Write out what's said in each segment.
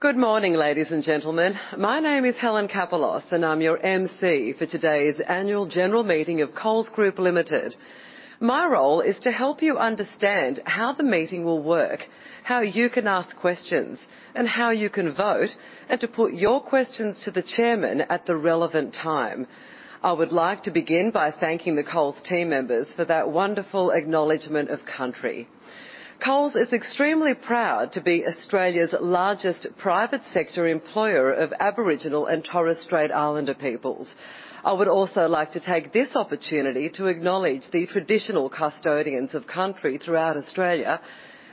Good morning, ladies and gentlemen. My name is Helen Kapalos, and I'm your MC for today's annual general meeting of Coles Group Limited. My role is to help you understand how the meeting will work, how you can ask questions, and how you can vote, and to put your questions to the chairman at the relevant time. I would like to begin by thanking the Coles team members for that wonderful acknowledgment of country. Coles is extremely proud to be Australia's largest private sector employer of Aboriginal and Torres Strait Islander peoples. I would also like to take this opportunity to acknowledge the traditional custodians of country throughout Australia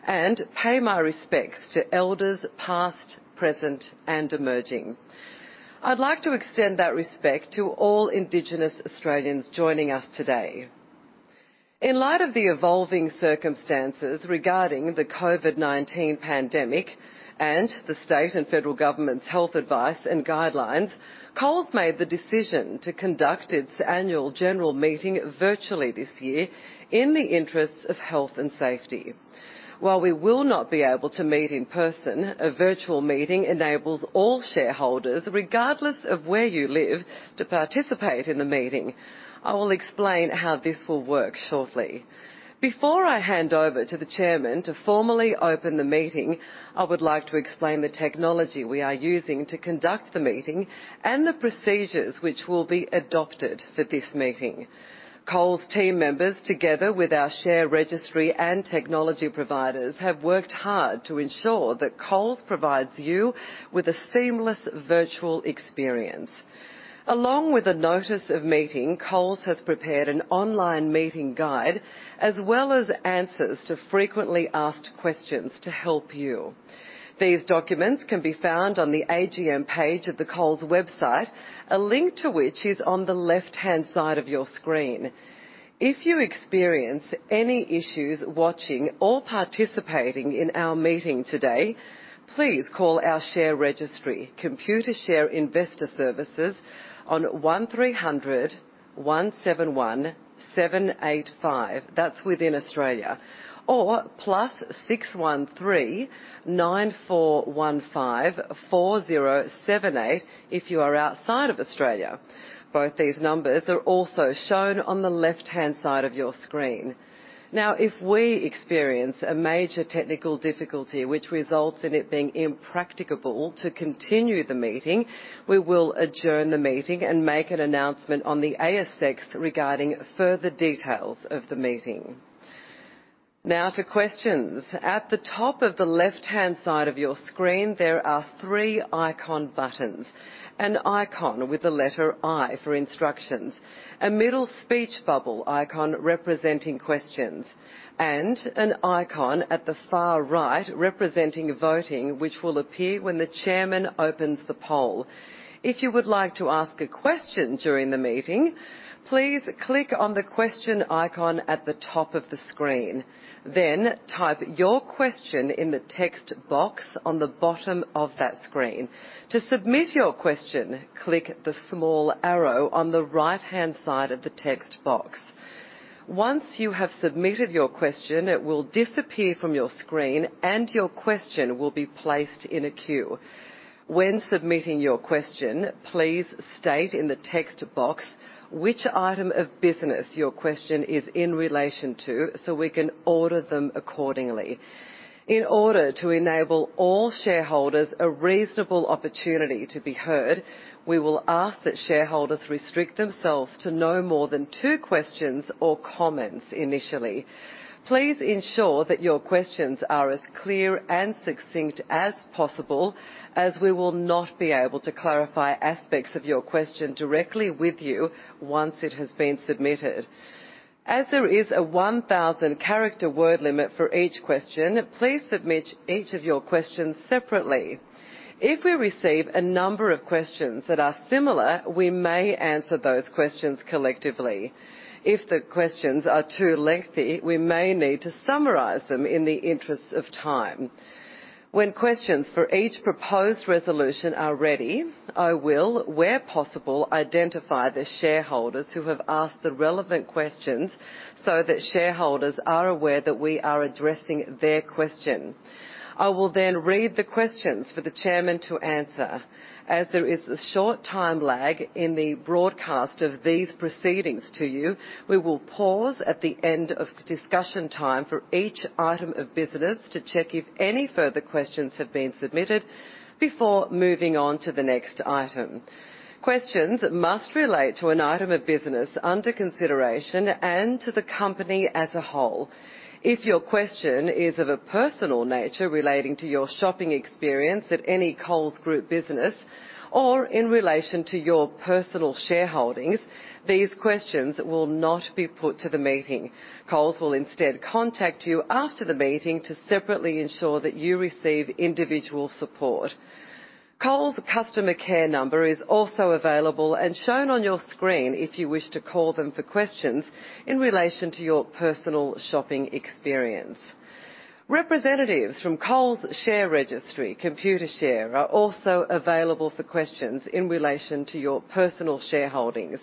and pay my respects to elders past, present, and emerging. I'd like to extend that respect to all Indigenous Australians joining us today. In light of the evolving circumstances regarding the COVID-19 pandemic and the state and federal government's health advice and guidelines, Coles made the decision to conduct its Annual General Meeting virtually this year in the interests of health and safety. While we will not be able to meet in person, a virtual meeting enables all shareholders, regardless of where you live, to participate in the meeting. I will explain how this will work shortly. Before I hand over to the Chairman to formally open the meeting, I would like to explain the technology we are using to conduct the meeting and the procedures which will be adopted for this meeting. Coles team members, together with our share registry and technology providers, have worked hard to ensure that Coles provides you with a seamless virtual experience. Along with a notice of meeting, Coles has prepared an online meeting guide as well as answers to frequently asked questions to help you. These documents can be found on the AGM page of the Coles website, a link to which is on the left-hand side of your screen. If you experience any issues watching or participating in our meeting today, please call our share registry, Computershare Investor Services, on 1300 171 785, that's within Australia or +613 9415 4078 if you are outside of Australia. Both these numbers are also shown on the left-hand side of your screen. Now, if we experience a major technical difficulty which results in it being impracticable to continue the meeting, we will adjourn the meeting and make an announcement on the ASX regarding further details of the meeting. Now to questions. At the top of the left-hand side of your screen, there are three icon buttons: an icon with the letter I for instructions, a middle speech bubble icon representing questions, and an icon at the far right representing voting, which will appear when the chairman opens the poll. If you would like to ask a question during the meeting, please click on the question icon at the top of the screen. Then type your question in the text box on the bottom of that screen. To submit your question, click the small arrow on the right-hand side of the text box. Once you have submitted your question, it will disappear from your screen, and your question will be placed in a queue. When submitting your question, please state in the text box which item of business your question is in relation to so we can order them accordingly. In order to enable all shareholders a reasonable opportunity to be heard, we will ask that shareholders restrict themselves to no more than two questions or comments initially. Please ensure that your questions are as clear and succinct as possible, as we will not be able to clarify aspects of your question directly with you once it has been submitted. As there is a 1,000-character word limit for each question, please submit each of your questions separately. If we receive a number of questions that are similar, we may answer those questions collectively. If the questions are too lengthy, we may need to summarize them in the interests of time. When questions for each proposed resolution are ready, I will, where possible, identify the shareholders who have asked the relevant questions so that shareholders are aware that we are addressing their question. I will then read the questions for the Chairman to answer. As there is a short time lag in the broadcast of these proceedings to you, we will pause at the end of discussion time for each item of business to check if any further questions have been submitted before moving on to the next item. Questions must relate to an item of business under consideration and to the company as a whole. If your question is of a personal nature relating to your shopping experience at any Coles Group business or in relation to your personal shareholdings, these questions will not be put to the meeting. Coles will instead contact you after the meeting to separately ensure that you receive individual support. Coles Customer Care number is also available and shown on your screen if you wish to call them for questions in relation to your personal shopping experience. Representatives from Coles Share Registry, Computershare, are also available for questions in relation to your personal shareholdings.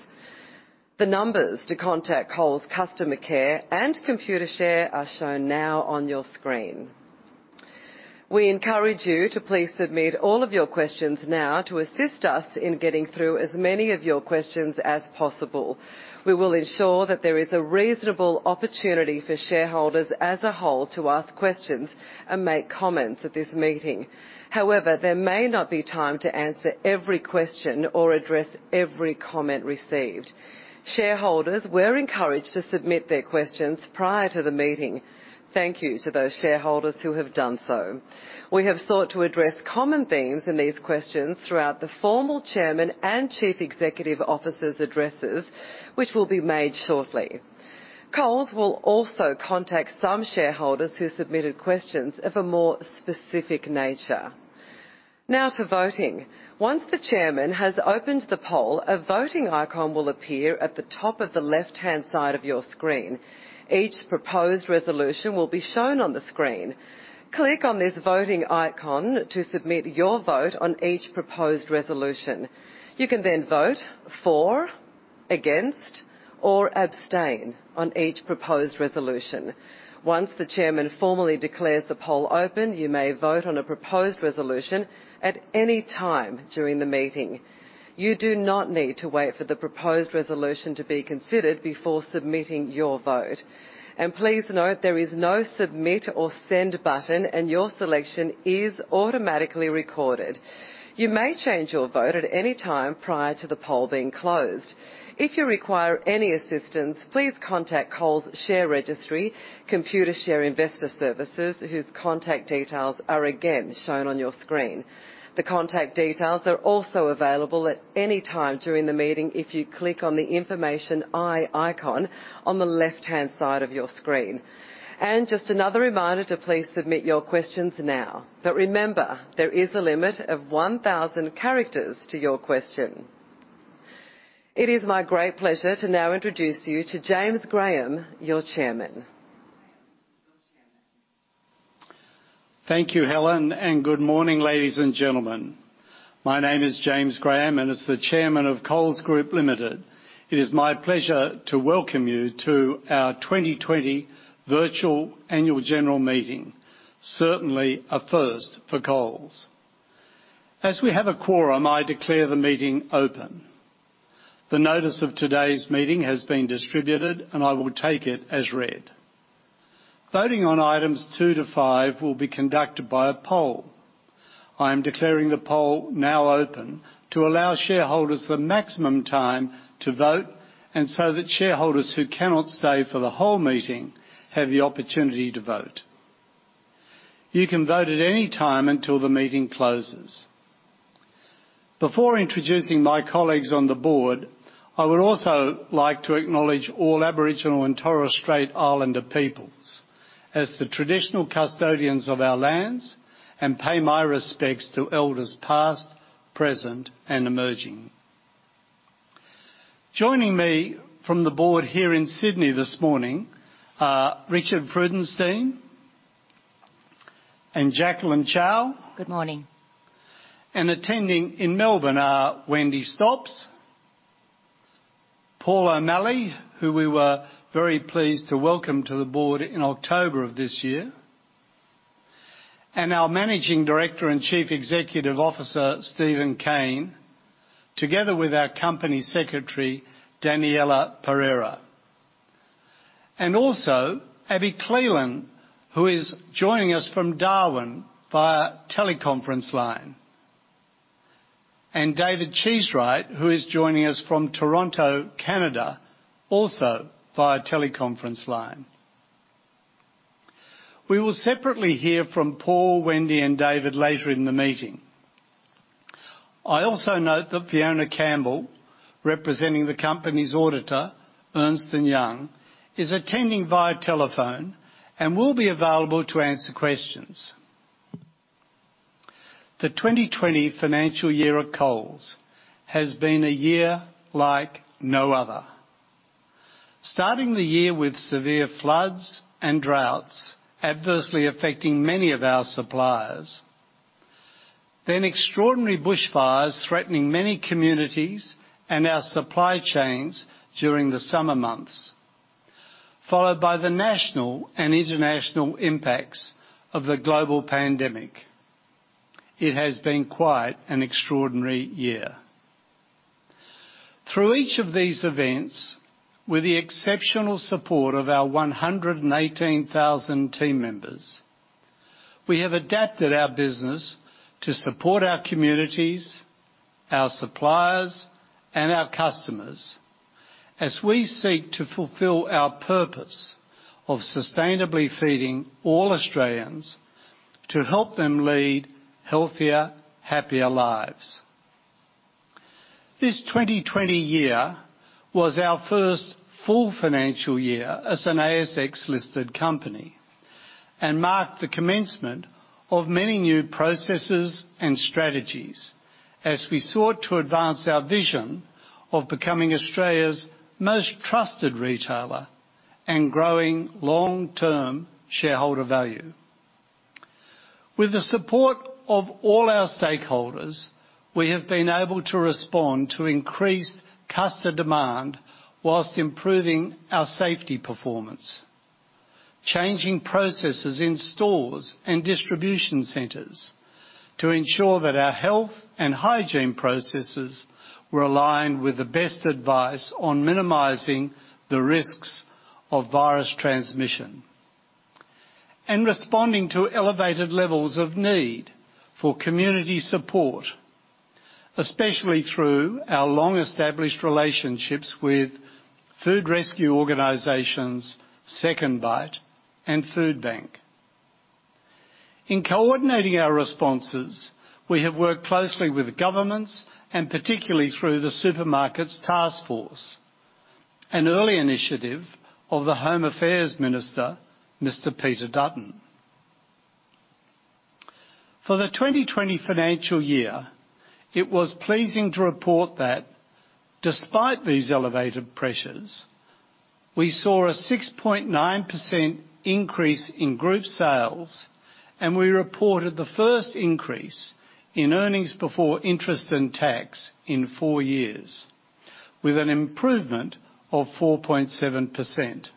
The numbers to contact Coles Customer Care and Computershare are shown now on your screen. We encourage you to please submit all of your questions now to assist us in getting through as many of your questions as possible. We will ensure that there is a reasonable opportunity for shareholders as a whole to ask questions and make comments at this meeting. However, there may not be time to answer every question or address every comment received. Shareholders were encouraged to submit their questions prior to the meeting. Thank you to those shareholders who have done so. We have sought to address common themes in these questions throughout the formal Chairman's and Chief Executive Officer's addresses, which will be made shortly. Coles will also contact some shareholders who submitted questions of a more specific nature. Now to voting. Once the Chairman has opened the poll, a voting icon will appear at the top of the left-hand side of your screen. Each proposed resolution will be shown on the screen. Click on this voting icon to submit your vote on each proposed resolution. You can then vote for, against, or abstain on each proposed resolution. Once the Chairman formally declares the poll open, you may vote on a proposed resolution at any time during the meeting. You do not need to wait for the proposed resolution to be considered before submitting your vote. And please note there is no submit or send button, and your selection is automatically recorded. You may change your vote at any time prior to the poll being closed. If you require any assistance, please contact Coles Share Registry, Computershare Investor Services, whose contact details are again shown on your screen. The contact details are also available at any time during the meeting if you click on the information i icon on the left-hand side of your screen. And just another reminder to please submit your questions now. But remember, there is a limit of 1,000 characters to your question. It is my great pleasure to now introduce you to James Graham, your chairman. Thank you, Helen, and good morning, ladies and gentlemen. My name is James Graham, and as the Chairman of Coles Group Limited, it is my pleasure to welcome you to our 2020 virtual annual general meeting, certainly a first for Coles. As we have a quorum, I declare the meeting open. The notice of today's meeting has been distributed, and I will take it as read. Voting on items two to five will be conducted by a poll. I am declaring the poll now open to allow shareholders the maximum time to vote and so that shareholders who cannot stay for the whole meeting have the opportunity to vote. You can vote at any time until the meeting closes. Before introducing my colleagues on the board, I would also like to acknowledge all Aboriginal and Torres Strait Islander peoples as the traditional custodians of our lands and pay my respects to elders past, present, and emerging. Joining me from the board here in Sydney this morning are Richard Freudenstein and Jacqueline Chow. Good morning. Attending in Melbourne are Wendy Stops, Paul O'Malley, who we were very pleased to welcome to the board in October of this year, and our Managing Director and Chief Executive Officer, Steven Cain, together with our company secretary, Daniella Pereira, and also Abi Cleland, who is joining us from Darwin via teleconference line, and David Cheesewright, who is joining us from Toronto, Canada, also via teleconference line. We will separately hear from Paul, Wendy, and David later in the meeting. I also note that Fiona Campbell, representing the company's auditor, Ernst & Young, is attending via telephone and will be available to answer questions. The 2020 financial year at Coles has been a year like no other. Starting the year with severe floods and droughts adversely affecting many of our suppliers, then extraordinary bushfires threatening many communities and our supply chains during the summer months, followed by the national and international impacts of the global pandemic. It has been quite an extraordinary year. Through each of these events, with the exceptional support of our 118,000 team members, we have adapted our business to support our communities, our suppliers, and our customers as we seek to fulfill our purpose of sustainably feeding all Australians to help them lead healthier, happier lives. This 2020 year was our first full financial year as an ASX-listed company and marked the commencement of many new processes and strategies as we sought to advance our vision of becoming Australia's most trusted retailer and growing long-term shareholder value. With the support of all our stakeholders, we have been able to respond to increased customer demand while improving our safety performance, changing processes in stores and distribution centers to ensure that our health and hygiene processes were aligned with the best advice on minimizing the risks of virus transmission, and responding to elevated levels of need for community support, especially through our long-established relationships with food rescue organizations, SecondBite, and Foodbank. In coordinating our responses, we have worked closely with governments and particularly through the Supermarkets Task Force, an early initiative of the Home Affairs Minister, Mr. Peter Dutton. For the 2020 financial year, it was pleasing to report that despite these elevated pressures, we saw a 6.9% increase in group sales, and we reported the first increase in earnings before interest and tax in four years, with an improvement of 4.7%.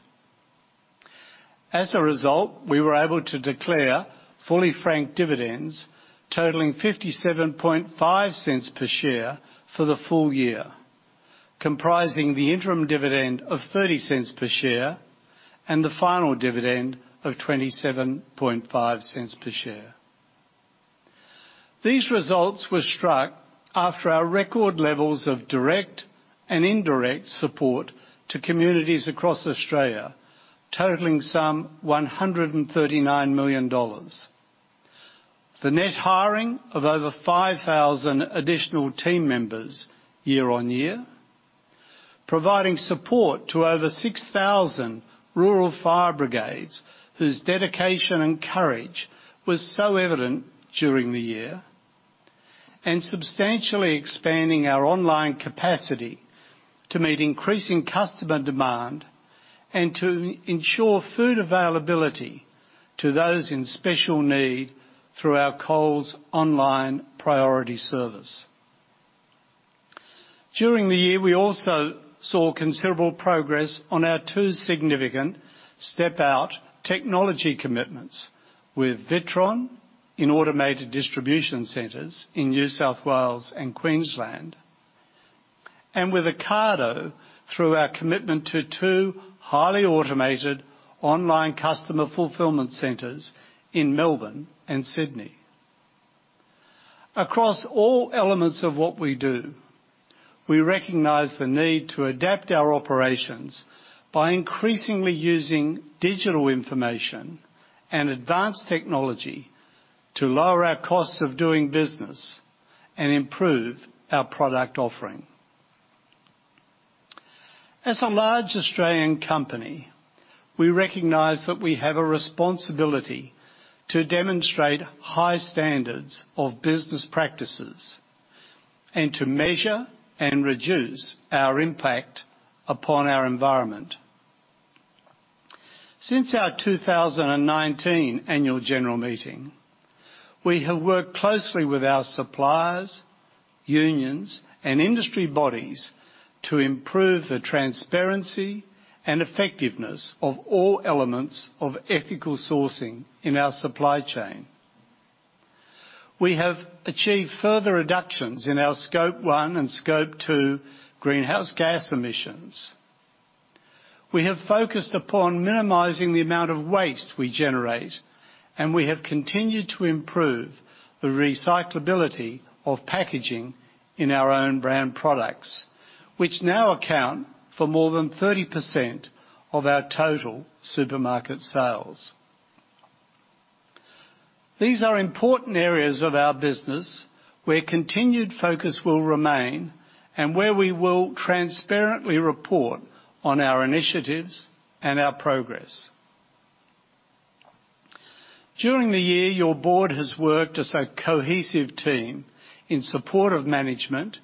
As a result, we were able to declare fully franked dividends totaling 57.5 per share for the full year, comprising the interim dividend of 0.30 per share and the final dividend of 27.5 per share. These results were struck after our record levels of direct and indirect support to communities across Australia, totaling some 139 million dollars, the net hiring of over 5,000 additional team members year on year, providing support to over 6,000 rural fire brigades whose dedication and courage was so evident during the year, and substantially expanding our online capacity to meet increasing customer demand and to ensure food availability to those in special need through our Coles Online Priority Service. During the year, we also saw considerable progress on our two significant step-out technology commitments, with Witron in automated distribution centers in New South Wales and Queensland, and with Ocado through our commitment to two highly automated online customer fulfillment centers in Melbourne and Sydney. Across all elements of what we do, we recognize the need to adapt our operations by increasingly using digital information and advanced technology to lower our costs of doing business and improve our product offering. As a large Australian company, we recognize that we have a responsibility to demonstrate high standards of business practices and to measure and reduce our impact upon our environment. Since our 2019 Annual General Meeting, we have worked closely with our suppliers, unions, and industry bodies to improve the transparency and effectiveness of all elements of ethical sourcing in our supply chain. We have achieved further reductions in our Scope 1 and Scope 2 greenhouse gas emissions. We have focused upon minimizing the amount of waste we generate, and we have continued to improve the recyclability of packaging in our own brand products, which now account for more than 30% of our total supermarket sales. These are important areas of our business where continued focus will remain and where we will transparently report on our initiatives and our progress. During the year, your board has worked as a cohesive team in support of management,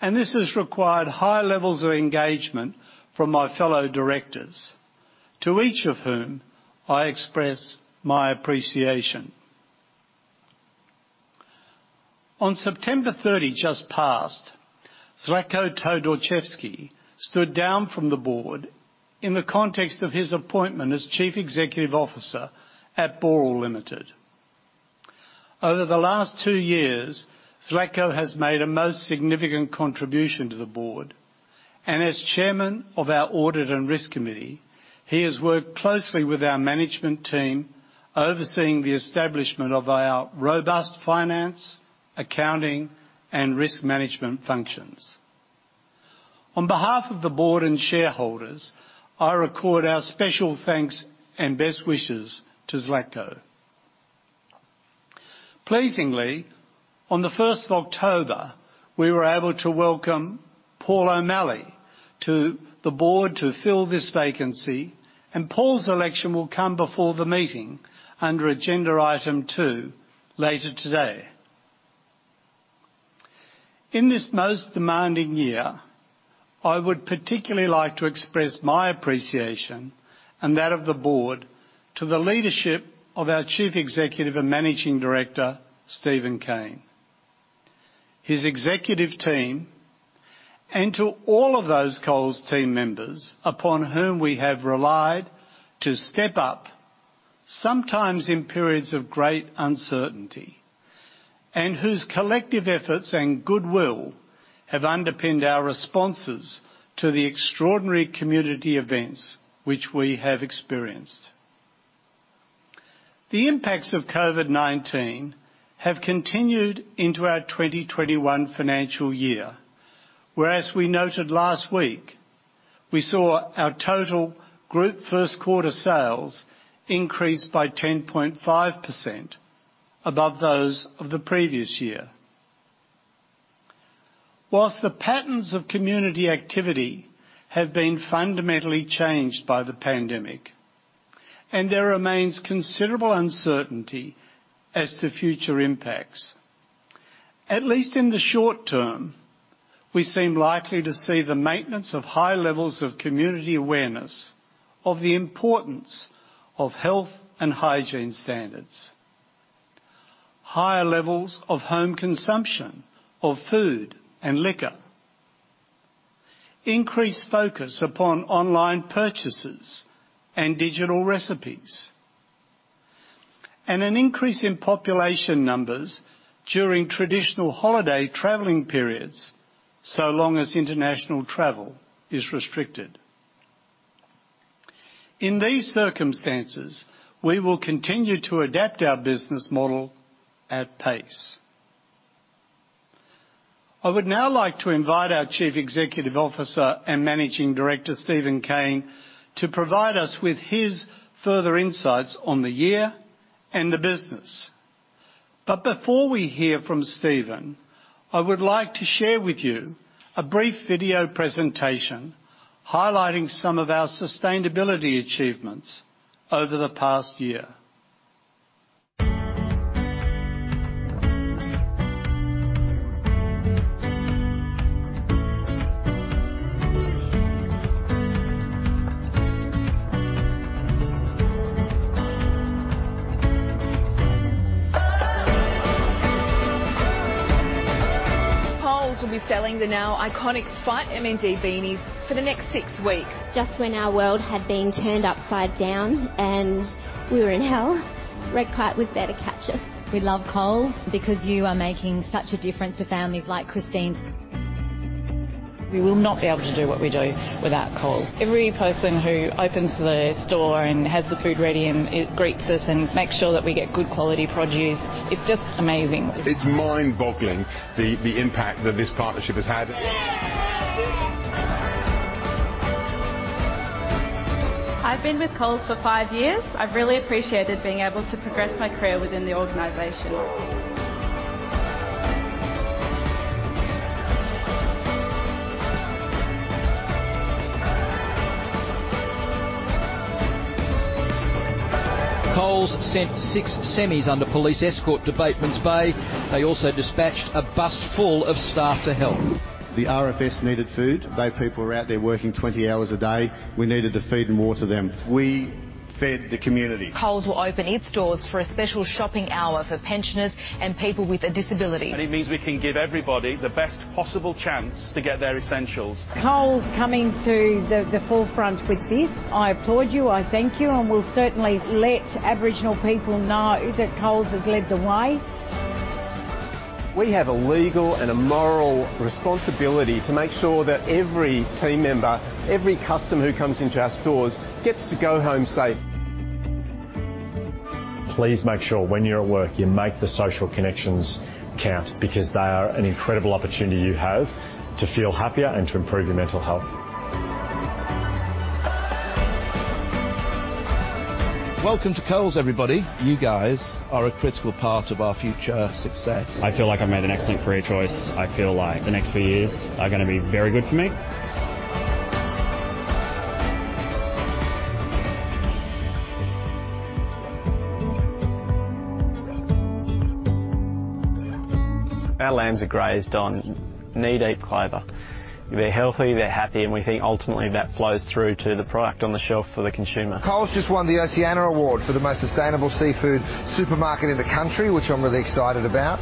and this has required high levels of engagement from my fellow directors, to each of whom I express my appreciation. On September 30 just passed, Zlatko Todorcevski stood down from the board in the context of his appointment as Chief Executive Officer at Boral Limited. Over the last two years, Zlatko has made a most significant contribution to the board, and as chairman of our audit and risk committee, he has worked closely with our management team overseeing the establishment of our robust finance, accounting, and risk management functions. On behalf of the board and shareholders, I record our special thanks and best wishes to Zlatko. Pleasingly, on the 1st of October, we were able to welcome Paul O'Malley to the board to fill this vacancy, and Paul's election will come before the meeting under agenda item two later today. In this most demanding year, I would particularly like to express my appreciation and that of the board to the leadership of our Chief Executive and Managing Director, Steven Cain, his executive team, and to all of those Coles team members upon whom we have relied to step up, sometimes in periods of great uncertainty, and whose collective efforts and goodwill have underpinned our responses to the extraordinary community events which we have experienced. The impacts of COVID-19 have continued into our 2021 financial year, whereas we noted last week, we saw our total group first quarter sales increase by 10.5% above those of the previous year. While the patterns of community activity have been fundamentally changed by the pandemic, and there remains considerable uncertainty as to future impacts, at least in the short term, we seem likely to see the maintenance of high levels of community awareness of the importance of health and hygiene standards, higher levels of home consumption of food and liquor, increased focus upon online purchases and digital recipes, and an increase in population numbers during traditional holiday traveling periods so long as international travel is restricted. In these circumstances, we will continue to adapt our business model at pace. I would now like to invite our Chief Executive Officer and Managing Director, Steven Cain, to provide us with his further insights on the year and the business. But before we hear from Steven, I would like to share with you a brief video presentation highlighting some of our sustainability achievements over the past year. Coles will be selling the now iconic FightMND beanies for the next six weeks. Just when our world had been turned upside down and we were in hell, Redkite was there to catch us. We love Coles because you are making such a difference to families like Christine's. We will not be able to do what we do without Coles. Every person who opens the store and has the food ready and greets us and makes sure that we get good quality produce, it's just amazing. It's mind-boggling the impact that this partnership has had. I've been with Coles for five years. I've really appreciated being able to progress my career within the organization. Coles sent six semis under police escort to Batemans Bay. They also dispatched a bus full of staff to help. The RFS needed food. Those people were out there working 20 hours a day. We needed to feed and water them. We fed the community. Coles will open its doors for a special shopping hour for pensioners and people with a disability. It means we can give everybody the best possible chance to get their essentials. Coles coming to the forefront with this. I applaud you. I thank you. And we'll certainly let Aboriginal people know that Coles has led the way. We have a legal and a moral responsibility to make sure that every team member, every customer who comes into our stores gets to go home safe. Please make sure when you're at work, you make the social connections count because they are an incredible opportunity you have to feel happier and to improve your mental health. Welcome to Coles, everybody. You guys are a critical part of our future success. I feel like I've made an excellent career choice. I feel like the next few years are going to be very good for me. Our lambs are grazed on knee-deep clover. They're healthy, they're happy, and we think ultimately that flows through to the product on the shelf for the consumer. Coles just won the Oceania Award for the most sustainable seafood supermarket in the country, which I'm really excited about.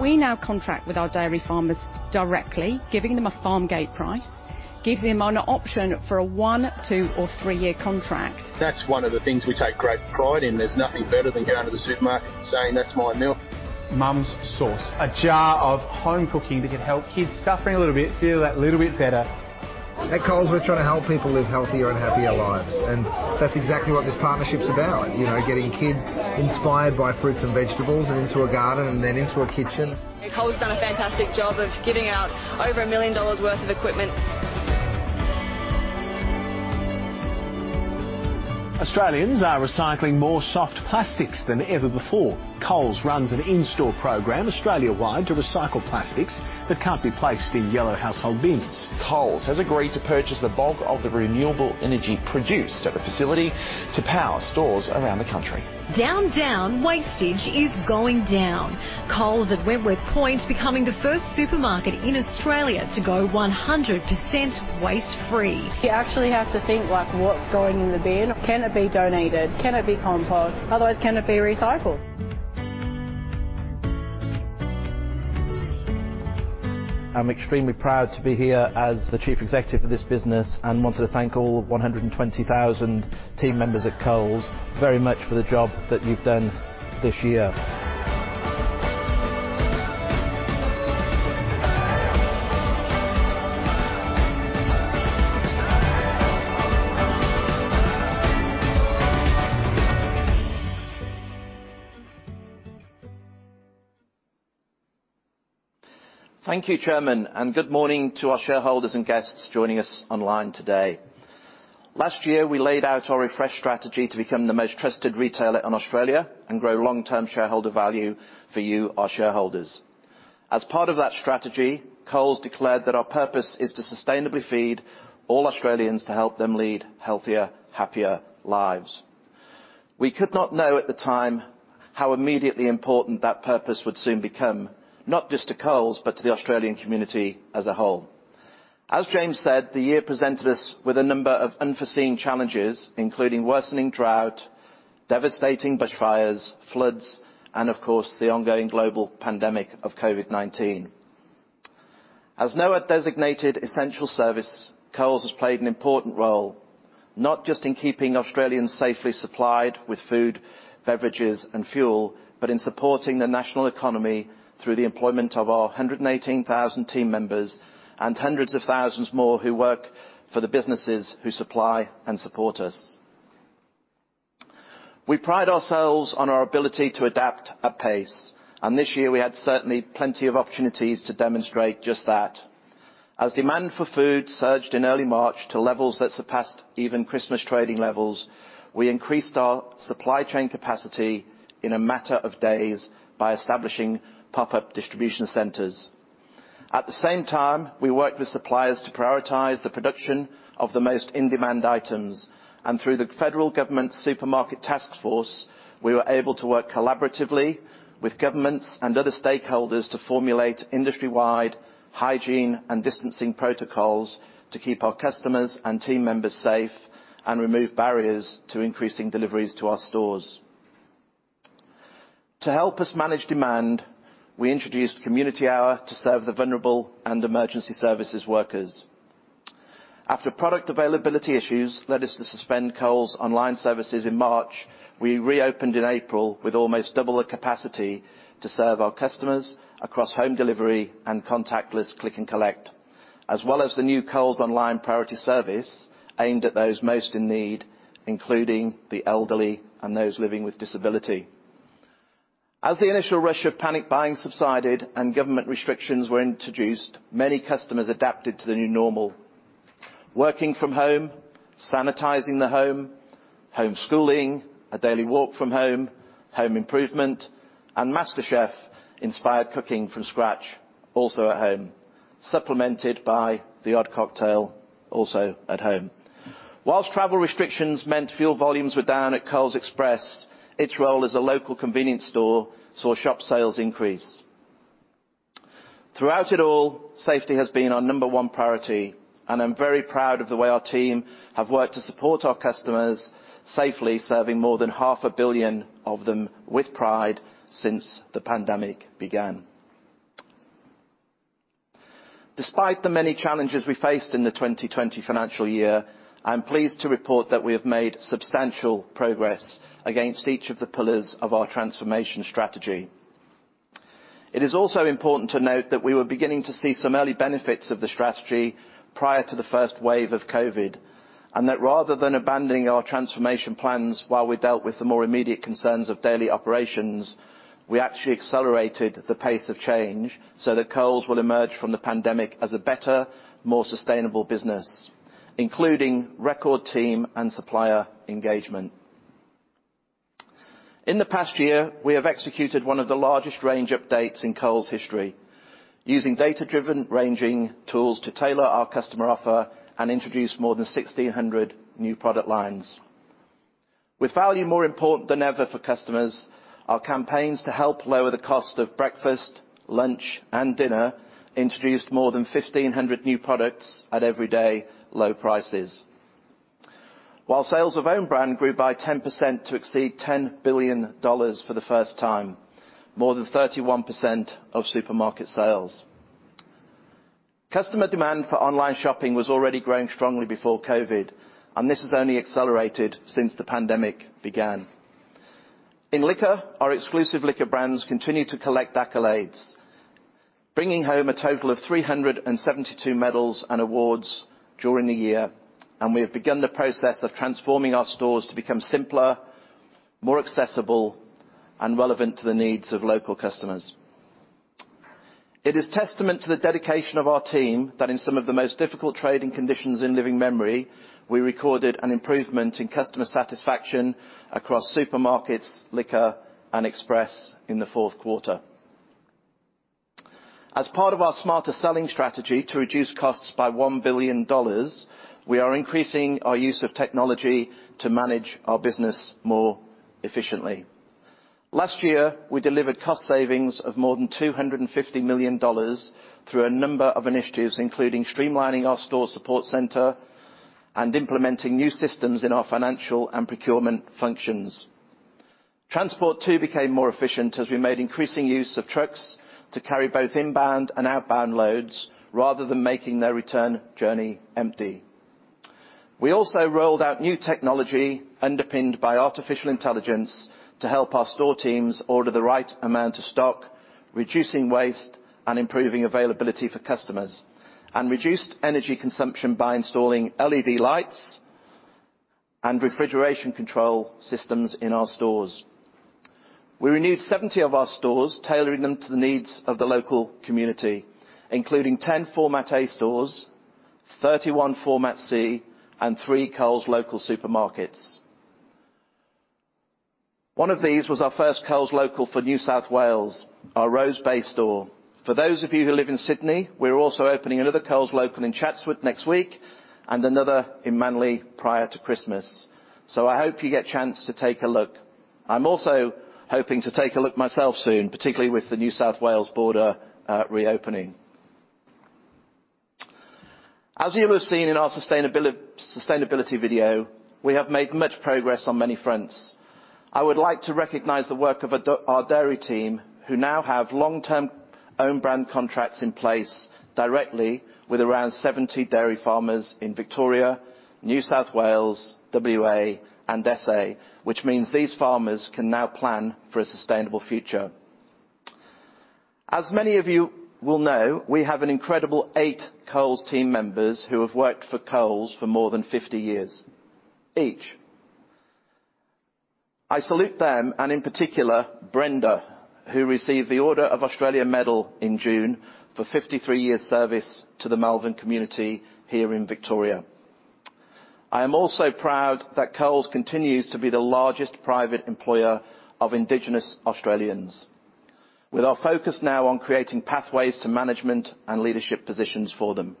We now contract with our dairy farmers directly, giving them a farm gate price, giving them an option for a one, two, or three-year contract. That's one of the things we take great pride in. There's nothing better than going to the supermarket and saying, "That's my milk. Mum's Sause. A jar of home cooking that can help kids suffering a little bit feel that little bit better. At Coles, we're trying to help people live healthier and happier lives. And that's exactly what this partnership's about, getting kids inspired by fruits and vegetables and into a garden and then into a kitchen. At Coles, we've done a fantastic job of giving out over a million dollars worth of equipment. Australians are recycling more soft plastics than ever before. Coles runs an in-store program Australia-wide to recycle plastics that can't be placed in yellow household bins. Coles has agreed to purchase a bulk of the renewable energy produced at the facility to power stores around the country. Down, down, wastage is going down. Coles at Wentworth Point, becoming the first supermarket in Australia to go 100% waste-free. You actually have to think what's going in the bin. Can it be donated? Can it be composted? Otherwise, can it be recycled? I'm extremely proud to be here as the Chief Executive for this business and wanted to thank all 120,000 team members at Coles very much for the job that you've done this year. Thank you, Chairman, and good morning to our shareholders and guests joining us online today. Last year, we laid out our Refresh Strategy to become the most trusted retailer in Australia and grow long-term shareholder value for you, our shareholders. As part of that strategy, Coles declared that our purpose is to sustainably feed all Australians to help them lead healthier, happier lives. We could not know at the time how immediately important that purpose would soon become, not just to Coles, but to the Australian community as a whole. As James said, the year presented us with a number of unforeseen challenges, including worsening drought, devastating bushfires, floods, and, of course, the ongoing global pandemic of COVID-19. As a designated essential service, Coles has played an important role not just in keeping Australians safely supplied with food, beverages, and fuel, but in supporting the national economy through the employment of our 118,000 team members and hundreds of thousands more who work for the businesses who supply and support us. We pride ourselves on our ability to adapt at pace, and this year, we had certainly plenty of opportunities to demonstrate just that. As demand for food surged in early March to levels that surpassed even Christmas trading levels, we increased our supply chain capacity in a matter of days by establishing pop-up distribution centers. At the same time, we worked with suppliers to prioritize the production of the most in-demand items. Through the federal government's Supermarkets Task Force, we were able to work collaboratively with governments and other stakeholders to formulate industry-wide hygiene and distancing protocols to keep our customers and team members safe and remove barriers to increasing deliveries to our stores. To help us manage demand, we introduced community hour to serve the vulnerable and emergency services workers. After product availability issues led us to suspend Coles Online services in March, we reopened in April with almost double the capacity to serve our customers across home delivery and contactless Click and Collect, as well as the new Coles Online Priority Service aimed at those most in need, including the elderly and those living with disability. As the initial rush of panic buying subsided and government restrictions were introduced, many customers adapted to the new normal. Working from home, sanitizing the home, home schooling, a daily walk from home, home improvement, and MasterChef-inspired cooking from scratch, also at home, supplemented by the odd cocktail, also at home. While travel restrictions meant fuel volumes were down at Coles Express, its role as a local convenience store saw shop sales increase. Throughout it all, safety has been our number one priority, and I'm very proud of the way our team have worked to support our customers safely serving more than 500 million of them with pride since the pandemic began. Despite the many challenges we faced in the 2020 financial year, I'm pleased to report that we have made substantial progress against each of the pillars of our transformation strategy. It is also important to note that we were beginning to see some early benefits of the strategy prior to the first wave of COVID, and that rather than abandoning our transformation plans while we dealt with the more immediate concerns of daily operations, we actually accelerated the pace of change so that Coles will emerge from the pandemic as a better, more sustainable business, including record team and supplier engagement. In the past year, we have executed one of the largest range updates in Coles' history, using data-driven ranging tools to tailor our customer offer and introduce more than 1,600 new product lines. With value more important than ever for customers, our campaigns to help lower the cost of breakfast, lunch, and dinner introduced more than 1,500 new products at everyday low prices, while sales of own brand grew by 10% to exceed AUD 10 billion for the first time, more than 31% of supermarket sales. Customer demand for online shopping was already growing strongly before COVID, and this has only accelerated since the pandemic began. In liquor, our exclusive liquor brands continue to collect accolades, bringing home a total of 372 medals and awards during the year, and we have begun the process of transforming our stores to become simpler, more accessible, and relevant to the needs of local customers. It is testament to the dedication of our team that in some of the most difficult trading conditions in living memory, we recorded an improvement in customer satisfaction across supermarkets, liquor, and express in the fourth quarter. As part of our Smarter Selling strategy to reduce costs by 1 billion dollars, we are increasing our use of technology to manage our business more efficiently. Last year, we delivered cost savings of more than 250 million dollars through a number of initiatives, including streamlining our store support center and implementing new systems in our financial and procurement functions. Transport too became more efficient as we made increasing use of trucks to carry both inbound and outbound loads rather than making their return journey empty. We also rolled out new technology underpinned by artificial intelligence to help our store teams order the right amount of stock, reducing waste and improving availability for customers, and reduced energy consumption by installing LED lights and refrigeration control systems in our stores. We renewed 70 of our stores, tailoring them to the needs of the local community, including 10 Format A stores, 31 Format C, and three Coles Local supermarkets. One of these was our first Coles Local for New South Wales, our Rose Bay store. For those of you who live in Sydney, we're also opening another Coles Local in Chatswood next week and another in Manly prior to Christmas. So I hope you get a chance to take a look. I'm also hoping to take a look myself soon, particularly with the New South Wales border reopening. As you have seen in our sustainability video, we have made much progress on many fronts. I would like to recognize the work of our dairy team, who now have long-term own brand contracts in place directly with around 70 dairy farmers in Victoria, New South Wales, WA, and SA, which means these farmers can now plan for a sustainable future. As many of you will know, we have an incredible eight Coles team members who have worked for Coles for more than 50 years each. I salute them, and in particular, Brenda, who received the Order of Australia Medal in June for 53-year service to the Melbourne community here in Victoria. I am also proud that Coles continues to be the largest private employer of Indigenous Australians, with our focus now on creating pathways to management and leadership positions for them.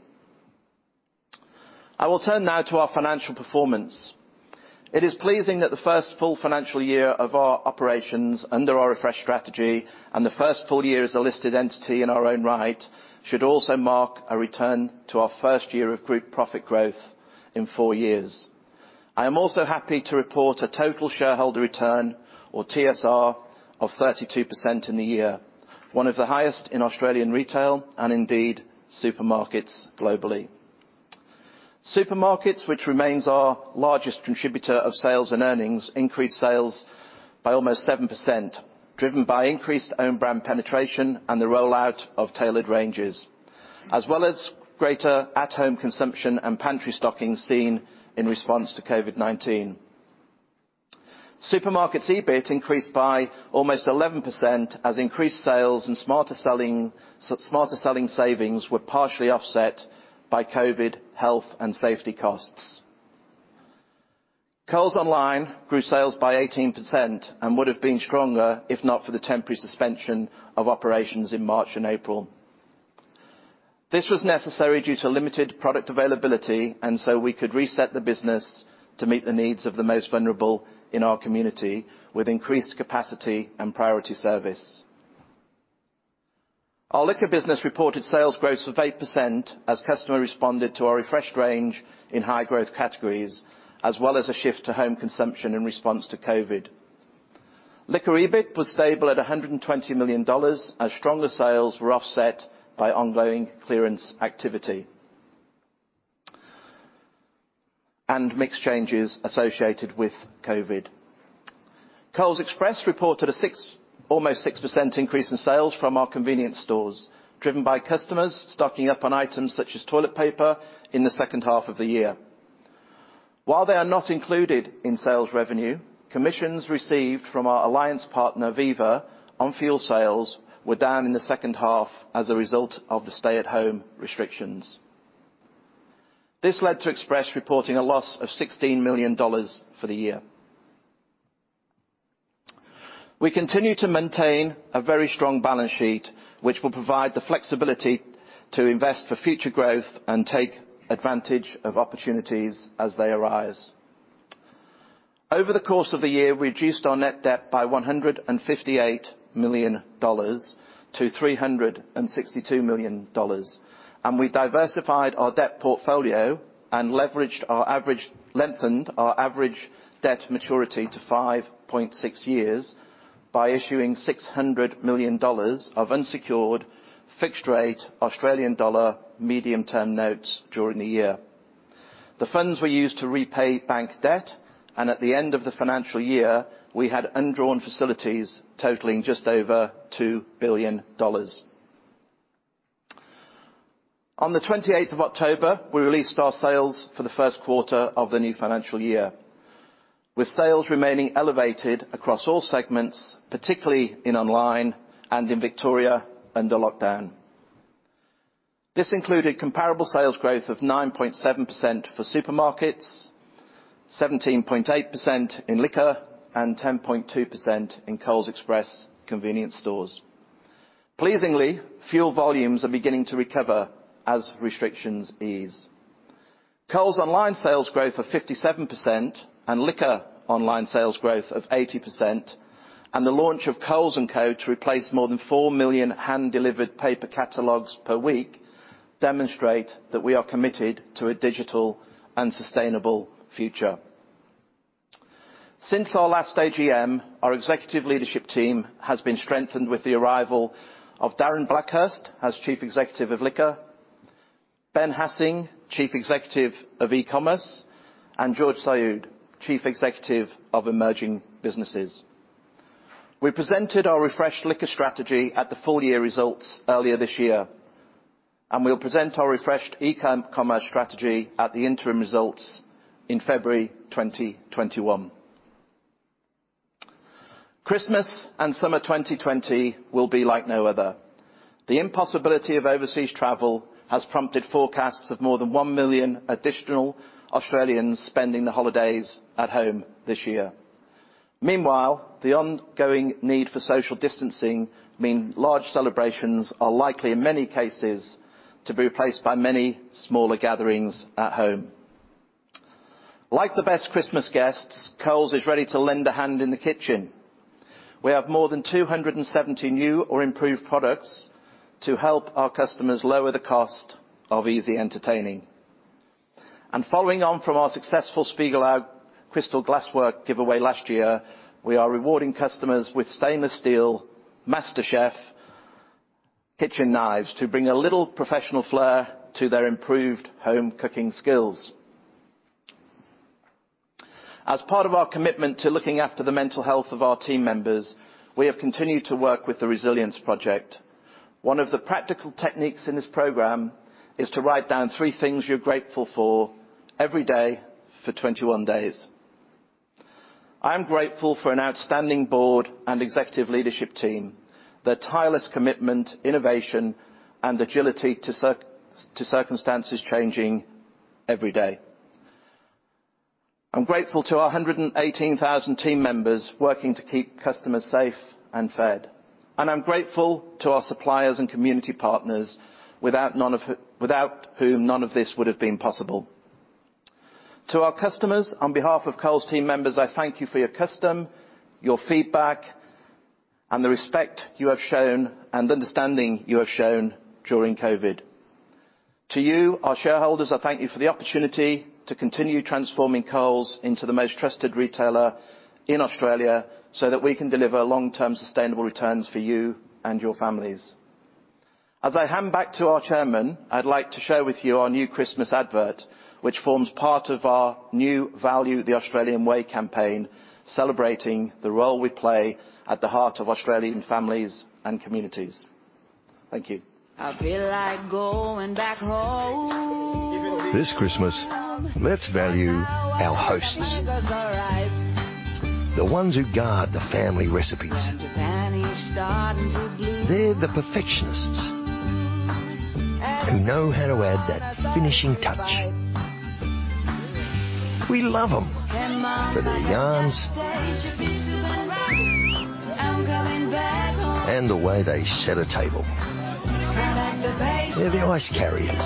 I will turn now to our financial performance. It is pleasing that the first full financial year of our operations under our Refresh Strategy and the first full year as a listed entity in our own right should also mark a return to our first year of group profit growth in four years. I am also happy to report a total shareholder return, or TSR, of 32% in the year, one of the highest in Australian retail and indeed supermarkets globally. Supermarkets, which remains our largest contributor of sales and earnings, increased sales by almost 7%, driven by increased own brand penetration and the rollout of tailored ranges, as well as greater at-home consumption and pantry stocking seen in response to COVID-19. Supermarkets' EBIT increased by almost 11% as increased sales and Smarter Selling savings were partially offset by COVID health and safety costs. Coles Online grew sales by 18% and would have been stronger if not for the temporary suspension of operations in March and April. This was necessary due to limited product availability, and so we could reset the business to meet the needs of the most vulnerable in our community with increased capacity and priority service. Our liquor business reported sales growth of 8% as customers responded to our refreshed range in high-growth categories, as well as a shift to home consumption in response to COVID. Liquor EBIT was stable at 120 million dollars, as stronger sales were offset by ongoing clearance activity and mixed changes associated with COVID. Coles Express reported an almost 6% increase in sales from our convenience stores, driven by customers stocking up on items such as toilet paper in the second half of the year. While they are not included in sales revenue, commissions received from our alliance partner, Viva Energy, on fuel sales were down in the second half as a result of the stay-at-home restrictions. This led to Coles Express reporting a loss of 16 million dollars for the year. We continue to maintain a very strong balance sheet, which will provide the flexibility to invest for future growth and take advantage of opportunities as they arise. Over the course of the year, we reduced our net debt by 158 million dollars to 362 million dollars, and we diversified our debt portfolio and leveraged our average debt maturity to 5.6 years by issuing 600 million dollars of unsecured fixed-rate Australian dollar medium-term notes during the year. The funds were used to repay bank debt, and at the end of the financial year, we had undrawn facilities totaling just over AUD 2 billion. On the 28th of October, we released our sales for the first quarter of the new financial year, with sales remaining elevated across all segments, particularly in online and in Victoria under lockdown. This included comparable sales growth of 9.7% for supermarkets, 17.8% in liquor, and 10.2% in Coles Express convenience stores. Pleasingly, fuel volumes are beginning to recover as restrictions ease. Coles online sales growth of 57% and liquor online sales growth of 80%, and the launch of Coles & Co to replace more than 4 million hand-delivered paper catalogues per week demonstrate that we are committed to a digital and sustainable future. Since our last AGM, our executive leadership team has been strengthened with the arrival of Darren Blackhurst as Chief Executive of Liquor, Ben Hassing, Chief Executive of E-commerce, and George Saoud, Chief Executive of Emerging Businesses. We presented our refreshed liquor strategy at the full year results earlier this year, and we'll present our refreshed e-commerce strategy at the interim results in February 2021. Christmas and summer 2020 will be like no other. The impossibility of overseas travel has prompted forecasts of more than one million additional Australians spending the holidays at home this year. Meanwhile, the ongoing need for social distancing means large celebrations are likely, in many cases, to be replaced by many smaller gatherings at home. Like the best Christmas guests, Coles is ready to lend a hand in the kitchen. We have more than 270 new or improved products to help our customers lower the cost of easy entertaining. Following on from our successful Spiegelau crystal glassware giveaway last year, we are rewarding customers with stainless steel MasterChef kitchen knives to bring a little professional flair to their improved home cooking skills. As part of our commitment to looking after the mental health of our team members, we have continued to work with the Resilience Project. One of the practical techniques in this program is to write down three things you're grateful for every day for 21 days. I am grateful for an outstanding board and executive leadership team, their tireless commitment, innovation, and agility to circumstances changing every day. I'm grateful to our 118,000 team members working to keep customers safe and fed, and I'm grateful to our suppliers and community partners without whom none of this would have been possible. To our customers, on behalf of Coles team members, I thank you for your custom, your feedback, and the respect you have shown and understanding you have shown during COVID. To you, our shareholders, I thank you for the opportunity to continue transforming Coles into the most trusted retailer in Australia so that we can deliver long-term sustainable returns for you and your families. As I hand back to our chairman, I'd like to share with you our new Christmas advert, which forms part of our new Value the Australian Way campaign, celebrating the role we play at the heart of Australian families and communities. Thank you. I feel like going back home. This Christmas, let's value our hosts, the ones who guard the family recipes. They're the perfectionists who know how to add that finishing touch. We love them for their yarns, and the way they set a table. They're the ice carriers,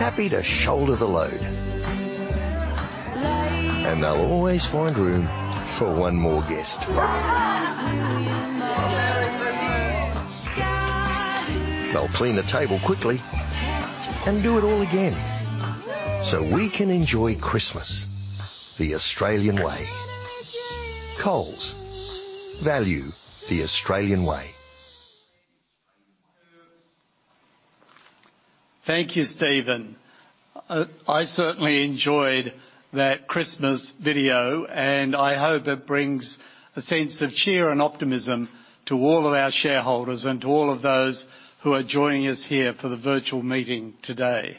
happy to shoulder the load, and they'll always find room for one more guest. They'll clean the table quickly and do it all again so we can enjoy Christmas the Australian way. Coles value the Australian way. Thank you, Steven. I certainly enjoyed that Christmas video, and I hope it brings a sense of cheer and optimism to all of our shareholders and to all of those who are joining us here for the virtual meeting today.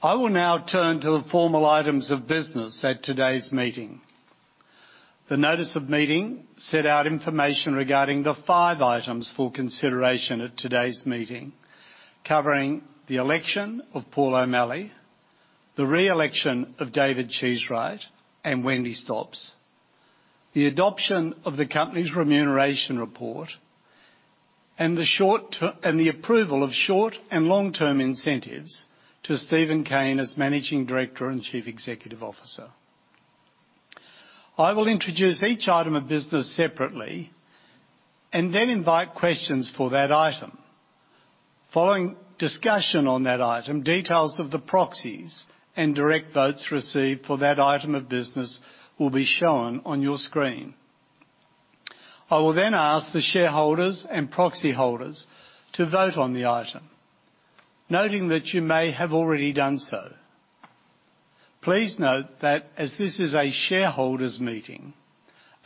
I will now turn to the formal items of business at today's meeting. The notice of meeting set out information regarding the five items for consideration at today's meeting, covering the election of Paul O'Malley, the re-election of David Cheesewright and Wendy Stops, the adoption of the company's remuneration report, and the approval of short and long-term incentives to Steven Cain as Managing Director and Chief Executive Officer. I will introduce each item of business separately and then invite questions for that item. Following discussion on that item, details of the proxies and direct votes received for that item of business will be shown on your screen. I will then ask the shareholders and proxy holders to vote on the item, noting that you may have already done so. Please note that as this is a shareholders' meeting,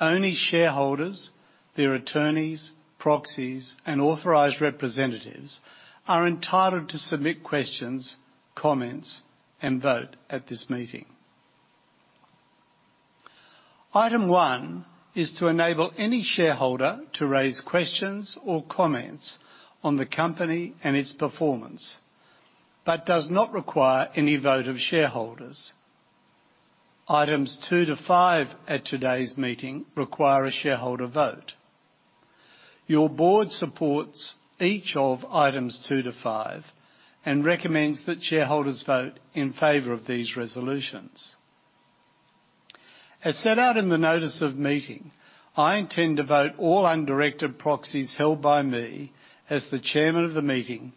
only shareholders, their attorneys, proxies, and authorized representatives are entitled to submit questions, comments, and vote at this meeting. Item one is to enable any shareholder to raise questions or comments on the company and its performance, but does not require any vote of shareholders. Items two to five at today's meeting require a shareholder vote. Your board supports each of items two to five and recommends that shareholders vote in favour of these resolutions. As set out in the notice of meeting, I intend to vote all undirected proxies held by me as the chairman of the meeting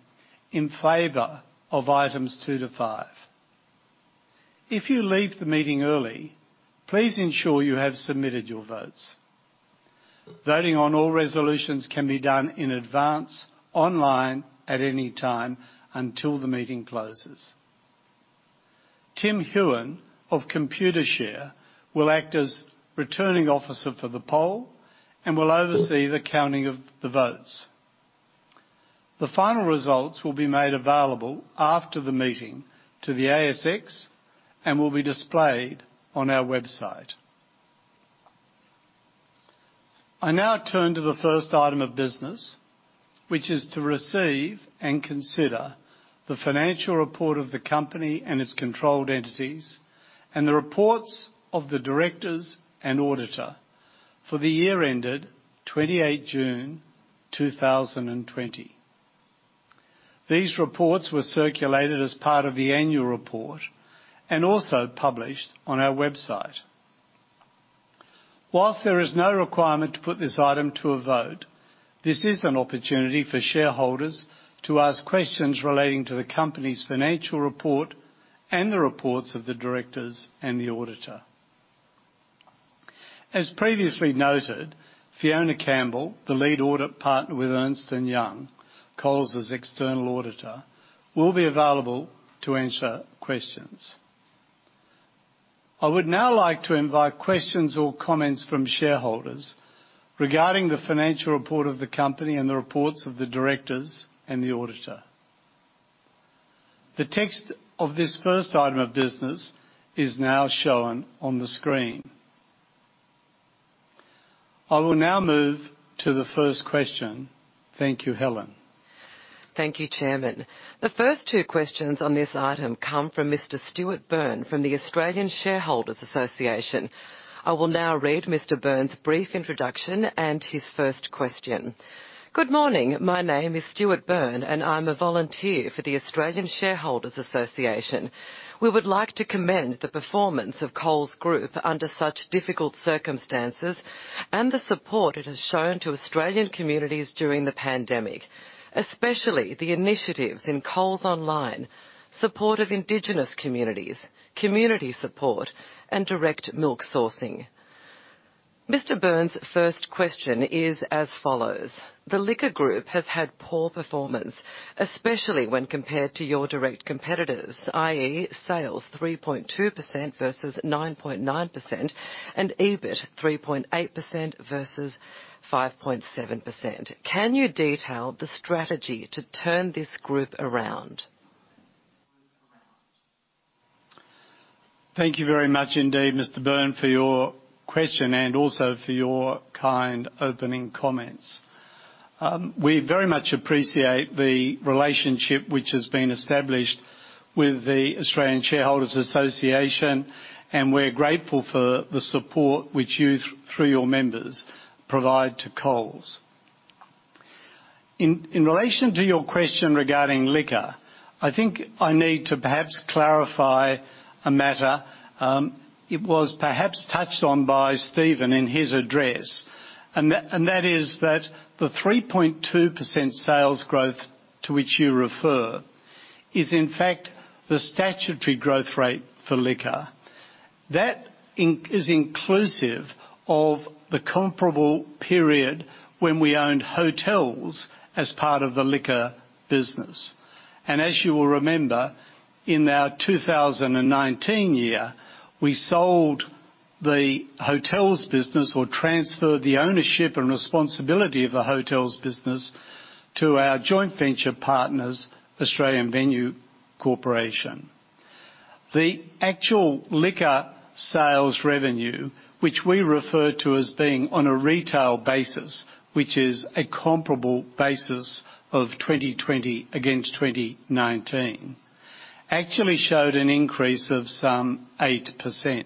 in favor of items two to five. If you leave the meeting early, please ensure you have submitted your votes. Voting on all resolutions can be done in advance, online, at any time until the meeting closes. Tim Heughan of Computershare will act as returning officer for the poll and will oversee the counting of the votes. The final results will be made available after the meeting to the ASX and will be displayed on our website. I now turn to the first item of business, which is to receive and consider the financial report of the company and its controlled entities and the reports of the directors and auditor for the year ended 28 June 2020. These reports were circulated as part of the annual report and also published on our website. While there is no requirement to put this item to a vote, this is an opportunity for shareholders to ask questions relating to the company's financial report and the reports of the directors and the auditor. As previously noted, Fiona Campbell, the lead audit partner with Ernst & Young, Coles' external auditor, will be available to answer questions. I would now like to invite questions or comments from shareholders regarding the financial report of the company and the reports of the directors and the auditor. The text of this first item of business is now shown on the screen. I will now move to the first question. Thank you, Helen. Thank you, Chairman. The first two questions on this item come from Mr. Stuart Byrne from the Australian Shareholders' Association. I will now read Mr. Byrne's brief introduction and his first question. Good morning. My name is Stuart Byrne, and I'm a volunteer for the Australian Shareholders' Association. We would like to commend the performance of Coles Group under such difficult circumstances and the support it has shown to Australian communities during the pandemic, especially the initiatives in Coles Online, support of indigenous communities, community support, and direct milk sourcing. Mr. Byrne's first question is as follows. The Liquor Group has had poor performance, especially when compared to your direct competitors, i.e., sales 3.2% versus 9.9% and EBIT 3.8% versus 5.7%. Can you detail the strategy to turn this group around? Thank you very much indeed, Mr. Byrne, for your question and also for your kind opening comments. We very much appreciate the relationship which has been established with the Australian Shareholders' Association, and we're grateful for the support which you, through your members, provide to Coles. In relation to your question regarding liquor, I think I need to perhaps clarify a matter. It was perhaps touched on by Steven in his address, and that is that the 3.2% sales growth to which you refer is, in fact, the statutory growth rate for liquor. That is inclusive of the comparable period when we owned hotels as part of the liquor business. And as you will remember, in our 2019 year, we sold the hotels business or transferred the ownership and responsibility of the hotels business to our joint venture partners, Australian Venue Co. The actual liquor sales revenue, which we refer to as being on a retail basis, which is a comparable basis of 2020 against 2019, actually showed an increase of some 8%.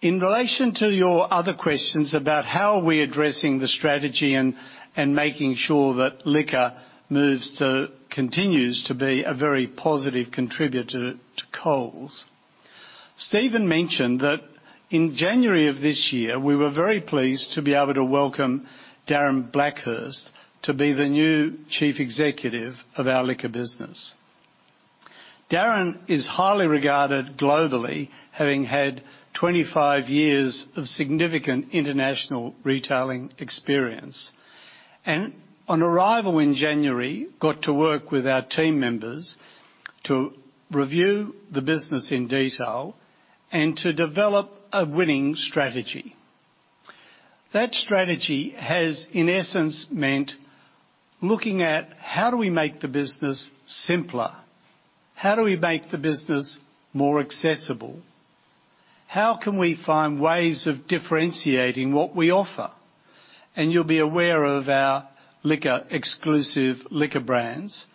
In relation to your other questions about how we are addressing the strategy and making sure that liquor moves to continue to be a very positive contributor to Coles. Steven mentioned that in January of this year, we were very pleased to be able to welcome Darren Blackhurst to be the new Chief Executive of our liquor business. Darren is highly regarded globally, having had 25 years of significant international retailing experience, and on arrival in January, he got to work with our team members to review the business in detail and to develop a winning strategy. That strategy has, in essence, meant looking at how do we make the business simpler, how do we make the business more accessible, how can we find ways of differentiating what we offer, and you'll be aware of our liquor exclusive liquor brands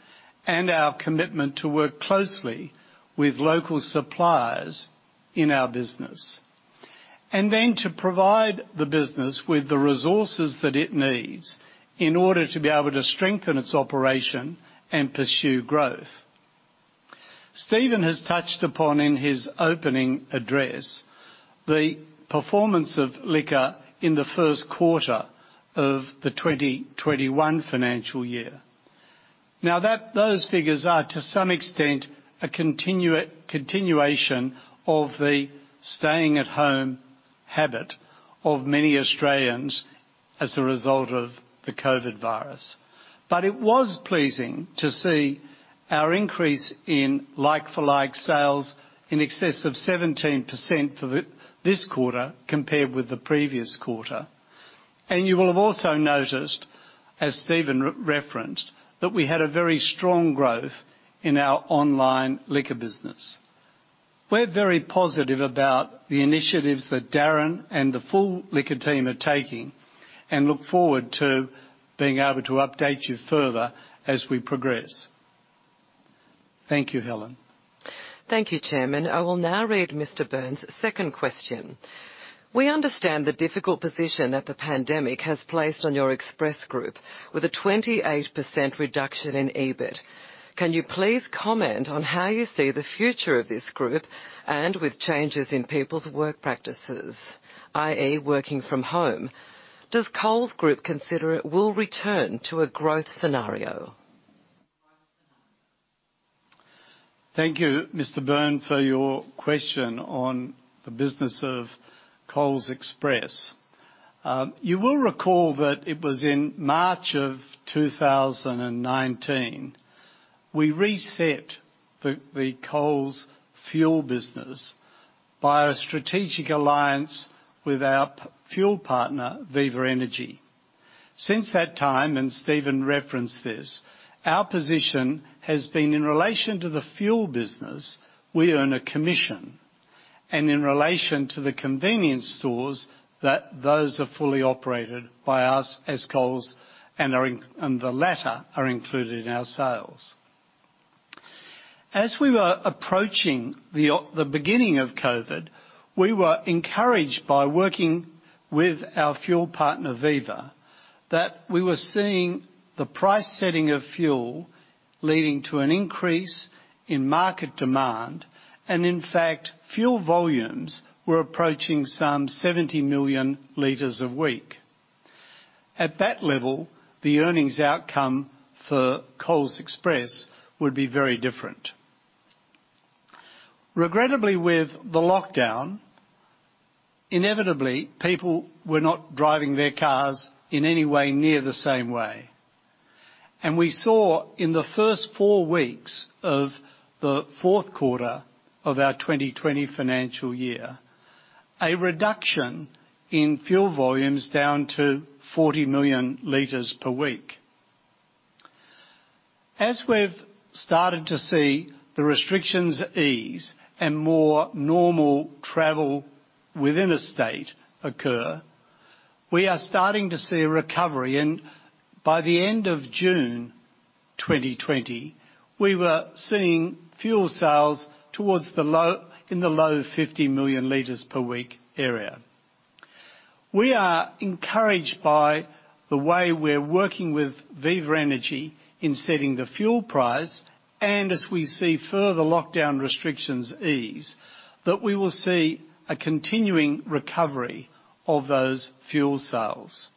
and our commitment to work closely with local suppliers in our business, and then to provide the business with the resources that it needs in order to be able to strengthen its operation and pursue growth. Steven has touched upon, in his opening address, the performance of liquor in the first quarter of the 2021 financial year. Now, those figures are, to some extent, a continuation of the staying-at-home habit of many Australians as a result of the COVID virus, but it was pleasing to see our increase in like-for-like sales in excess of 17% for this quarter compared with the previous quarter. You will have also noticed, as Steven referenced, that we had a very strong growth in our online liquor business. We're very positive about the initiatives that Darren and the full liquor team are taking and look forward to being able to update you further as we progress. Thank you, Helen. Thank you, Chairman. I will now read Mr. Byrne's second question. We understand the difficult position that the pandemic has placed on your Express group with a 28% reduction in EBIT. Can you please comment on how you see the future of this group and with changes in people's work practices, i.e., working from home? Does Coles Group consider it will return to a growth scenario? Thank you, Mr. Byrne, for your question on the business of Coles Express. You will recall that it was in March of 2019 we reset the Coles fuel business by a strategic alliance with our fuel partner, Viva Energy. Since that time, and Steven referenced this, our position has been in relation to the fuel business, we earn a commission, and in relation to the convenience stores that those are fully operated by us as Coles and the latter are included in our sales. As we were approaching the beginning of COVID, we were encouraged by working with our fuel partner, Viva, that we were seeing the price setting of fuel leading to an increase in market demand, and in fact, fuel volumes were approaching some 70 million liters a week. At that level, the earnings outcome for Coles Express would be very different. Regrettably, with the lockdown, inevitably, people were not driving their cars in any way near the same way. And we saw in the first four weeks of the fourth quarter of our 2020 financial year a reduction in fuel volumes down to 40 million liters per week. As we've started to see the restrictions ease and more normal travel within a state occur, we are starting to see a recovery. And by the end of June 2020, we were seeing fuel sales in the low 50 million liters per week area. We are encouraged by the way we're working with Viva Energy in setting the fuel price, and as we see further lockdown restrictions ease, that we will see a continuing recovery of those fuel sales.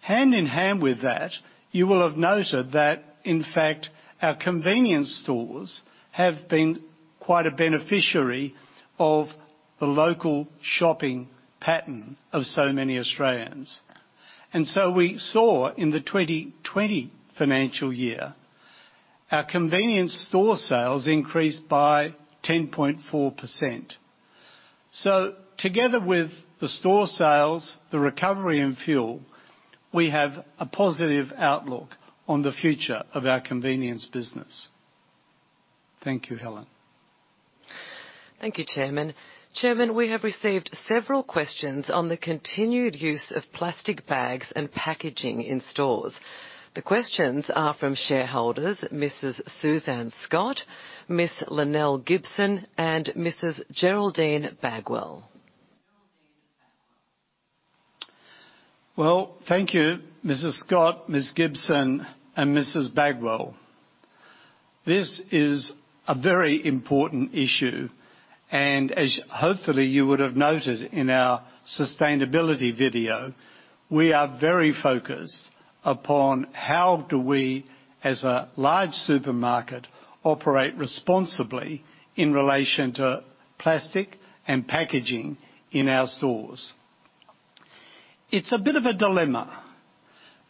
Hand in hand with that, you will have noted that, in fact, our convenience stores have been quite a beneficiary of the local shopping pattern of so many Australians. And so we saw in the 2020 financial year our convenience store sales increased by 10.4%. So together with the store sales, the recovery in fuel, we have a positive outlook on the future of our convenience business. Thank you, Helen. Thank you, Chairman. Chairman, we have received several questions on the continued use of plastic bags and packaging in stores. The questions are from shareholders, Mrs. Suzanne Scott, Ms. Lynelle Gibson, and Mrs. Geraldine Bagwell. Well, thank you, Mrs. Scott, Ms. Gibson, and Mrs. Bagwell. This is a very important issue. And as hopefully you would have noted in our sustainability video, we are very focused upon how do we, as a large supermarket, operate responsibly in relation to plastic and packaging in our stores. It's a bit of a dilemma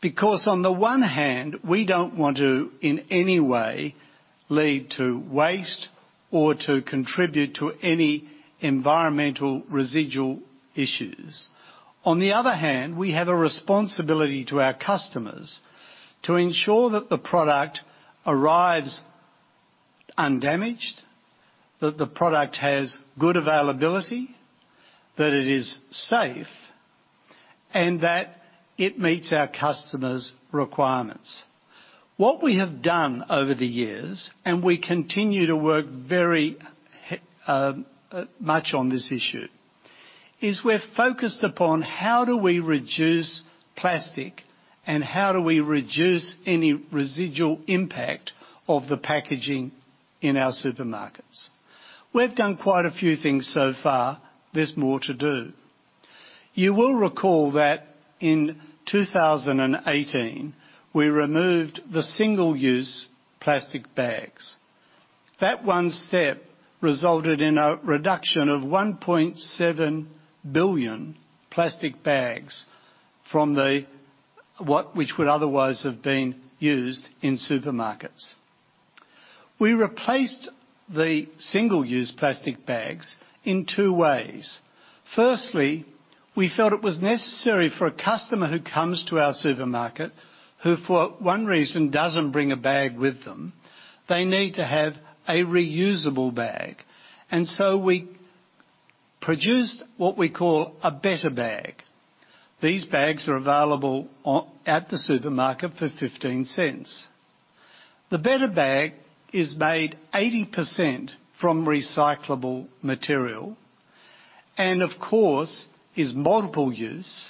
because, on the one hand, we don't want to, in any way, lead to waste or to contribute to any environmental residual issues. On the other hand, we have a responsibility to our customers to ensure that the product arrives undamaged, that the product has good availability, that it is safe, and that it meets our customers' requirements. What we have done over the years, and we continue to work very much on this issue, is we're focused upon how do we reduce plastic and how do we reduce any residual impact of the packaging in our supermarkets. We've done quite a few things so far. There's more to do. You will recall that in 2018, we removed the single-use plastic bags. That one step resulted in a reduction of 1.7 billion plastic bags from which would otherwise have been used in supermarkets. We replaced the single-use plastic bags in two ways. Firstly, we felt it was necessary for a customer who comes to our supermarket, who for one reason doesn't bring a bag with them, they need to have a reusable bag. And so we produced what we call a Better Bag. These bags are available at the supermarket for 0.15. The Better Bag is made 80% from recyclable material and, of course, is multiple-use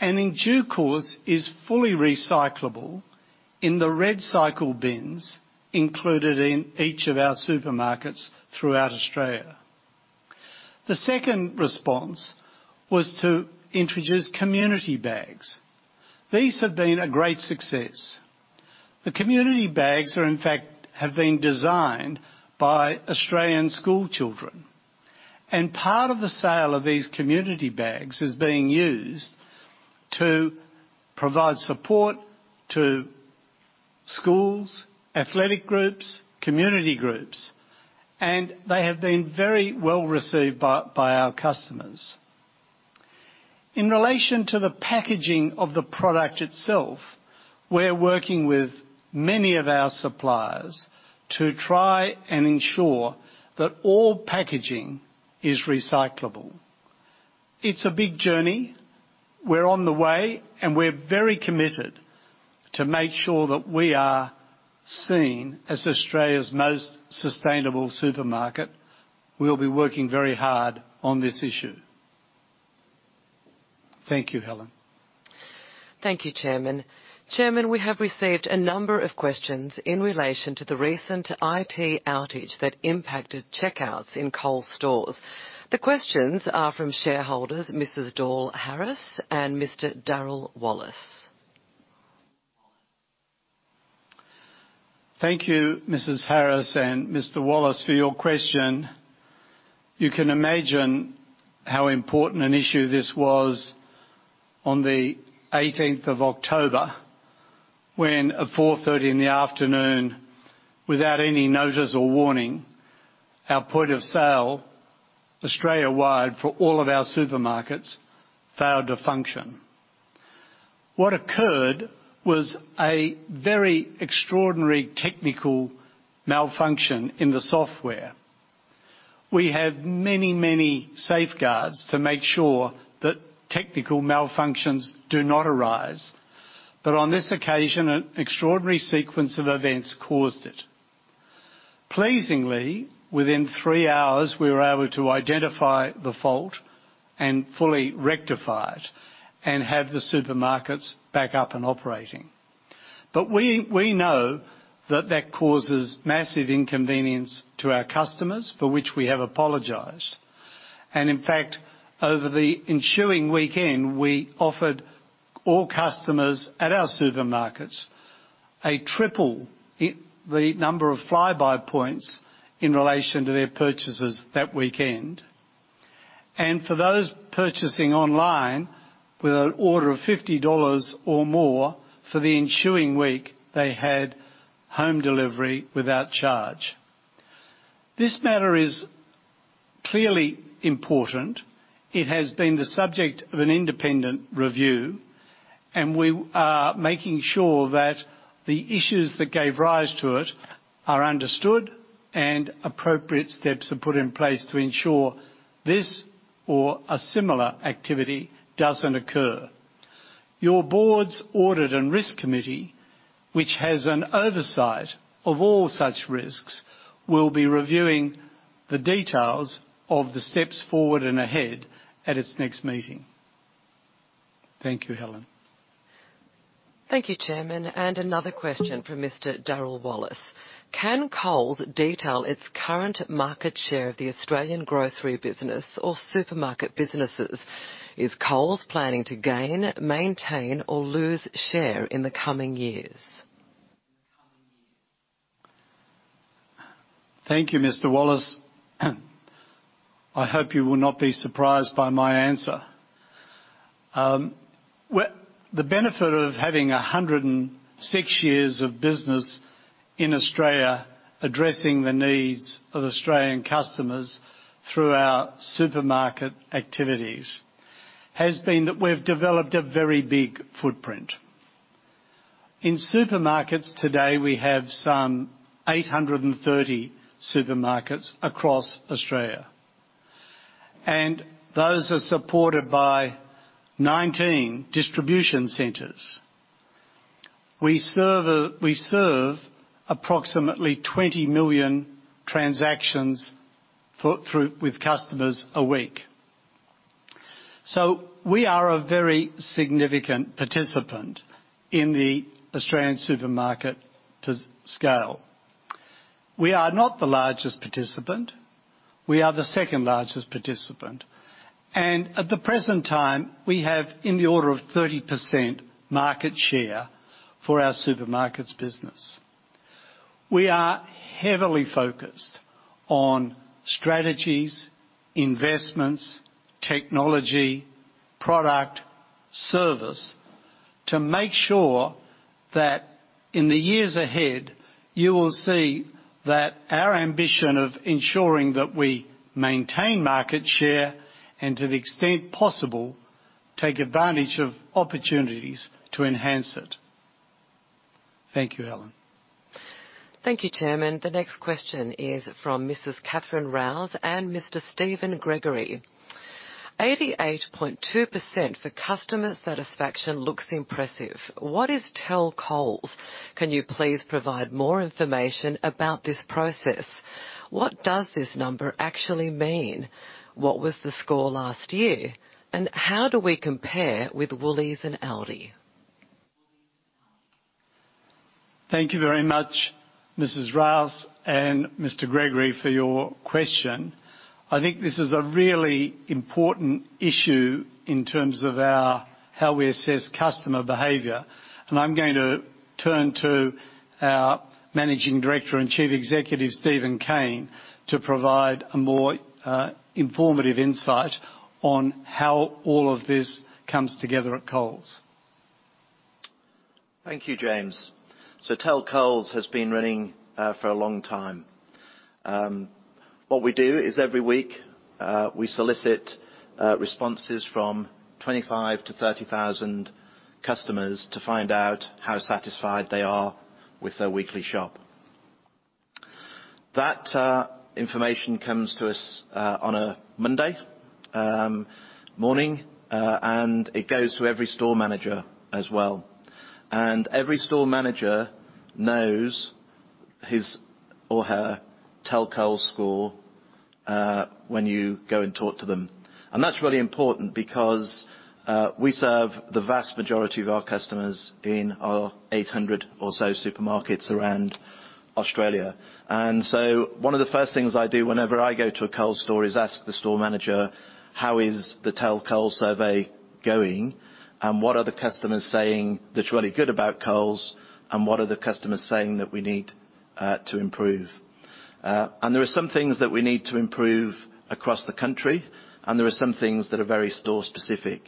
and, in due course, is fully recyclable in the REDcycle bins included in each of our supermarkets throughout Australia. The second response was to introduce community bags. These have been a great success. The community bags, in fact, have been designed by Australian schoolchildren. And part of the sale of these community bags is being used to provide support to schools, athletic groups, community groups, and they have been very well received by our customers. In relation to the packaging of the product itself, we're working with many of our suppliers to try and ensure that all packaging is recyclable. It's a big journey. We're on the way, and we're very committed to make sure that we are seen as Australia's most sustainable supermarket. We'll be working very hard on this issue. Thank you, Helen. Thank you, Chairman. Chairman, we have received a number of questions in relation to the recent IT outage that impacted checkouts in Coles stores. The questions are from shareholders, Mrs. Dahl Harris and Mr. Darryl Wallace. Thank you, Mrs. Harris and Mr. Wallace, for your question. You can imagine how important an issue this was on the 18th of October when, at 4:30 P.M., without any notice or warning, our point of sale Australia-wide for all of our supermarkets failed to function. What occurred was a very extraordinary technical malfunction in the software. We have many, many safeguards to make sure that technical malfunctions do not arise. But on this occasion, an extraordinary sequence of events caused it. Pleasingly, within three hours, we were able to identify the fault and fully rectify it and have the supermarkets back up and operating. But we know that that causes massive inconvenience to our customers, for which we have apologized. And in fact, over the ensuing weekend, we offered all customers at our supermarkets a triple the number of Flybuys points in relation to their purchases that weekend. And for those purchasing online with an order of 50 dollars or more for the ensuing week, they had home delivery without charge. This matter is clearly important. It has been the subject of an independent review, and we are making sure that the issues that gave rise to it are understood and appropriate steps are put in place to ensure this or a similar activity doesn't occur. Your board's audit and risk committee, which has an oversight of all such risks, will be reviewing the details of the steps forward and ahead at its next meeting. Thank you, Helen. Thank you, Chairman. And another question from Mr. Darryl Wallace. Can Coles detail its current market share of the Australian grocery business or supermarket businesses? Is Coles planning to gain, maintain, or lose share in the coming years? Thank you, Mr. Wallace. I hope you will not be surprised by my answer. The benefit of having 106 years of business in Australia addressing the needs of Australian customers through our supermarket activities has been that we've developed a very big footprint. In supermarkets today, we have some 830 supermarkets across Australia, and those are supported by 19 distribution centers. We serve approximately 20 million transactions with customers a week. So we are a very significant participant in the Australian supermarket scale. We are not the largest participant. We are the second largest participant. And at the present time, we have in the order of 30% market share for our supermarkets business. We are heavily focused on strategies, investments, technology, product, service to make sure that in the years ahead, you will see that our ambition of ensuring that we maintain market share and, to the extent possible, take advantage of opportunities to enhance it. Thank you, Helen. Thank you, Chairman. The next question is from Mrs. Catherine Rouse and Mr. Steven Gregory. 88.2% for customer satisfaction looks impressive. What is Tell Coles? Can you please provide more information about this process? What does this number actually mean? What was the score last year? And how do we compare with Woolies and Aldi? Thank you very much, Mrs. Rouse and Mr. Gregory, for your question. I think this is a really important issue in terms of how we assess customer behavior, and I'm going to turn to our Managing Director and Chief Executive, Steven Cain, to provide a more informative insight on how all of this comes together at Coles. Thank you, James, so Tell Coles has been running for a long time. What we do is every week, we solicit responses from 25,000-30,000 customers to find out how satisfied they are with their weekly shop. That information comes to us on a Monday morning, and it goes to every store manager as well, and every store manager knows his or her Tell Coles score when you go and talk to them, and that's really important because we serve the vast majority of our customers in our 800 or so supermarkets around Australia, and so one of the first things I do whenever I go to a Coles store is ask the store manager, "How is the Tell Coles survey going?" and "What are the customers saying that's really good about Coles?" and "What are the customers saying that we need to improve?", and there are some things that we need to improve across the country, and there are some things that are very store-specific.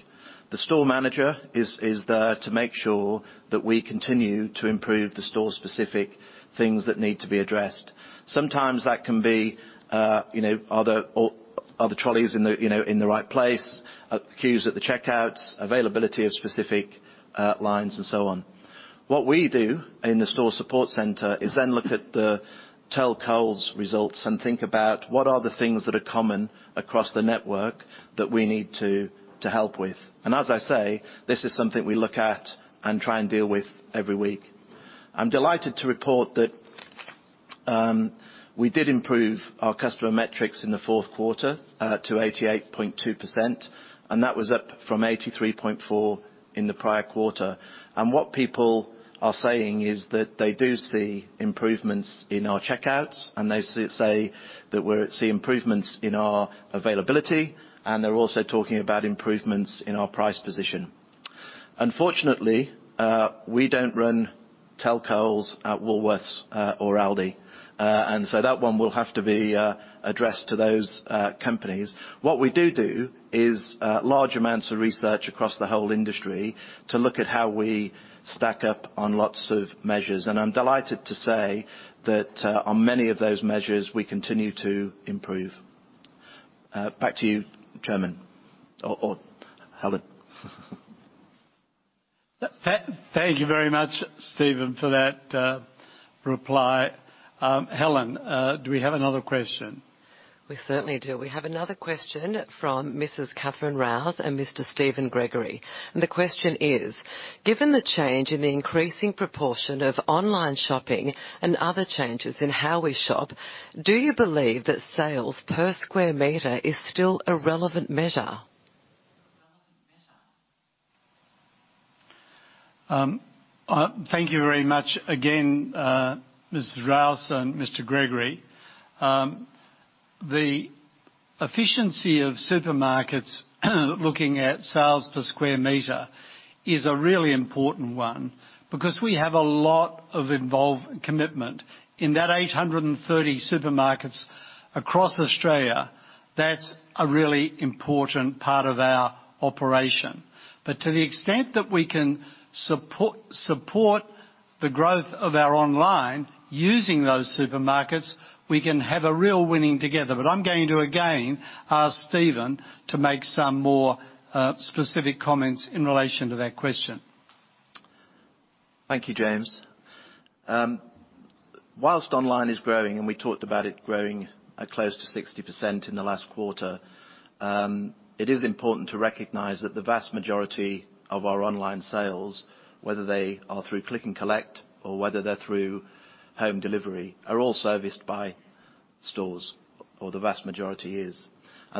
The store manager is there to make sure that we continue to improve the store-specific things that need to be addressed. Sometimes that can be, are the trolleys in the right place, queues at the checkouts, availability of specific lines, and so on. What we do in the store support center is then look at the Tell Coles results and think about what are the things that are common across the network that we need to help with. And as I say, this is something we look at and try and deal with every week. I'm delighted to report that we did improve our customer metrics in the fourth quarter to 88.2%, and that was up from 83.4% in the prior quarter. And what people are saying is that they do see improvements in our checkouts, and they say that we see improvements in our availability, and they're also talking about improvements in our price position. Unfortunately, we don't run Tell Coles at Woolworths or Aldi, and so that one will have to be addressed to those companies. What we do do is large amounts of research across the whole industry to look at how we stack up on lots of measures. And I'm delighted to say that on many of those measures, we continue to improve. Back to you, Chairman, or Helen. Thank you very much, Steven, for that reply. Helen, do we have another question? We certainly do. We have another question from Mrs. Catherine Rouse and Mr. Steven Gregory. And the question is, "Given the change in the increasing proportion of online shopping and other changes in how we shop, do you believe that sales per square meter is still a relevant measure?" Thank you very much again, Mrs. Rouse and Mr. Gregory. The efficiency of supermarkets looking at sales per square meter is a really important one because we have a lot of involvement and commitment. In those 830 supermarkets across Australia, that's a really important part of our operation. But to the extent that we can support the growth of our online using those supermarkets, we can have a real winning together. But I'm going to again ask Steven to make some more specific comments in relation to that question. Thank you, James. While online is growing, and we talked about it growing close to 60% in the last quarter, it is important to recognize that the vast majority of our online sales, whether they are through click and collect or whether they're through home delivery, are all serviced by stores for the vast majority years.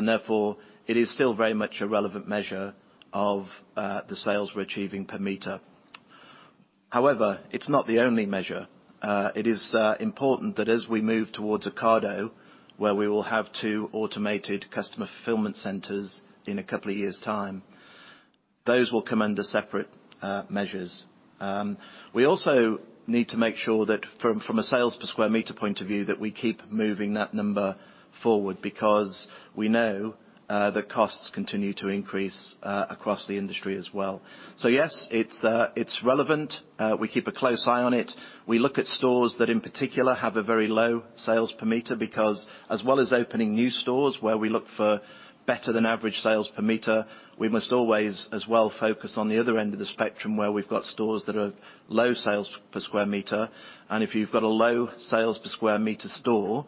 Therefore, it is still very much a relevant measure of the sales we're achieving per meter. However, it's not the only measure. It is important that as we move towards an Ocado, where we will have two automated customer fulfillment centers in a couple of years' time, those will come under separate measures. We also need to make sure that from a sales per square meter point of view, that we keep moving that number forward because we know that costs continue to increase across the industry as well. So yes, it's relevant. We keep a close eye on it. We look at stores that in particular have a very low sales per meter because as well as opening new stores where we look for better than average sales per meter, we must always as well focus on the other end of the spectrum where we've got stores that have low sales per square meter, and if you've got a low sales per square meter store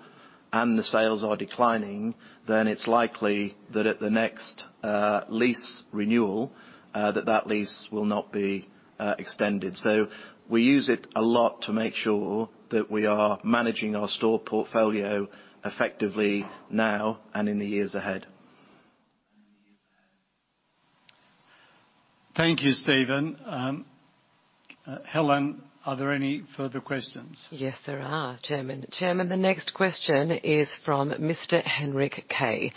and the sales are declining, then it's likely that at the next lease renewal, that that lease will not be extended, so we use it a lot to make sure that we are managing our store portfolio effectively now and in the years ahead. Thank you, Steven. Helen, are there any further questions? Yes, there are, Chairman. Chairman, the next question is from Mr. Henrik Kay.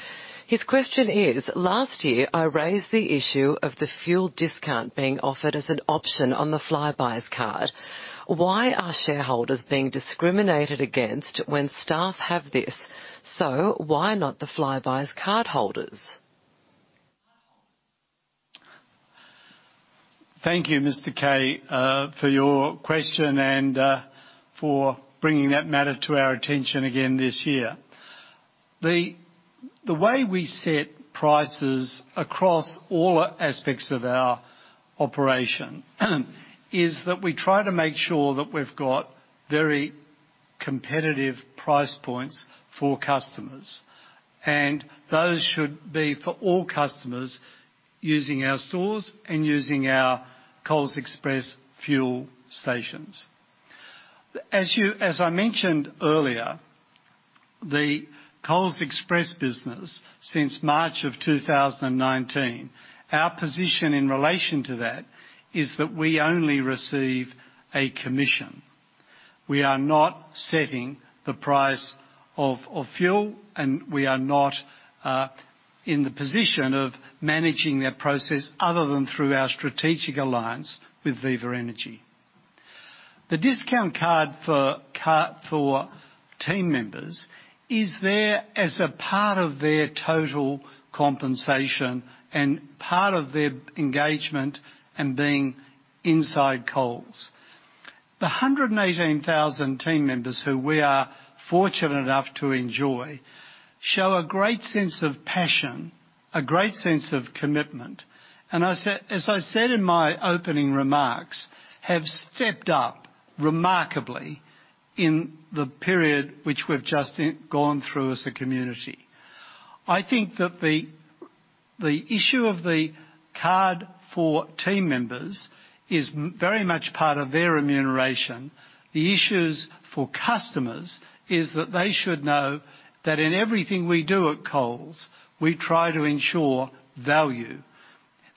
His question is, "Last year, I raised the issue of the fuel discount being offered as an option on the Flybuys card. Why are shareholders being discriminated against when staff have this? So why not the Flybuys cardholders?" Thank you, Mr. Kay, for your question and for bringing that matter to our attention again this year. The way we set prices across all aspects of our operation is that we try to make sure that we've got very competitive price points for customers. And those should be for all customers using our stores and using our Coles Express fuel stations. As I mentioned earlier, the Coles Express business since March of 2019, our position in relation to that is that we only receive a commission. We are not setting the price of fuel, and we are not in the position of managing that process other than through our strategic alliance with Viva Energy. The discount card for team members is there as a part of their total compensation and part of their engagement and being inside Coles. The 118,000 team members who we are fortunate enough to enjoy show a great sense of passion, a great sense of commitment, and as I said in my opening remarks, have stepped up remarkably in the period which we've just gone through as a community. I think that the issue of the card for team members is very much part of their remuneration. The issues for customers is that they should know that in everything we do at Coles, we try to ensure value.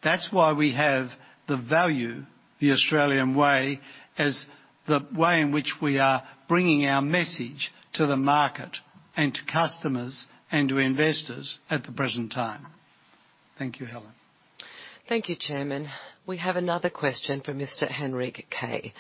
That's why we have the Value the Australian way, as the way in which we are bringing our message to the market and to customers and to investors at the present time. Thank you, Helen. Thank you, Chairman. We have another question from Mr. Henrik Kay.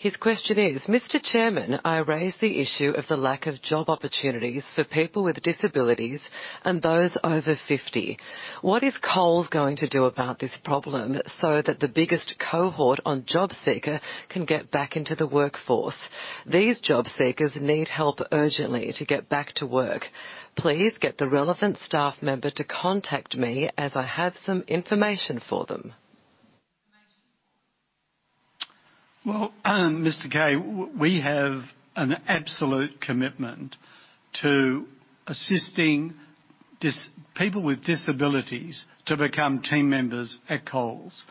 His question is, "Mr. Chairman, I raised the issue of the lack of job opportunities for people with disabilities and those over 50. What is Coles going to do about this problem so that the biggest cohort on job seeker can get back into the workforce? These job seekers need help urgently to get back to work. Please get the relevant staff member to contact me as I have some information for them." Well, Mr. Kay, we have an absolute commitment to assisting people with disabilities to become team members at Coles.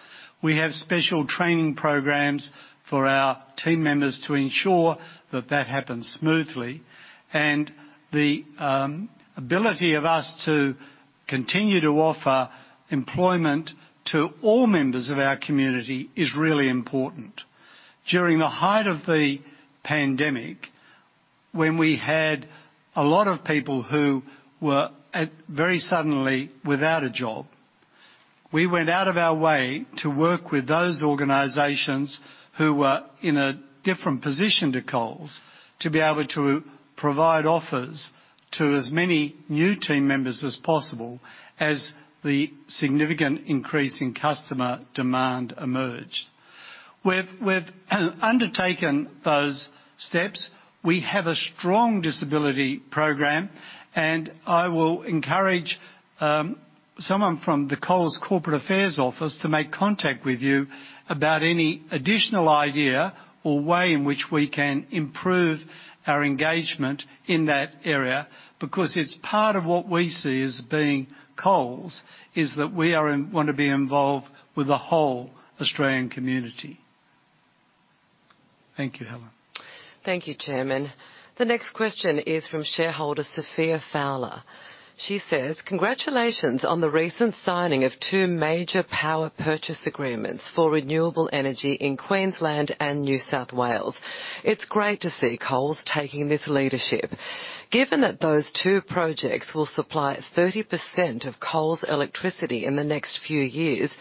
We have special training programs for our team members to ensure that that happens smoothly. And the ability of us to continue to offer employment to all members of our community is really important. During the height of the pandemic, when we had a lot of people who were very suddenly without a job, we went out of our way to work with those organizations who were in a different position to Coles to be able to provide offers to as many new team members as possible as the significant increase in customer demand emerged. We've undertaken those steps. We have a strong disability program, and I will encourage someone from the Coles Corporate Affairs Office to make contact with you about any additional idea or way in which we can improve our engagement in that area because it's part of what we see as being Coles, is that we want to be involved with the whole Australian community. Thank you, Helen. Thank you, Chairman. The next question is from shareholder Sophia Fowler. She says, "Congratulations on the recent signing of two major power purchase agreements for renewable energy in Queensland and New South Wales. It's great to see Coles taking this leadership. Given that those two projects will supply 30% of Coles' electricity in the next few years,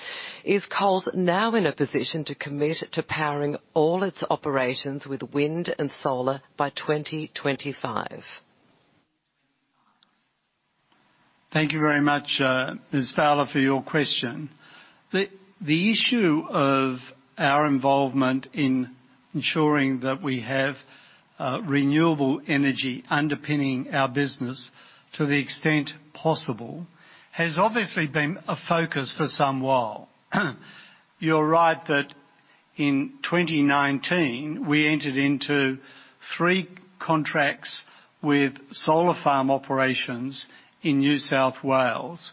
is Coles now in a position to commit to powering all its operations with wind and solar by 2025?" Thank you very much, Ms. Fowler, for your question. The issue of our involvement in ensuring that we have renewable energy underpinning our business to the extent possible has obviously been a focus for some while. You're right that in 2019, we entered into three contracts with solar farm operations in New South Wales,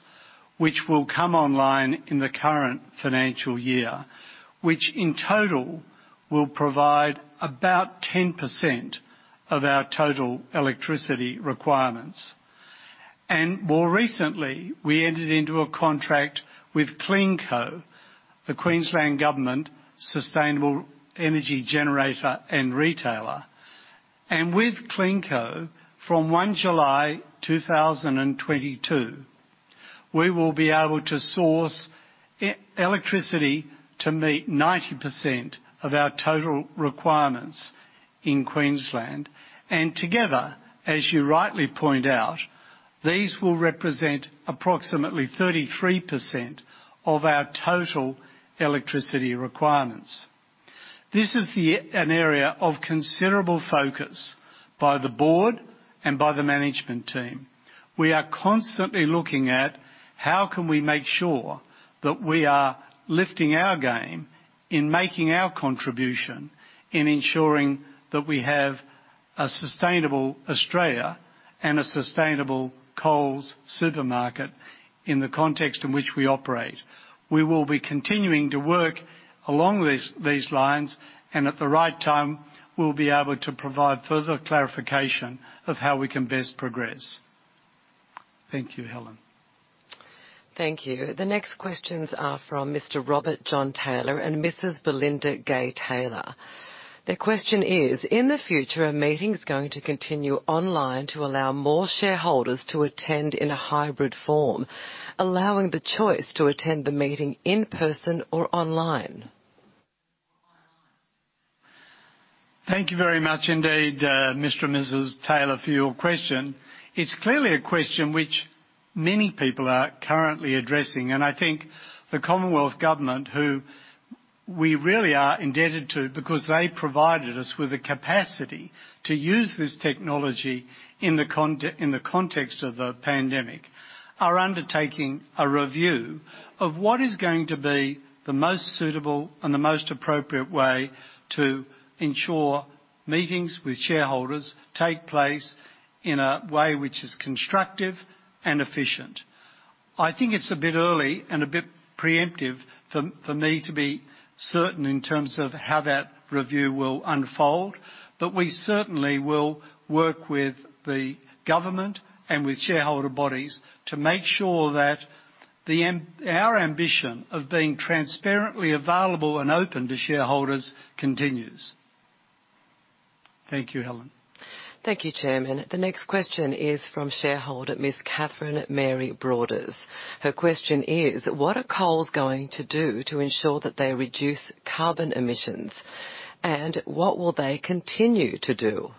which will come online in the current financial year, which in total will provide about 10% of our total electricity requirements, and more recently, we entered into a contract with CleanCo, the Queensland government sustainable energy generator and retailer, and with CleanCo, from 1 July 2022, we will be able to source electricity to meet 90% of our total requirements in Queensland, and together, as you rightly point out, these will represent approximately 33% of our total electricity requirements. This is an area of considerable focus by the board and by the management team. We are constantly looking at how can we make sure that we are lifting our game in making our contribution in ensuring that we have a sustainable Australia and a sustainable Coles supermarket in the context in which we operate. We will be continuing to work along these lines, and at the right time, we'll be able to provide further clarification of how we can best progress. Thank you, Helen. Thank you. The next questions are from Mr. Robert John Taylor and Mrs. Belinda Gay Taylor. Their question is, "In the future, are meetings going to continue online to allow more shareholders to attend in a hybrid form, allowing the choice to attend the meeting in person or online?" Thank you very much indeed, Mr. and Mrs. Taylor, for your question. It's clearly a question which many people are currently addressing. And I think the Commonwealth Government, who we really are indebted to because they provided us with the capacity to use this technology in the context of the pandemic, are undertaking a review of what is going to be the most suitable and the most appropriate way to ensure meetings with shareholders take place in a way which is constructive and efficient. I think it's a bit early and a bit preemptive for me to be certain in terms of how that review will unfold, but we certainly will work with the government and with shareholder bodies to make sure that our ambition of being transparently available and open to shareholders continues. Thank you, Helen. Thank you, Chairman. The next question is from shareholder Ms. Catherine Mary Broders. Her question is, "What are Coles going to do to ensure that they reduce carbon emissions, and what will they continue to do?",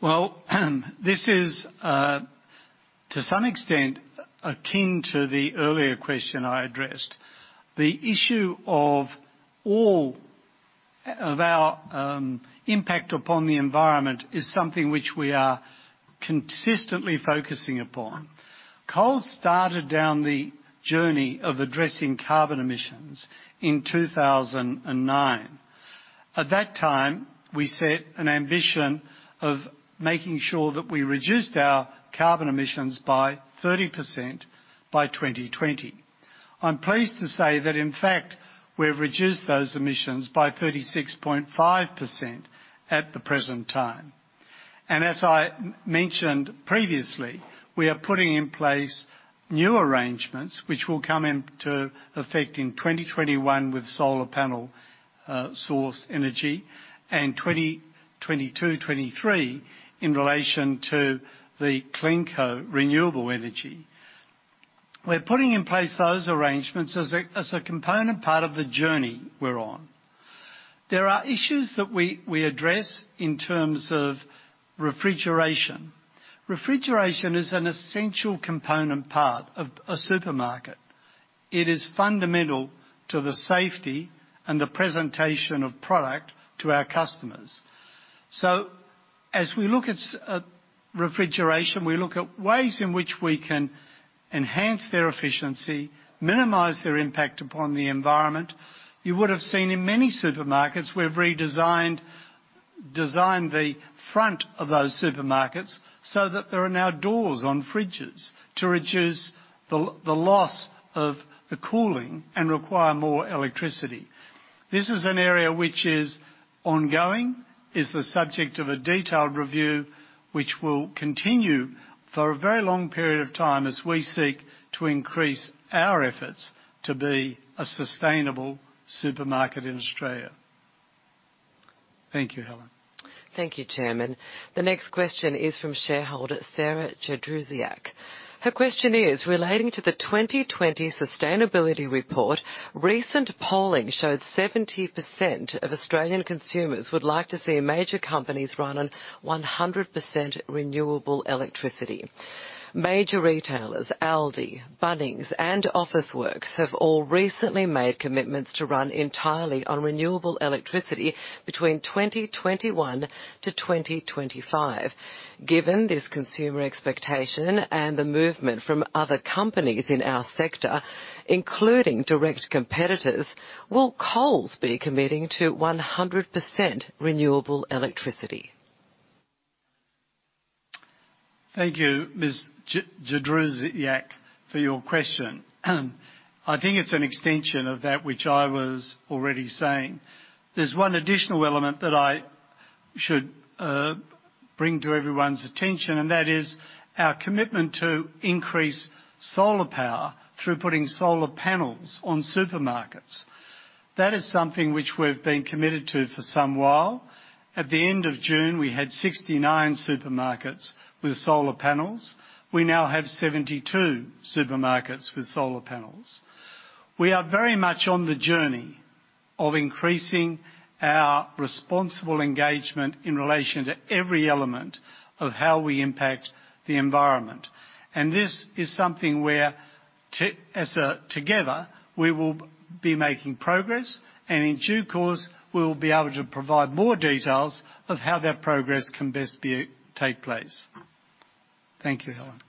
well, this is to some extent akin to the earlier question I addressed. The issue of our impact upon the environment is something which we are consistently focusing upon. Coles started down the journey of addressing carbon emissions in 2009. At that time, we set an ambition of making sure that we reduced our carbon emissions by 30% by 2020. I'm pleased to say that, in fact, we've reduced those emissions by 36.5% at the present time, and as I mentioned previously, we are putting in place new arrangements which will come into effect in 2021 with solar panel-sourced energy and 2022-2023 in relation to the CleanCo renewable energy. We're putting in place those arrangements as a component part of the journey we're on. There are issues that we address in terms of refrigeration. Refrigeration is an essential component part of a supermarket. It is fundamental to the safety and the presentation of product to our customers. So as we look at refrigeration, we look at ways in which we can enhance their efficiency, minimize their impact upon the environment. You would have seen in many supermarkets, we've redesigned the front of those supermarkets so that there are now doors on fridges to reduce the loss of the cooling and require more electricity. This is an area which is ongoing, is the subject of a detailed review which will continue for a very long period of time as we seek to increase our efforts to be a sustainable supermarket in Australia. Thank you, Helen. Thank you, Chairman. The next question is from shareholder Sarah Jadrusiak. Her question is, "Relating to the 2020 sustainability report, recent polling showed 70% of Australian consumers would like to see major companies run on 100% renewable electricity. Major retailers, Aldi, Bunnings, and Officeworks have all recently made commitments to run entirely on renewable electricity between 2021-2025. Given this consumer expectation and the movement from other companies in our sector, including direct competitors, will Coles be committing to 100% renewable electricity?" Thank you, Ms. Jadrusiak, for your question. I think it's an extension of that which I was already saying. There's one additional element that I should bring to everyone's attention, and that is our commitment to increase solar power through putting solar panels on supermarkets. That is something which we've been committed to for some while. At the end of June, we had 69 supermarkets with solar panels. We now have 72 supermarkets with solar panels. We are very much on the journey of increasing our responsible engagement in relation to every element of how we impact the environment. And this is something where, together, we will be making progress, and in due course, we will be able to provide more details of how that progress can best take place. Thank you, Helen.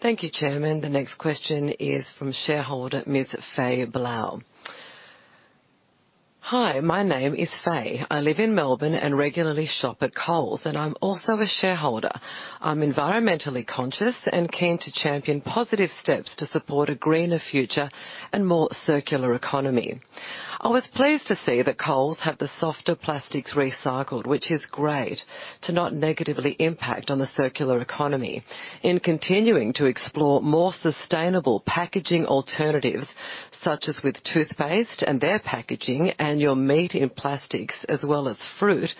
Thank you, Chairman. The next question is from shareholder Ms. Fay Blahl. "Hi, my name is Fay. I live in Melbourne and regularly shop at Coles, and I'm also a shareholder. I'm environmentally conscious and keen to champion positive steps to support a greener future and more circular economy. I was pleased to see that Coles had the softer plastics recycled, which is great, to not negatively impact on the circular economy. In continuing to explore more sustainable packaging alternatives, such as with toothpaste and their packaging and your meat in plastics as well as fruit,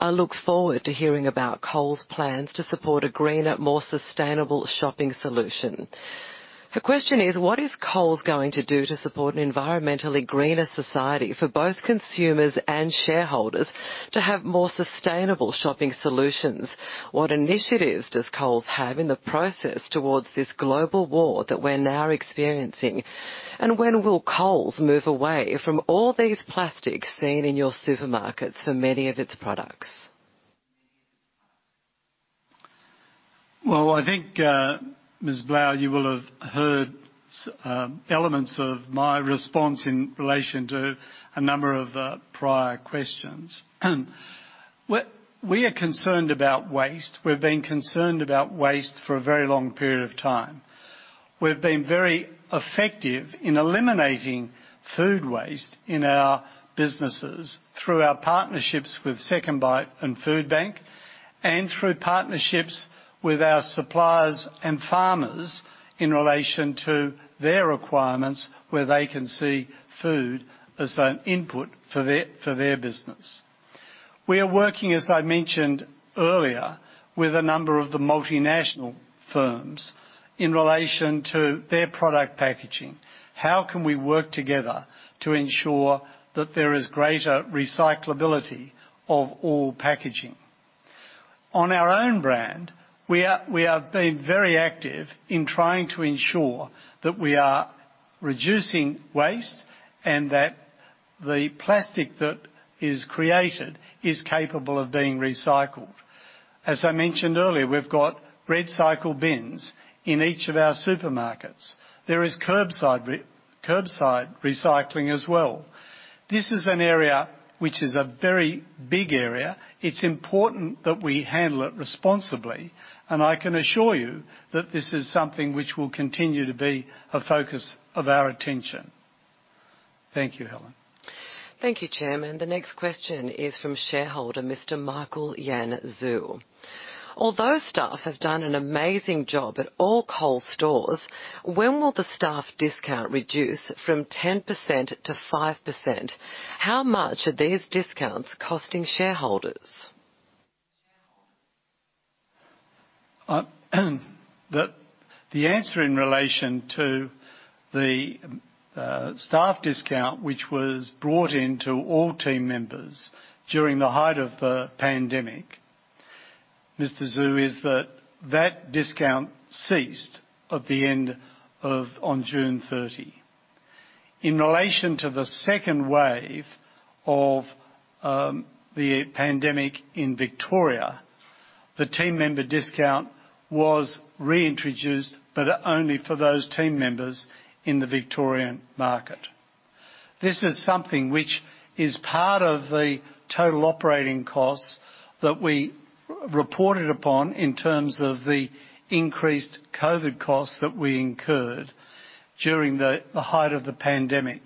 I look forward to hearing about Coles' plans to support a greener, more sustainable shopping solution." Her question is, "What is Coles going to do to support an environmentally greener society for both consumers and shareholders to have more sustainable shopping solutions? What initiatives does Coles have in the process towards this global warming that we're now experiencing? And when will Coles move away from all these plastics seen in your supermarkets for many of its products?" I think, Ms. Blahl, you will have heard elements of my response in relation to a number of prior questions. We are concerned about waste. We've been concerned about waste for a very long period of time. We've been very effective in eliminating food waste in our businesses through our partnerships with SecondBite and Foodbank and through partnerships with our suppliers and farmers in relation to their requirements where they can see food as an input for their business. We are working, as I mentioned earlier, with a number of the multinational firms in relation to their product packaging. How can we work together to ensure that there is greater recyclability of all packaging? On our own brand, we have been very active in trying to ensure that we are reducing waste and that the plastic that is created is capable of being recycled. As I mentioned earlier, we've got recycled bins in each of our supermarkets. There is curbside recycling as well. This is an area which is a very big area. It's important that we handle it responsibly, and I can assure you that this is something which will continue to be a focus of our attention. Thank you, Helen. Thank you, Chairman. The next question is from shareholder Mr. Michael Yan Zhou. "Although staff have done an amazing job at all Coles stores, when will the staff discount reduce from 10% to 5%? How much are these discounts costing shareholders?" The answer in relation to the staff discount, which was brought into all team members during the height of the pandemic, Mr. Zhou, is that that discount ceased at the end of June 30. In relation to the second wave of the pandemic in Victoria, the team member discount was reintroduced, but only for those team members in the Victorian market. This is something which is part of the total operating costs that we reported upon in terms of the increased COVID costs that we incurred during the height of the pandemic,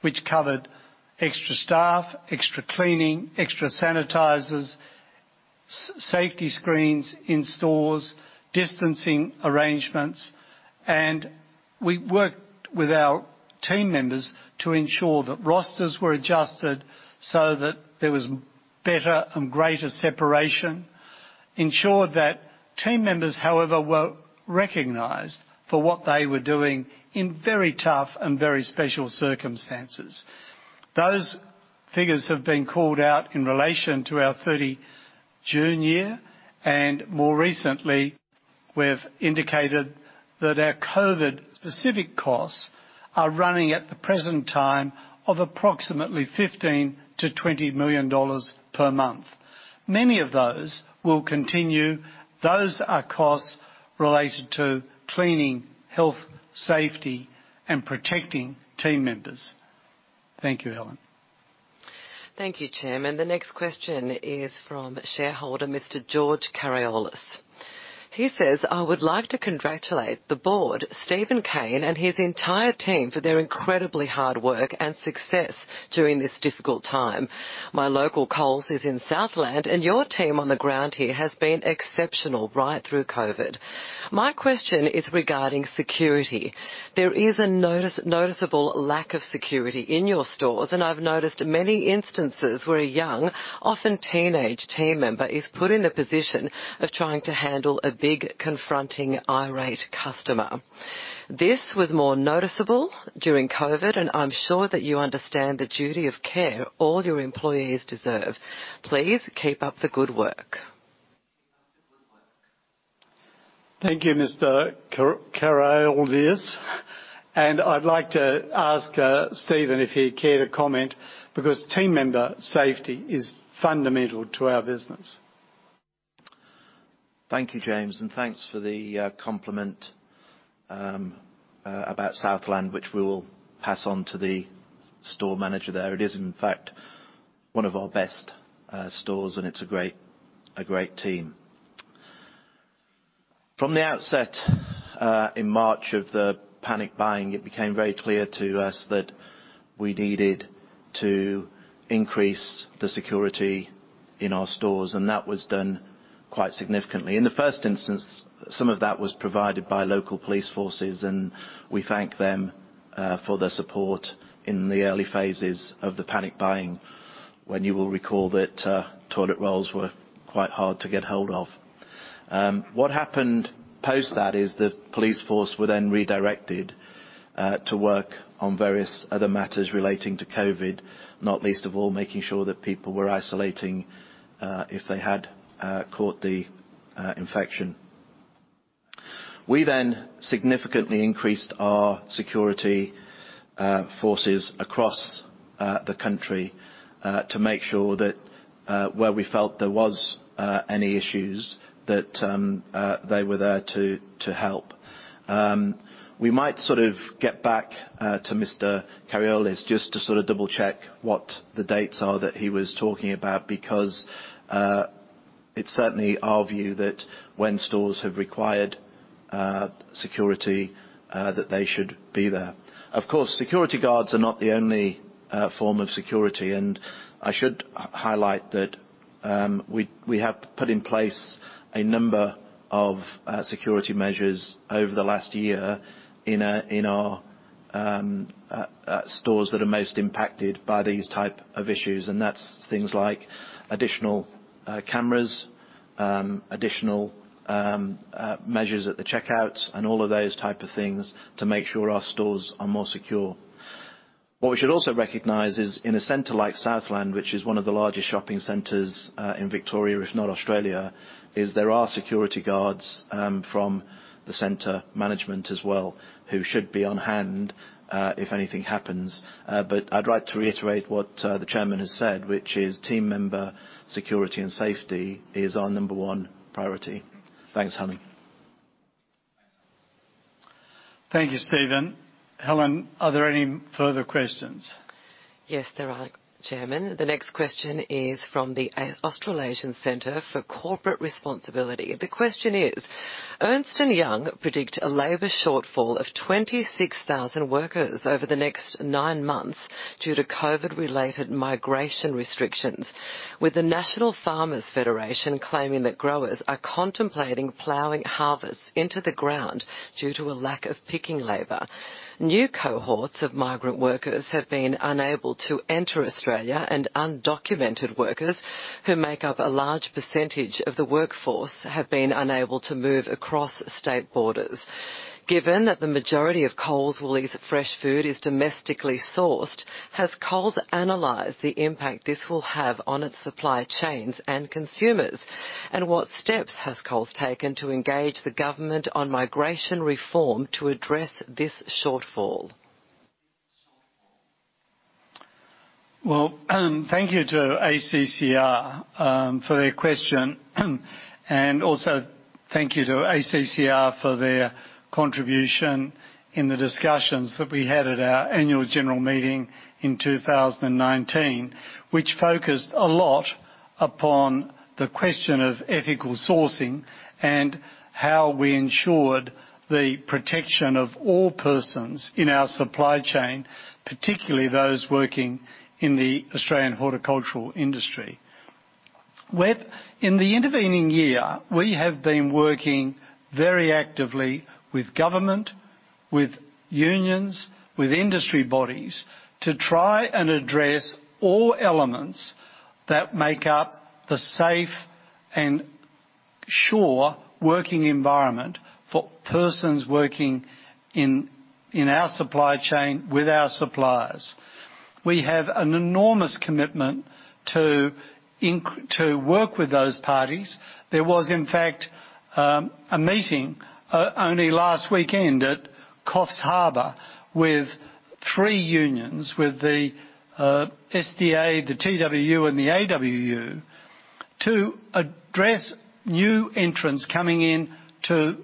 which covered extra staff, extra cleaning, extra sanitizers, safety screens in stores, distancing arrangements. And we worked with our team members to ensure that rosters were adjusted so that there was better and greater separation, ensured that team members, however, were recognized for what they were doing in very tough and very special circumstances. Those figures have been called out in relation to our 30 June year, and more recently, we've indicated that our COVID-specific costs are running at the present time of approximately 15-20 million dollars per month. Many of those will continue. Those are costs related to cleaning, health, safety, and protecting team members. Thank you, Helen. Thank you, Chairman. The next question is from shareholder Mr. George Kariolis. He says, "I would like to congratulate the board, Steven Cain, and his entire team for their incredibly hard work and success during this difficult time. My local Coles is in Southland, and your team on the ground here has been exceptional right through COVID. My question is regarding security. There is a noticeable lack of security in your stores, and I've noticed many instances where a young, often teenage, team member is put in the position of trying to handle a big, confronting, irate customer. This was more noticeable during COVID, and I'm sure that you understand the duty of care all your employees deserve. Please keep up the good work." Thank you, Mr. Kariolis, and I'd like to ask Steven if he'd care to comment because team member safety is fundamental to our business. Thank you, James, and thanks for the compliment about Southland, which we will pass on to the store manager there. It is, in fact, one of our best stores, and it's a great team. From the outset, in March of the panic buying, it became very clear to us that we needed to increase the security in our stores, and that was done quite significantly. In the first instance, some of that was provided by local police forces, and we thank them for their support in the early phases of the panic buying when you will recall that toilet rolls were quite hard to get hold of. What happened post that is the police force were then redirected to work on various other matters relating to COVID, not least of all making sure that people were isolating if they had caught the infection. We then significantly increased our security forces across the country to make sure that where we felt there was any issues, that they were there to help. We might sort of get back to Mr. Kariolis just to sort of double-check what the dates are that he was talking about because it's certainly our view that when stores have required security, that they should be there. Of course, security guards are not the only form of security, and I should highlight that we have put in place a number of security measures over the last year in our stores that are most impacted by these types of issues, and that's things like additional cameras, additional measures at the checkouts, and all of those types of things to make sure our stores are more secure. What we should also recognize is in a center like Southland, which is one of the largest shopping centers in Victoria, if not Australia, there are security guards from the center management as well who should be on hand if anything happens. But I'd like to reiterate what the Chairman has said, which is team member security and safety is our number one priority. Thanks, Helen. Thank you, Steven. Helen, are there any further questions? Yes, there are, Chairman. The next question is from the Australasian Centre for Corporate Responsibility. The question is, "Ernst & Young predict a labor shortfall of 26,000 workers over the next nine months due to COVID-related migration restrictions, with the National Farmers Federation claiming that growers are contemplating plowing harvests into the ground due to a lack of picking labor. New cohorts of migrant workers have been unable to enter Australia, and undocumented workers who make up a large percentage of the workforce have been unable to move across state borders. Given that the majority of Coles' fresh food is domestically sourced, has Coles analyzed the impact this will have on its supply chains and consumers? And what steps has Coles taken to engage the government on migration reform to address this shortfall? Well, thank you to ACCR for their question, and also thank you to ACCR for their contribution in the discussions that we had at our annual general meeting in 2019, which focused a lot upon the question of ethical sourcing and how we ensured the protection of all persons in our supply chain, particularly those working in the Australian horticultural industry. In the intervening year, we have been working very actively with government, with unions, with industry bodies to try and address all elements that make up the safe and sure working environment for persons working in our supply chain with our suppliers. We have an enormous commitment to work with those parties. There was, in fact, a meeting only last weekend at Coffs Harbour with three unions, with the SDA, the TWU, and the AWU, to address new entrants coming in to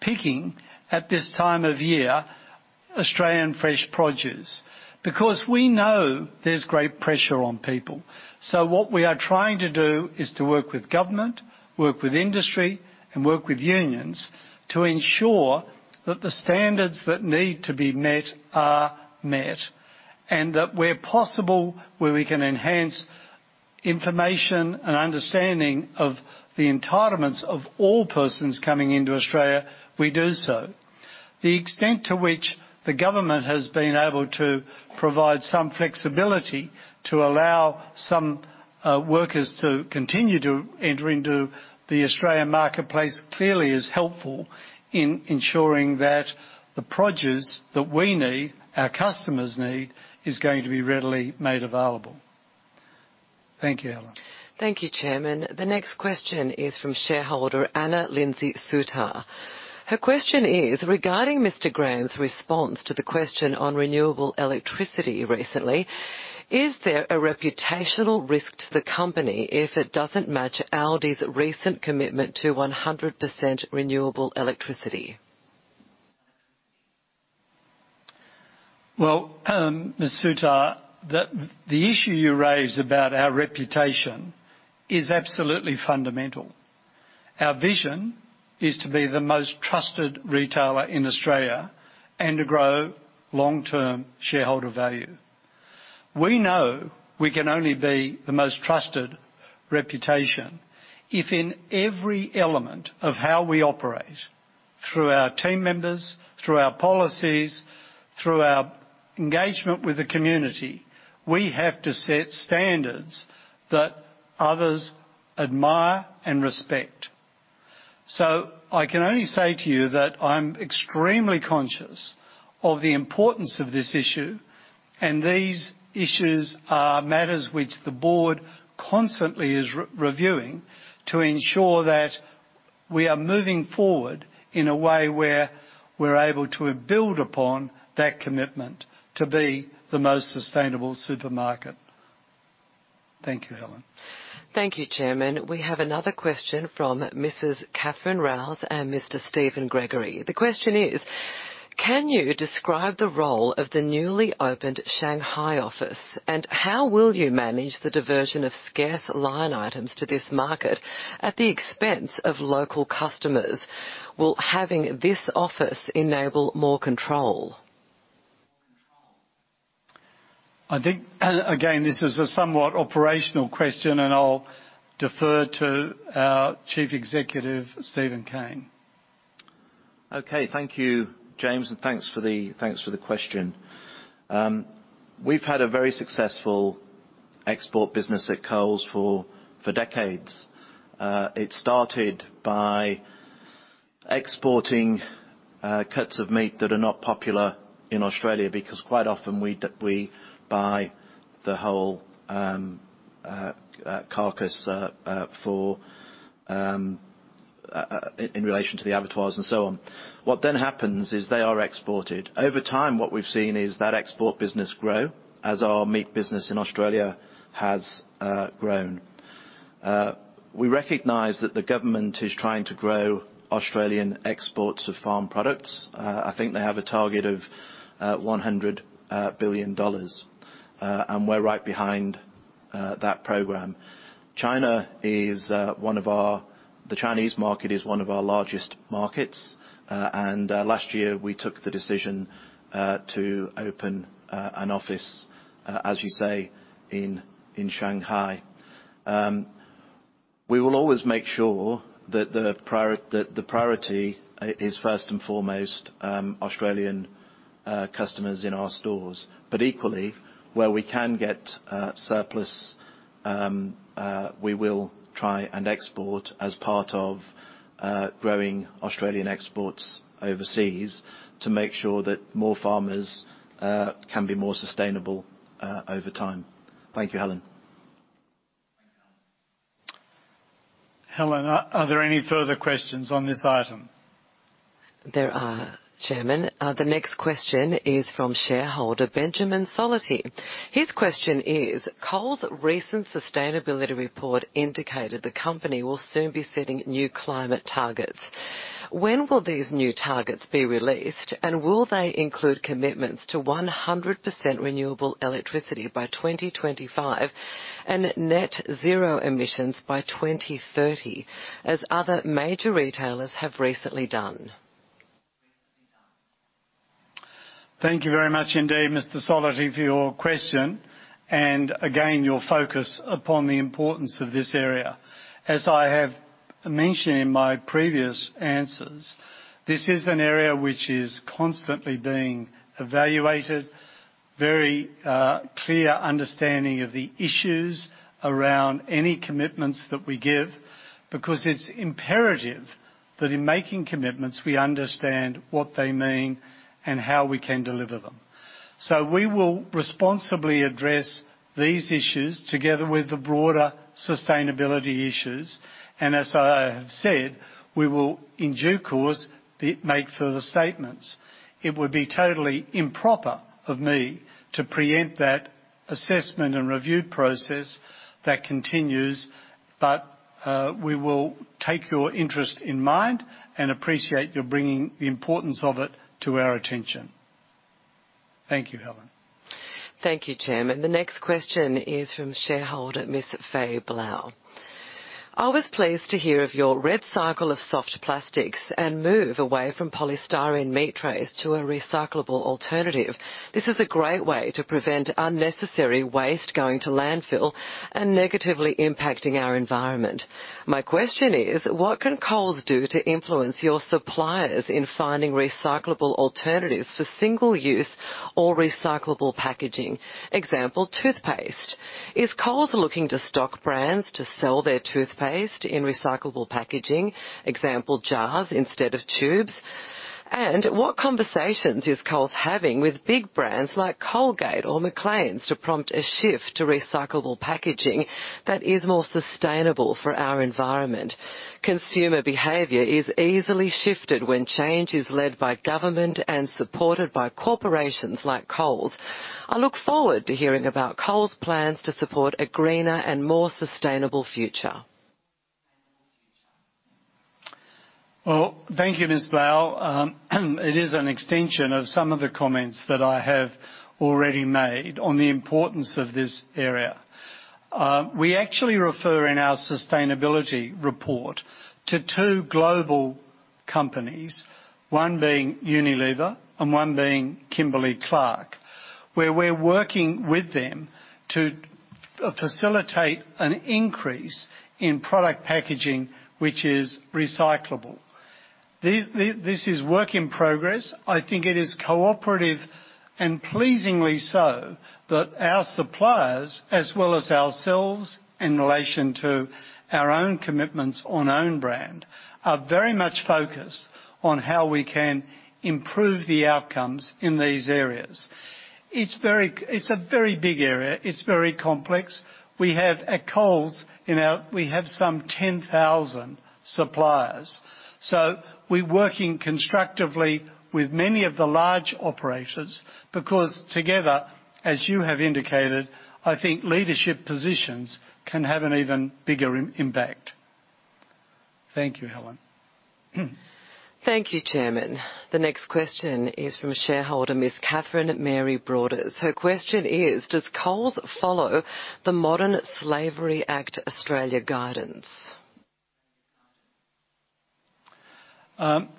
picking at this time of year, Australian fresh produce, because we know there's great pressure on people. So what we are trying to do is to work with government, work with industry, and work with unions to ensure that the standards that need to be met are met and that where possible, where we can enhance information and understanding of the entitlements of all persons coming into Australia, we do so. The extent to which the government has been able to provide some flexibility to allow some workers to continue to enter into the Australian marketplace clearly is helpful in ensuring that the produce that we need, our customers need, is going to be readily made available. Thank you, Helen. Thank you, Chairman. The next question is from shareholder Anna Lindsay Sutar. Her question is regarding Mr. Graham's response to the question on renewable electricity recently. Is there a reputational risk to the company if it doesn't match Aldi's recent commitment to 100% renewable electricity? Well, Ms. Sutar, the issue you raised about our reputation is absolutely fundamental. Our vision is to be the most trusted retailer in Australia and to grow long-term shareholder value. We know we can only be the most trusted reputation if in every element of how we operate through our team members, through our policies, through our engagement with the community, we have to set standards that others admire and respect. So I can only say to you that I'm extremely conscious of the importance of this issue, and these issues are matters which the board constantly is reviewing to ensure that we are moving forward in a way where we're able to build upon that commitment to be the most sustainable supermarket. Thank you, Helen. Thank you, Chairman. We have another question from Mrs. Catherine Rouse and Mr. Steven Gregory. The question is, "Can you describe the role of the newly opened Shanghai office, and how will you manage the diversion of scarce line items to this market at the expense of local customers? Will having this office enable more control?" I think, again, this is a somewhat operational question, and I'll defer to our Chief Executive, Steven Cain. Okay, thank you, James, and thanks for the question. We've had a very successful export business at Coles for decades. It started by exporting cuts of meat that are not popular in Australia because quite often we buy the whole carcass in relation to the abattoirs and so on. What then happens is they are exported. Over time, what we've seen is that export business grow as our meat business in Australia has grown. We recognize that the government is trying to grow Australian exports of farm products. I think they have a target of 100 billion dollars, and we're right behind that program. China is one of our, the Chinese market is one of our largest markets, and last year we took the decision to open an office, as you say, in Shanghai. We will always make sure that the priority is first and foremost Australian customers in our stores, but equally, where we can get surplus, we will try and export as part of growing Australian exports overseas to make sure that more farmers can be more sustainable over time. Thank you, Helen. Thank you, Helen. Are there any further questions on this item? There are, Chairman. The next question is from shareholder Benjamin Solity. His question is, "Coles' recent sustainability report indicated the company will soon be setting new climate targets. When will these new targets be released, and will they include commitments to 100% renewable electricity by 2025 and net zero emissions by 2030, as other major retailers have recently done?" Thank you very much indeed, Mr. Solity, for your question and, again, your focus upon the importance of this area. As I have mentioned in my previous answers, this is an area which is constantly being evaluated, very clear understanding of the issues around any commitments that we give because it's imperative that in making commitments we understand what they mean and how we can deliver them. So we will responsibly address these issues together with the broader sustainability issues, and as I have said, we will, in due course, make further statements. It would be totally improper of me to preempt that assessment and review process that continues, but we will take your interest in mind and appreciate your bringing the importance of it to our attention. Thank you, Helen. Thank you, Chairman. The next question is from shareholder Ms. Fay Blahl. "I was pleased to hear of your recycle of soft plastics and move away from polystyrene meat trays to a recyclable alternative. This is a great way to prevent unnecessary waste going to landfill and negatively impacting our environment. My question is, what can Coles do to influence your suppliers in finding recyclable alternatives for single-use or recyclable packaging? Example, toothpaste. Is Coles looking to stock brands to sell their toothpaste in recyclable packaging? Example, jars instead of tubes? What conversations is Coles having with big brands like Colgate or Macleans to prompt a shift to recyclable packaging that is more sustainable for our environment? Consumer behavior is easily shifted when change is led by government and supported by corporations like Coles. I look forward to hearing about Coles' plans to support a greener and more sustainable future. Thank you, Ms. Blahl. It is an extension of some of the comments that I have already made on the importance of this area. We actually refer in our sustainability report to two global companies, one being Unilever and one being Kimberly-Clark, where we're working with them to facilitate an increase in product packaging which is recyclable. This is work in progress. I think it is cooperative and pleasingly so that our suppliers, as well as ourselves in relation to our own commitments on own brand, are very much focused on how we can improve the outcomes in these areas. It's a very big area. It's very complex. We have at Coles, we have some 10,000 suppliers. So we're working constructively with many of the large operators because together, as you have indicated, I think leadership positions can have an even bigger impact. Thank you, Helen. Thank you, Chairman. The next question is from shareholder Ms. Catherine Mary Broders. Her question is, "Does Coles follow the Modern Slavery Act Australia guidance?"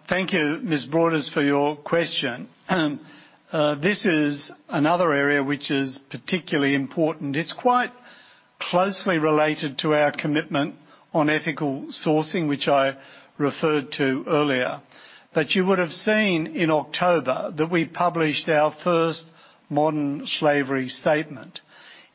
Thank you, Ms. Broders, for your question. This is another area which is particularly important. It's quite closely related to our commitment on ethical sourcing, which I referred to earlier, but you would have seen in October that we published our first modern slavery statement.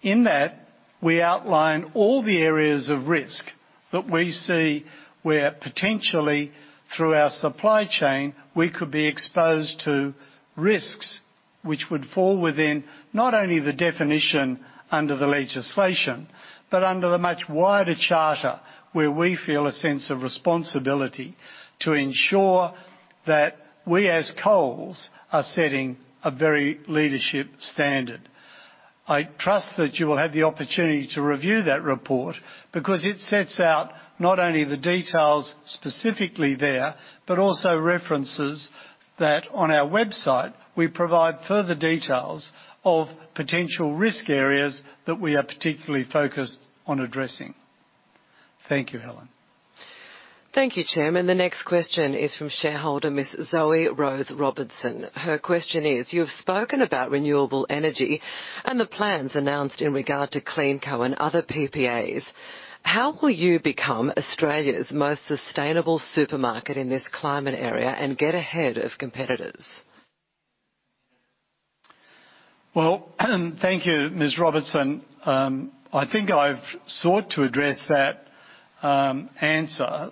In that, we outlined all the areas of risk that we see where potentially through our supply chain we could be exposed to risks which would fall within not only the definition under the legislation but under the much wider charter where we feel a sense of responsibility to ensure that we as Coles are setting a very leadership standard. I trust that you will have the opportunity to review that report because it sets out not only the details specifically there but also references that on our website we provide further details of potential risk areas that we are particularly focused on addressing. Thank you, Helen. Thank you, Chairman. The next question is from shareholder Ms. Zoe Rose Robertson. Her question is, "You have spoken about renewable energy and the plans announced in regard to CleanCo and other PPAs. How will you become Australia's most sustainable supermarket in this climate area and get ahead of competitors?" Well, thank you, Ms. Robertson. I think I've sought to address that answer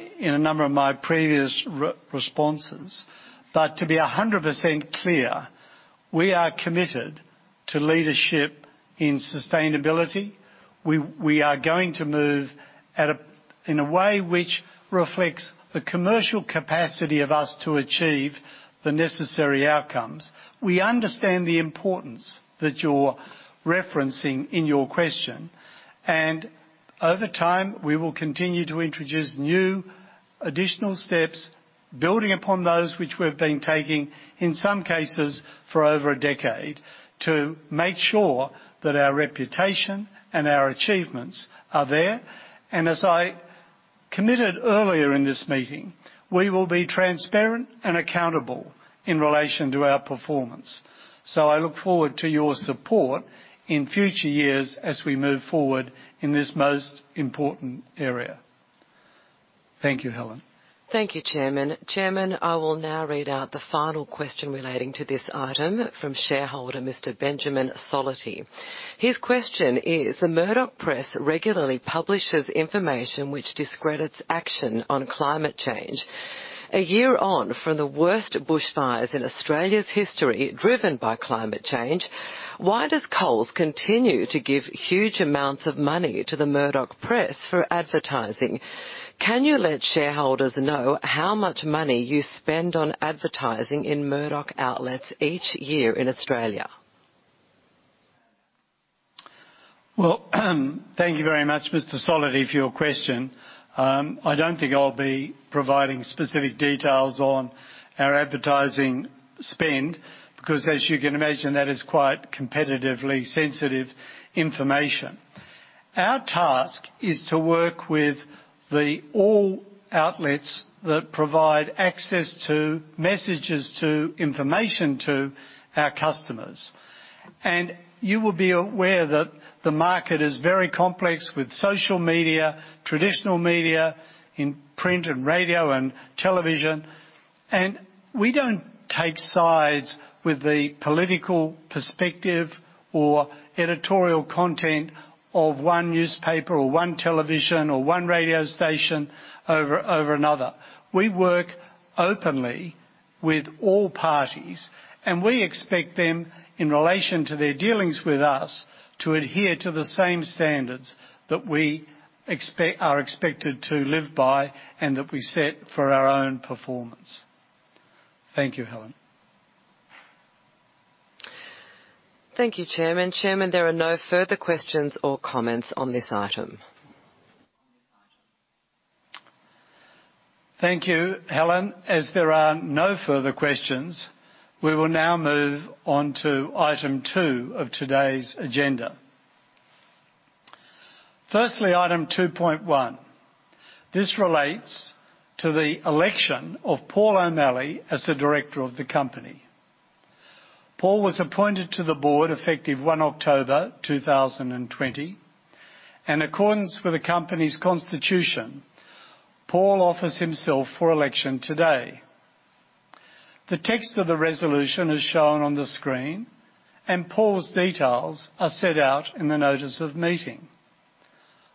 in a number of my previous responses, but to be 100% clear, we are committed to leadership in sustainability. We are going to move in a way which reflects the commercial capacity of us to achieve the necessary outcomes. We understand the importance that you're referencing in your question, and over time we will continue to introduce new additional steps building upon those which we've been taking in some cases for over a decade to make sure that our reputation and our achievements are there. As I committed earlier in this meeting, we will be transparent and accountable in relation to our performance. I look forward to your support in future years as we move forward in this most important area. Thank you, Helen. Thank you, Chairman. Chairman, I will now read out the final question relating to this item from shareholder Mr. Benjamin Solity. His question is, "The Murdoch Press regularly publishes information which discredits action on climate change. A year on from the worst bushfires in Australia's history driven by climate change, why does Coles continue to give huge amounts of money to the Murdoch Press for advertising? Can you let shareholders know how much money you spend on advertising in Murdoch outlets each year in Australia?" Thank you very much, Mr. Solity, for your question. I don't think I'll be providing specific details on our advertising spend because, as you can imagine, that is quite competitively sensitive information. Our task is to work with all outlets that provide access to messages, to information to our customers. And you will be aware that the market is very complex with social media, traditional media, in print and radio and television, and we don't take sides with the political perspective or editorial content of one newspaper or one television or one radio station over another. We work openly with all parties, and we expect them in relation to their dealings with us to adhere to the same standards that we are expected to live by and that we set for our own performance. Thank you, Helen. Thank you, Chairman. Chairman, there are no further questions or comments on this item. Thank you, Helen. As there are no further questions, we will now move on to item two of today's agenda. Firstly, item 2.1. This relates to the election of Paul O'Malley as the director of the company. Paul was appointed to the board effective 1 October 2020, and in accordance with the company's constitution, Paul offers himself for election today. The text of the resolution is shown on the screen, and Paul's details are set out in the notice of meeting.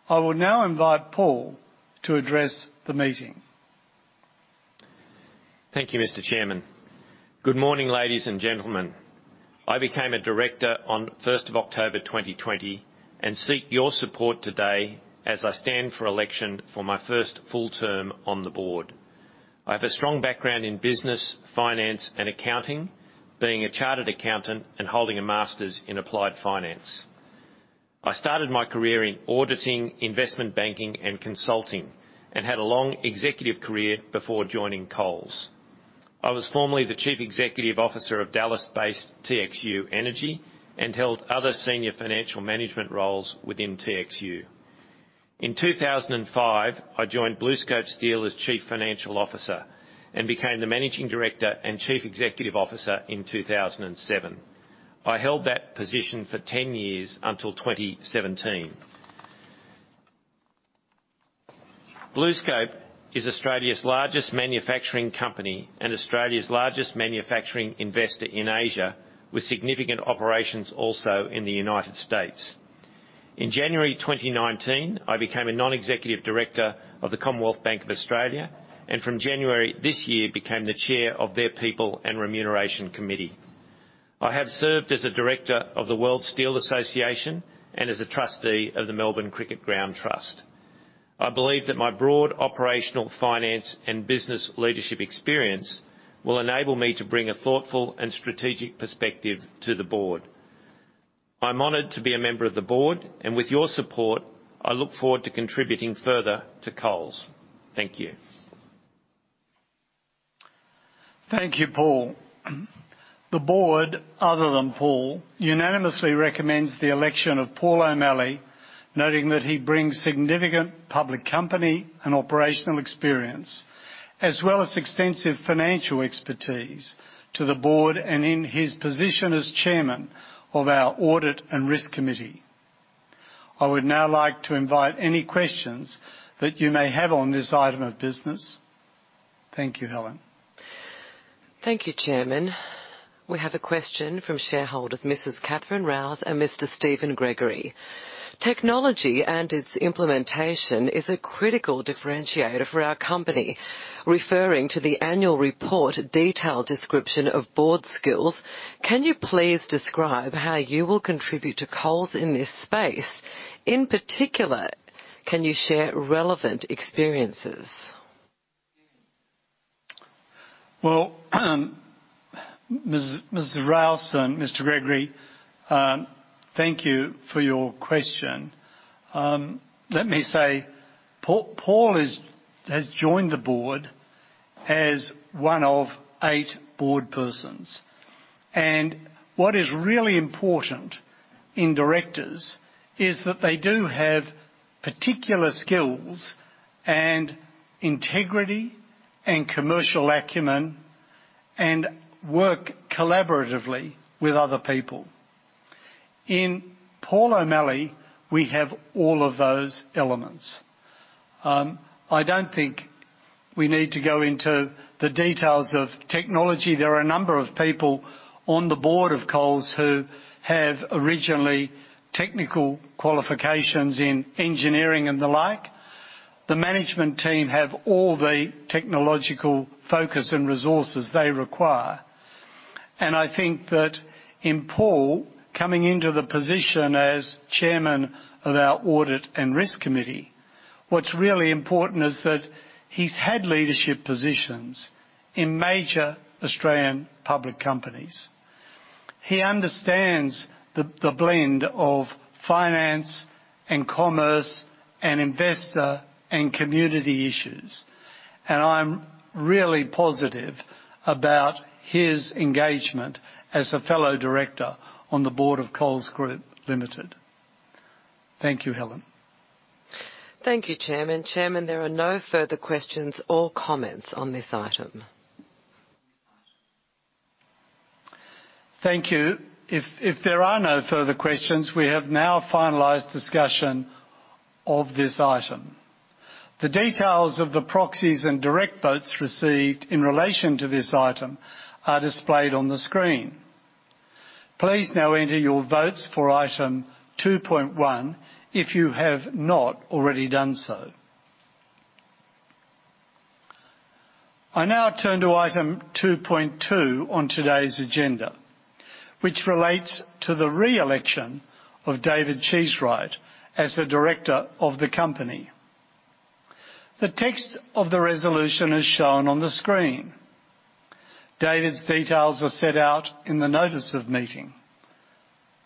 I will now invite Paul to address the meeting. Thank you, Mr. Chairman. Good morning, ladies and gentlemen. I became a director on 1st of October 2020 and seek your support today as I stand for election for my first full term on the board. I have a strong background in business, finance, and accounting, being a chartered accountant and holding a master's in applied finance. I started my career in auditing, investment banking, and consulting, and had a long executive career before joining Coles. I was formerly the Chief Executive Officer of Dallas-based TXU Energy and held other senior financial management roles within TXU. In 2005, I joined BlueScope Steel as Chief Financial Officer and became the Managing Director and Chief Executive Officer in 2007. I held that position for 10 years until 2017. BlueScope is Australia's largest manufacturing company and Australia's largest manufacturing investor in Asia, with significant operations also in the United States. In January 2019, I became a non-executive director of the Commonwealth Bank of Australia, and from January this year became the chair of their People and Remuneration Committee. I have served as a director of the World Steel Association and as a trustee of the Melbourne Cricket Ground Trust. I believe that my broad operational finance and business leadership experience will enable me to bring a thoughtful and strategic perspective to the board. I'm honored to be a member of the board, and with your support, I look forward to contributing further to Coles. Thank you. Thank you, Paul. The board, other than Paul, unanimously recommends the election of Paul O'Malley, noting that he brings significant public company and operational experience, as well as extensive financial expertise to the board and in his position as chairman of our Audit and Risk Committee. I would now like to invite any questions that you may have on this item of business. Thank you, Helen. Thank you, Chairman. We have a question from shareholders, Mrs. Catherine Rouse and Mr. Steven Gregory. Technology and its implementation is a critical differentiator for our company. Referring to the annual report detailed description of board skills, can you please describe how you will contribute to Coles in this space? In particular, can you share relevant experiences? Well, Ms. Rouse and Mr. Gregory, thank you for your question. Let me say Paul has joined the board as one of eight board persons. And what is really important in directors is that they do have particular skills and integrity and commercial acumen and work collaboratively with other people. In Paul O'Malley, we have all of those elements. I don't think we need to go into the details of technology. There are a number of people on the board of Coles who have extensive technical qualifications in engineering and the like. The management team have all the technological focus and resources they require. And I think that in Paul coming into the position as chairman of our Audit and Risk Committee, what's really important is that he's had leadership positions in major Australian public companies. He understands the blend of finance and commerce and investor and community issues, and I'm really positive about his engagement as a fellow director on the board of Coles Group Limited. Thank you, Helen. Thank you, Chairman. Chairman, there are no further questions or comments on this item. Thank you. If there are no further questions, we have now finalized discussion of this item. The details of the proxies and direct votes received in relation to this item are displayed on the screen. Please now enter your votes for item 2.1 if you have not already done so. I now turn to item 2.2 on today's agenda, which relates to the re-election of David Cheesewright as the director of the company. The text of the resolution is shown on the screen. David's details are set out in the notice of meeting.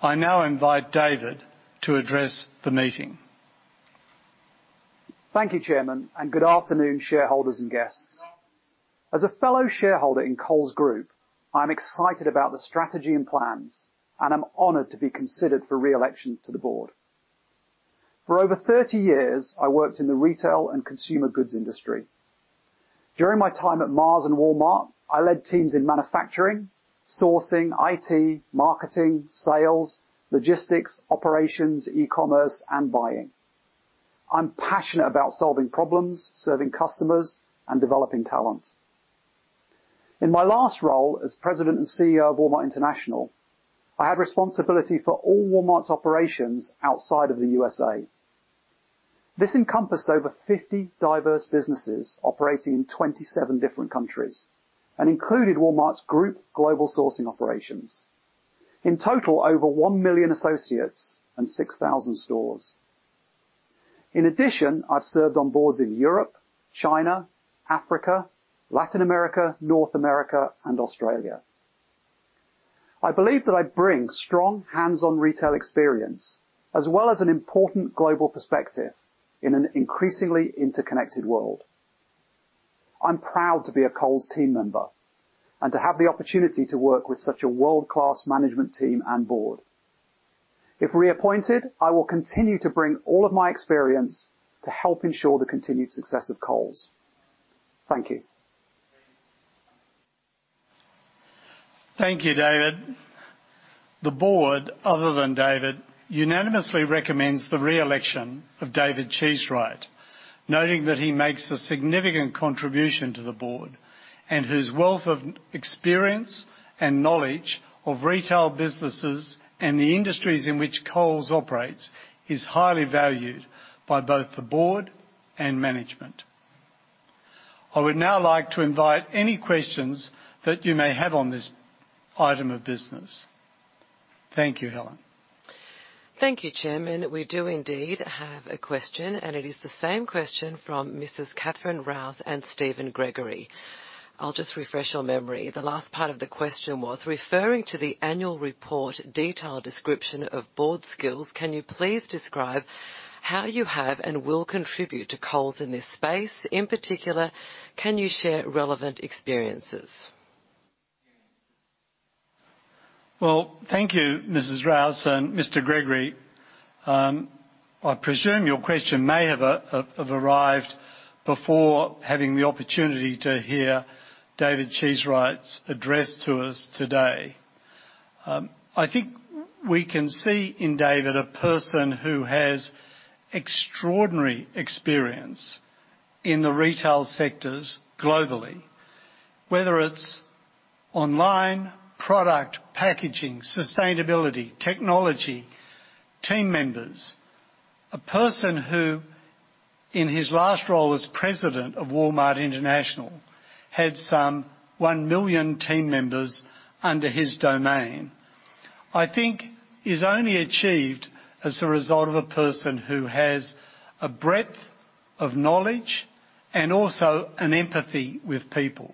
I now invite David to address the meeting. Thank you, Chairman, and good afternoon, shareholders and guests. As a fellow shareholder in Coles Group, I'm excited about the strategy and plans, and I'm honored to be considered for re-election to the board. For over 30 years, I worked in the retail and consumer goods industry. During my time at Mars and Walmart, I led teams in manufacturing, sourcing, IT, marketing, sales, logistics, operations, e-commerce, and buying. I'm passionate about solving problems, serving customers, and developing talent. In my last role as President and CEO of Walmart International, I had responsibility for all Walmart's operations outside of the USA. This encompassed over 50 diverse businesses operating in 27 different countries and included Walmart's group global sourcing operations. In total, over 1 million associates and 6,000 stores. In addition, I've served on boards in Europe, China, Africa, Latin America, North America, and Australia. I believe that I bring strong hands-on retail experience as well as an important global perspective in an increasingly interconnected world. I'm proud to be a Coles team member and to have the opportunity to work with such a world-class management team and board. If reappointed, I will continue to bring all of my experience to help ensure the continued success of Coles. Thank you. Thank you, David. The board, other than David, unanimously recommends the re-election of David Cheesewright, noting that he makes a significant contribution to the board and whose wealth of experience and knowledge of retail businesses and the industries in which Coles operates is highly valued by both the board and management. I would now like to invite any questions that you may have on this item of business. Thank you, Helen. Thank you, Chairman. We do indeed have a question, and it is the same question from Mrs. Catherine Rouse and Steven Gregory. I'll just refresh your memory. The last part of the question was referring to the annual report detailed description of board skills. Can you please describe how you have and will contribute to Coles in this space? In particular, can you share relevant experiences? Well, thank you, Mrs. Rouse and Mr. Gregory. I presume your question may have arrived before having the opportunity to hear David Cheesewright's address to us today. I think we can see in David a person who has extraordinary experience in the retail sectors globally, whether it's online, product packaging, sustainability, technology, team members. A person who, in his last role as president of Walmart International, had some 1 million team members under his domain, I think, is only achieved as a result of a person who has a breadth of knowledge and also an empathy with people.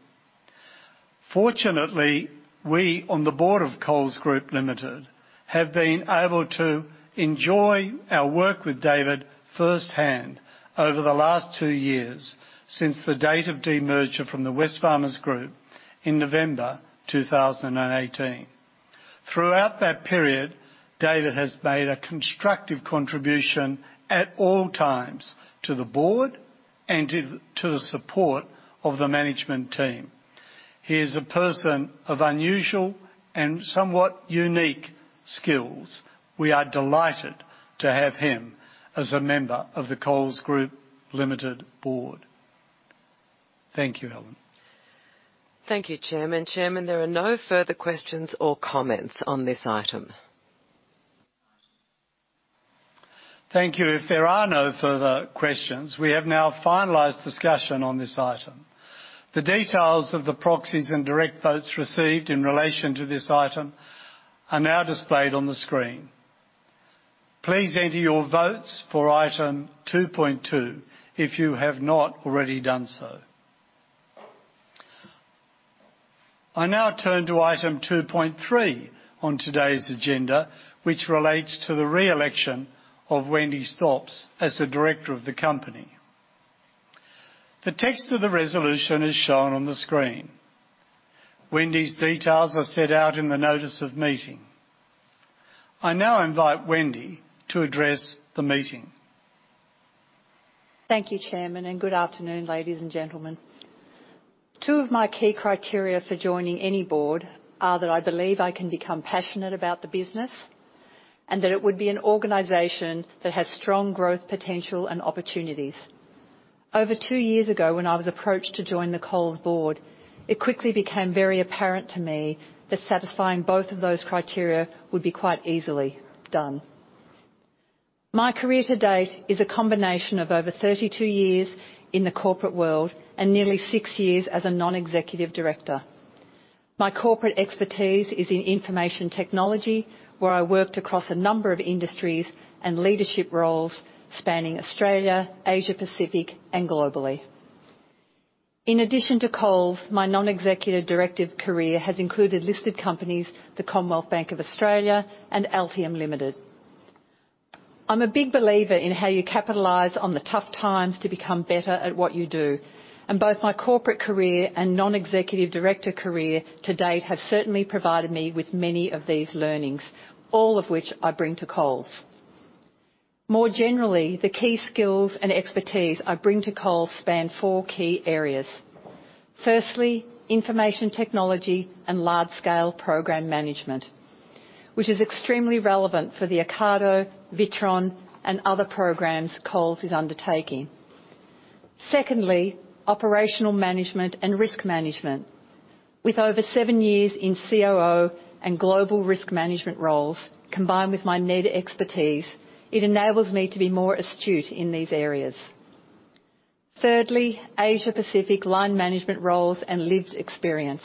Fortunately, we on the board of Coles Group Limited have been able to enjoy our work with David firsthand over the last two years since the date of demerger from Wesfarmers in November 2018. Throughout that period, David has made a constructive contribution at all times to the board and to the support of the management team. He is a person of unusual and somewhat unique skills. We are delighted to have him as a member of the Coles Group Limited board. Thank you, Helen. Thank you, Chairman. Chairman, there are no further questions or comments on this item. Thank you. If there are no further questions, we have now finalized discussion on this item. The details of the proxies and direct votes received in relation to this item are now displayed on the screen. Please enter your votes for item 2.2 if you have not already done so. I now turn to item 2.3 on today's agenda, which relates to the re-election of Wendy Stops as the director of the company. The text of the resolution is shown on the screen. Wendy's details are set out in the notice of meeting. I now invite Wendy to address the meeting. Thank you, Chairman, and good afternoon, ladies and gentlemen. Two of my key criteria for joining any board are that I believe I can become passionate about the business and that it would be an organization that has strong growth potential and opportunities. Over two years ago, when I was approached to join the Coles board, it quickly became very apparent to me that satisfying both of those criteria would be quite easily done. My career to date is a combination of over 32 years in the corporate world and nearly six years as a non-executive director. My corporate expertise is in information technology, where I worked across a number of industries and leadership roles spanning Australia, Asia-Pacific, and globally. In addition to Coles, my non-executive director career has included listed companies, the Commonwealth Bank of Australia, and Altium Limited. I'm a big believer in how you capitalize on the tough times to become better at what you do, and both my corporate career and non-executive director career to date have certainly provided me with many of these learnings, all of which I bring to Coles. More generally, the key skills and expertise I bring to Coles span four key areas. Firstly, information technology and large-scale program management, which is extremely relevant for the Ocado, Witron, and other programs Coles is undertaking. Secondly, operational management and risk management. With over seven years in COO and global risk management roles, combined with my native expertise, it enables me to be more astute in these areas. Thirdly, Asia-Pacific line management roles and lived experience,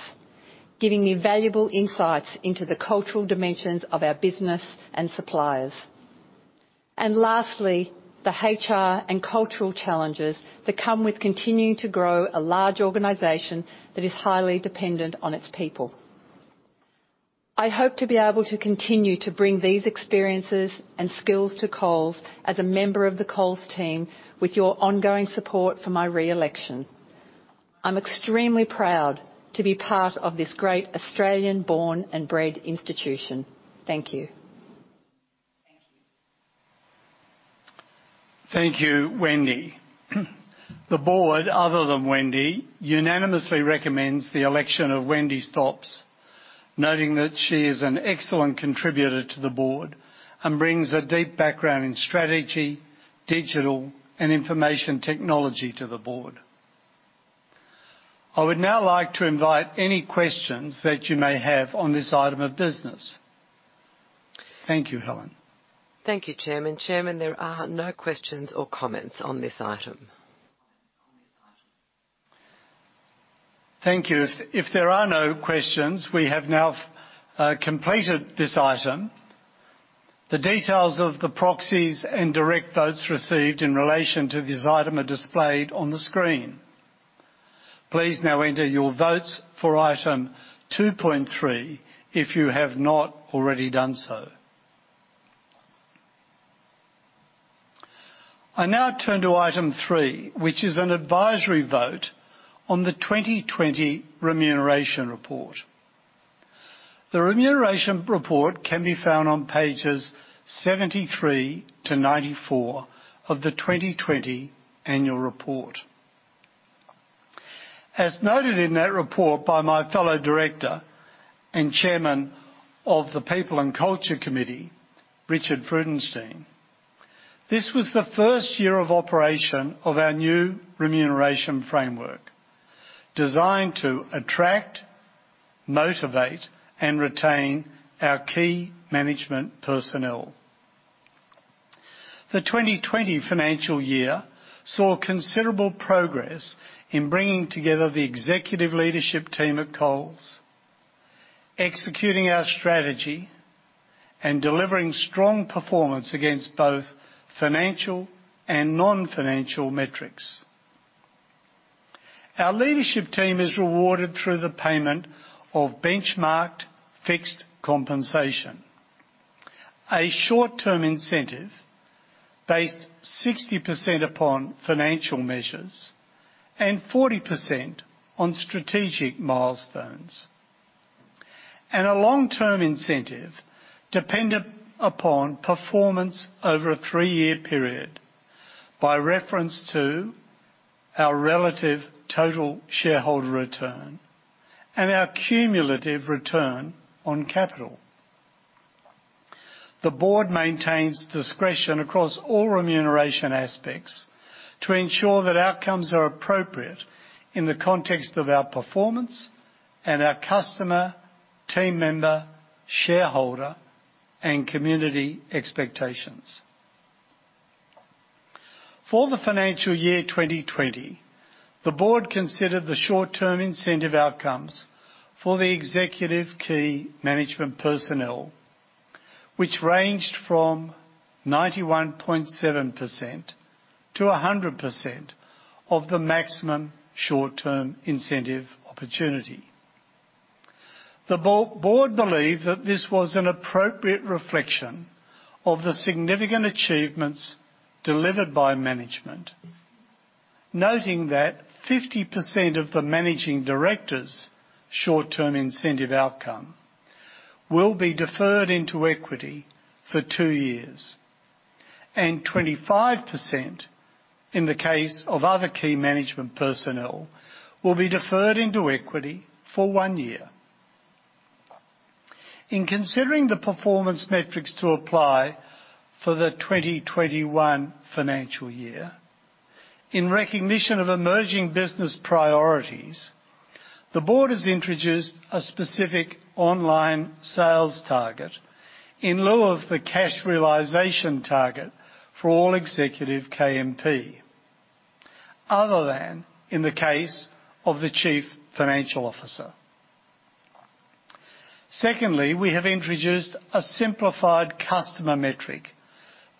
giving me valuable insights into the cultural dimensions of our business and suppliers. And lastly, the HR and cultural challenges that come with continuing to grow a large organization that is highly dependent on its people. I hope to be able to continue to bring these experiences and skills to Coles as a member of the Coles team, with your ongoing support for my re-election. I'm extremely proud to be part of this great Australian-born and bred institution. Thank you. Thank you. Thank you, Wendy. The board, other than Wendy, unanimously recommends the election of Wendy Stops, noting that she is an excellent contributor to the board and brings a deep background in strategy, digital, and information technology to the board. I would now like to invite any questions that you may have on this item of business. Thank you, Helen. Thank you, Chairman. Chairman, there are no questions or comments on this item. Thank you. If there are no questions, we have now completed this item. The details of the proxies and direct votes received in relation to this item are displayed on the screen. Please now enter your votes for item 2.3 if you have not already done so. I now turn to item 3, which is an advisory vote on the 2020 remuneration report. The remuneration report can be found on pages 73 to 94 of the 2020 annual report. As noted in that report by my fellow director and Chairman of the People and Culture Committee, Richard Freudenstein, this was the first year of operation of our new remuneration framework, designed to attract, motivate, and retain our key management personnel. The 2020 financial year saw considerable progress in bringing together the executive leadership team at Coles, executing our strategy, and delivering strong performance against both financial and non-financial metrics. Our leadership team is rewarded through the payment of benchmarked fixed compensation, a short-term incentive based 60% upon financial measures and 40% on strategic milestones, and a long-term incentive dependent upon performance over a three-year period by reference to our relative total shareholder return and our cumulative return on capital. The board maintains discretion across all remuneration aspects to ensure that outcomes are appropriate in the context of our performance and our customer, team member, shareholder, and community expectations. For the financial year 2020, the board considered the short-term incentive outcomes for the executive key management personnel, which ranged from 91.7%-100% of the maximum short-term incentive opportunity. The board believed that this was an appropriate reflection of the significant achievements delivered by management, noting that 50% of the Managing Director's Short-Term Incentive outcome will be deferred into equity for two years, and 25%, in the case of other Key Management Personnel, will be deferred into equity for one year. In considering the performance metrics to apply for the 2021 financial year, in recognition of emerging business priorities, the board has introduced a specific online sales target in lieu of the cash realization target for all executive KMP, other than in the case of the Chief Financial Officer. Secondly, we have introduced a simplified customer metric,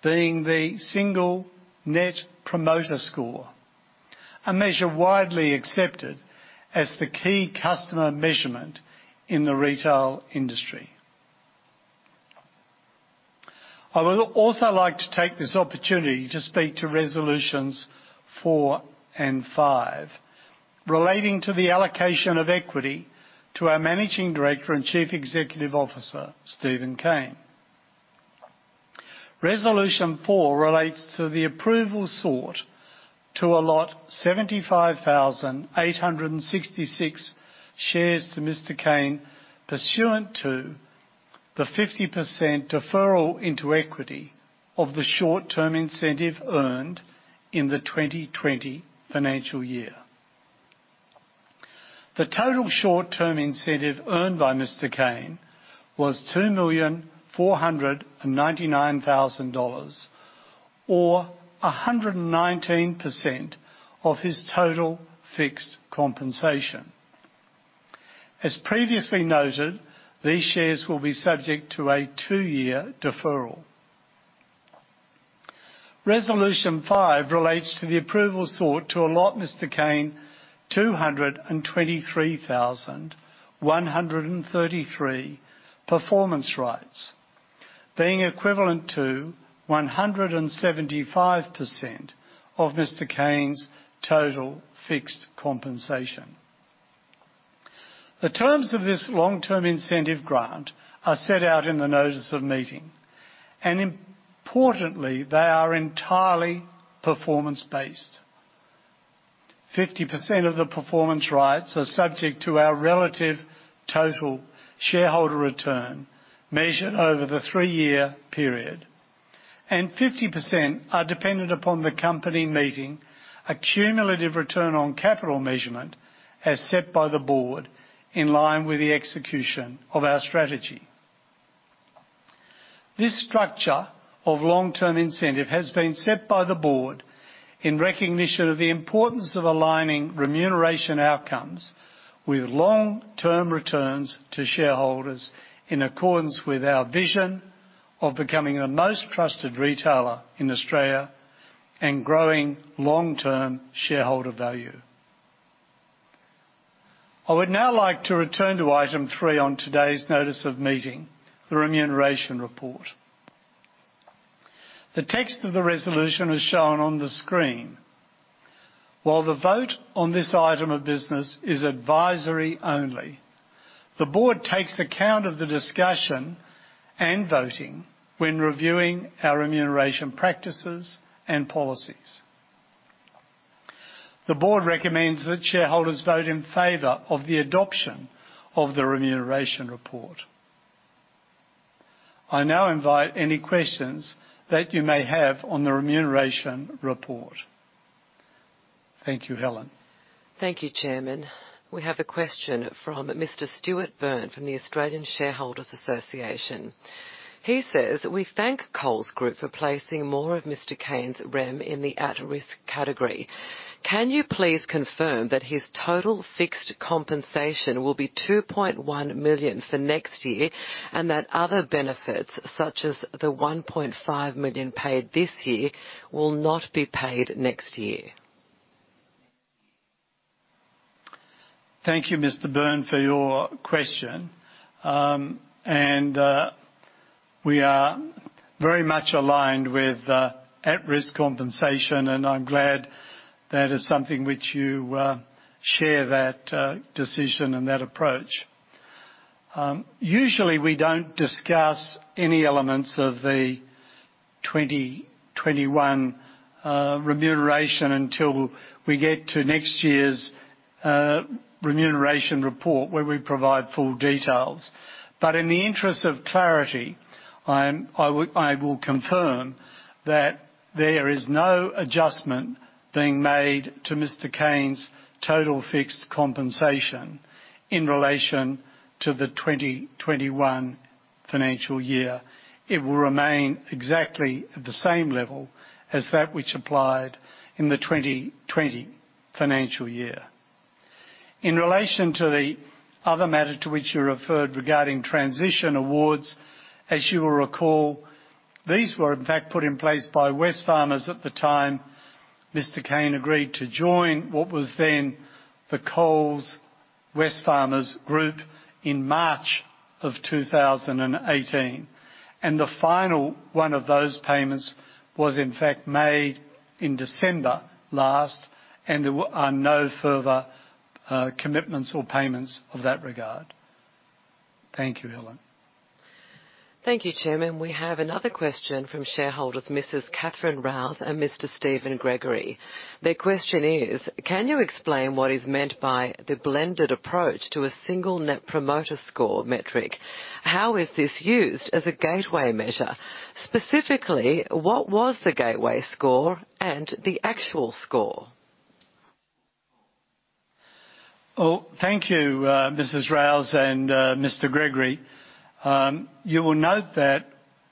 being the single Net Promoter Score, a measure widely accepted as the key customer measurement in the retail industry. I would also like to take this opportunity to speak to resolutions four and five relating to the allocation of equity to our Managing Director and Chief Executive Officer, Steven Cain. Resolution four relates to the approval sought to allot 75,866 shares to Mr. Cain pursuant to the 50% deferral into equity of the short-term incentive earned in the 2020 financial year. The total short-term incentive earned by Mr. Cain was 2,499,000 dollars, or 119% of his total fixed compensation. As previously noted, these shares will be subject to a two-year deferral. Resolution five relates to the approval sought to allot Mr. Cain 223,133 performance rights, being equivalent to 175% of Mr. Cain's total fixed compensation. The terms of this long-term incentive grant are set out in the notice of meeting, and importantly, they are entirely performance-based. 50% of the performance rights are subject to our relative total shareholder return measured over the three-year period, and 50% are dependent upon the company meeting a cumulative return on capital measurement as set by the board in line with the execution of our strategy. This structure of long-term incentive has been set by the board in recognition of the importance of aligning remuneration outcomes with long-term returns to shareholders in accordance with our vision of becoming the most trusted retailer in Australia and growing long-term shareholder value. I would now like to return to item three on today's notice of meeting, the remuneration report. The text of the resolution is shown on the screen. While the vote on this item of business is advisory only, the board takes account of the discussion and voting when reviewing our remuneration practices and policies. The board recommends that shareholders vote in favor of the adoption of the remuneration report. I now invite any questions that you may have on the remuneration report. Thank you, Helen. Thank you, Chairman. We have a question from Mr. Stuart Byrne from the Australian Shareholders' Association. He says, "We thank Coles Group for placing more of Mr. Cain's REM in the at-risk category. Can you please confirm that his total fixed compensation will be 2.1 million for next year and that other benefits, such as the 1.5 million paid this year, will not be paid next year?" Thank you, Mr. Byrne, for your question, and we are very much aligned with at-risk compensation, and I'm glad that is something which you share that decision and that approach. Usually, we don't discuss any elements of the 2021 remuneration until we get to next year's remuneration report, where we provide full details. But in the interest of clarity, I will confirm that there is no adjustment being made to Mr. Cain's total fixed compensation in relation to the 2021 financial year. It will remain exactly at the same level as that which applied in the 2020 financial year. In relation to the other matter to which you referred regarding transition awards, as you will recall, these were, in fact, put in place by Wesfarmers at the time Mr. Cain agreed to join what was then the Coles, Wesfarmers Group in March of 2018. And the final one of those payments was, in fact, made in December last, and there are no further commitments or payments of that regard. Thank you, Helen. Thank you, Chairman. We have another question from shareholders, Mrs. Catherine Rouse and Mr. Steven Gregory. Their question is, "Can you explain what is meant by the blended approach to a single Net Promoter Score metric? How is this used as a gateway measure? Specifically, what was the gateway score and the actual score?" Oh, thank you, Mrs. Rouse and Mr. Gregory. You will note that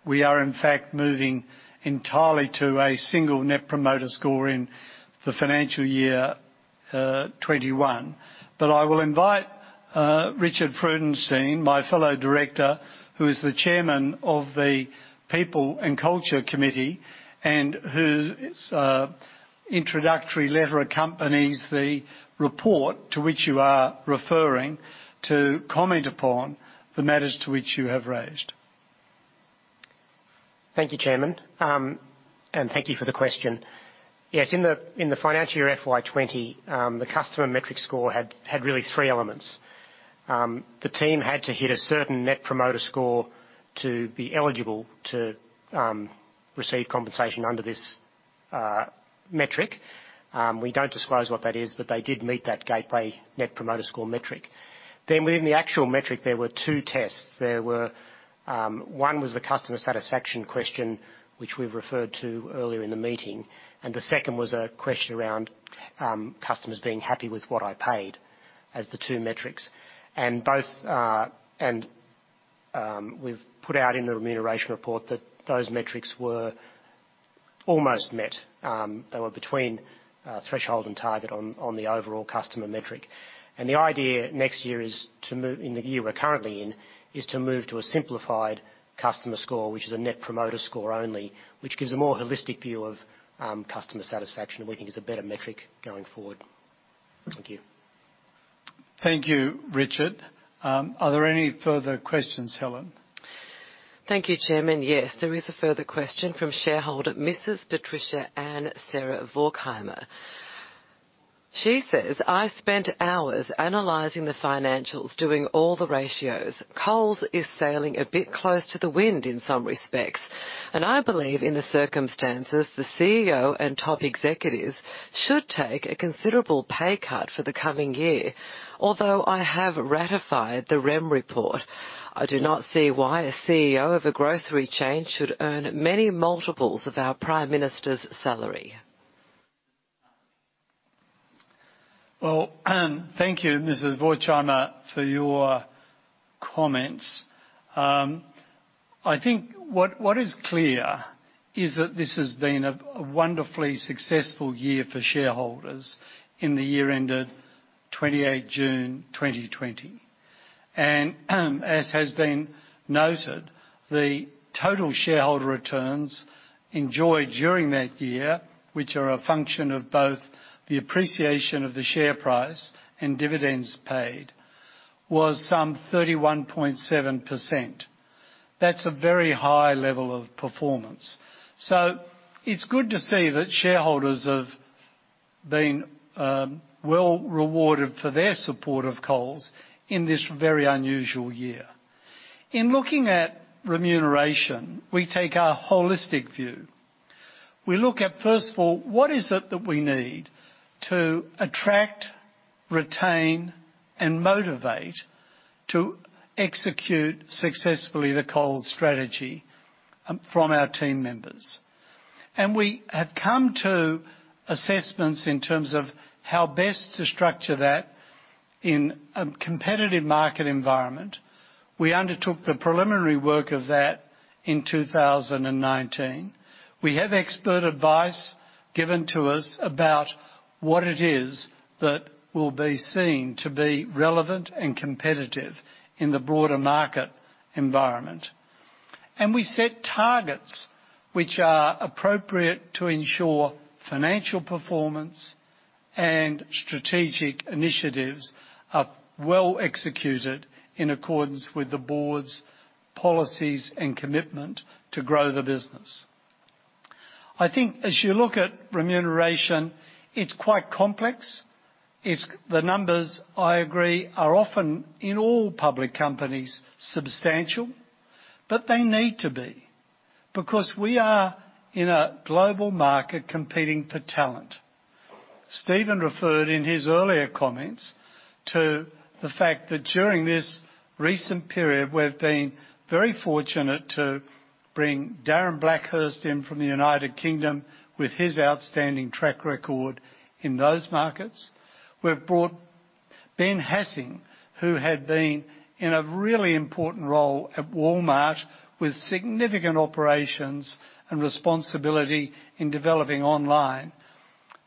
we are, in fact, moving entirely to a single Net Promoter Score in the financial year 2021. But I will invite Richard Freudenstein, my fellow director, who is the chairman of the People and Culture Committee and whose introductory letter accompanies the report to which you are referring to comment upon the matters to which you have raised. Thank you, Chairman, and thank you for the question. Yes, in the financial year FY 2020, the customer metric score had really three elements. The team had to hit a certain Net Promoter Score to be eligible to receive compensation under this metric. We don't disclose what that is, but they did meet that gateway Net Promoter Score metric. Then, within the actual metric, there were two tests. One was the customer satisfaction question, which we've referred to earlier in the meeting, and the second was a question around customers being happy with what they paid as the two metrics. We've put out in the Remuneration Report that those metrics were almost met. They were between threshold and target on the overall customer metric. The idea next year is to move in the year we're currently in to a simplified customer score, which is a Net Promoter Score only, which gives a more holistic view of customer satisfaction, and we think is a better metric going forward. Thank you. Thank you, Richard. Are there any further questions, Helen? Thank you, Chairman. Yes, there is a further question from shareholder, Mrs. Patricia Anne Sarah Vorchheimer. She says, "I spent hours analyzing the financials, doing all the ratios. Coles is sailing a bit close to the wind in some respects, and I believe in the circumstances the CEO and top executives should take a considerable pay cut for the coming year. Although I have ratified the REM report, I do not see why a CEO of a grocery chain should earn many multiples of our prime minister's salary." Well, thank you, Mrs. Vorchheimer, for your comments. I think what is clear is that this has been a wonderfully successful year for shareholders in the year ended 28 June 2020. And as has been noted, the total shareholder returns enjoyed during that year, which are a function of both the appreciation of the share price and dividends paid, was some 31.7%. That's a very high level of performance. So it's good to see that shareholders have been well rewarded for their support of Coles in this very unusual year. In looking at remuneration, we take a holistic view. We look at, first of all, what is it that we need to attract, retain, and motivate to execute successfully the Coles strategy from our team members? And we have come to assessments in terms of how best to structure that in a competitive market environment. We undertook the preliminary work of that in 2019. We have expert advice given to us about what it is that will be seen to be relevant and competitive in the broader market environment. And we set targets which are appropriate to ensure financial performance and strategic initiatives are well executed in accordance with the board's policies and commitment to grow the business. I think as you look at remuneration, it's quite complex. The numbers, I agree, are often in all public companies substantial, but they need to be because we are in a global market competing for talent. Steven referred in his earlier comments to the fact that during this recent period, we've been very fortunate to bring Darren Blackhurst in from the United Kingdom with his outstanding track record in those markets. We've brought Ben Hassing, who had been in a really important role at Walmart with significant operations and responsibility in developing online.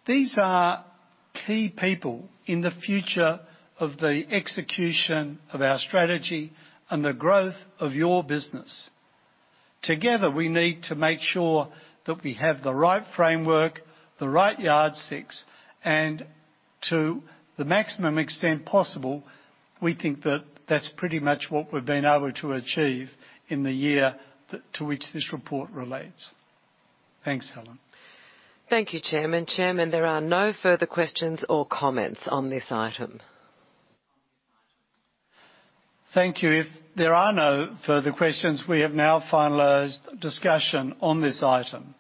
These are key people in the future of the execution of our strategy and the growth of your business. Together, we need to make sure that we have the right framework, the right yardsticks, and to the maximum extent possible, we think that that's pretty much what we've been able to achieve in the year to which this report relates. Thanks, Helen. Thank you, Chairman. Chairman, there are no further questions or comments on this item. Thank you. If there are no further questions, we have now finalized discussion on this item.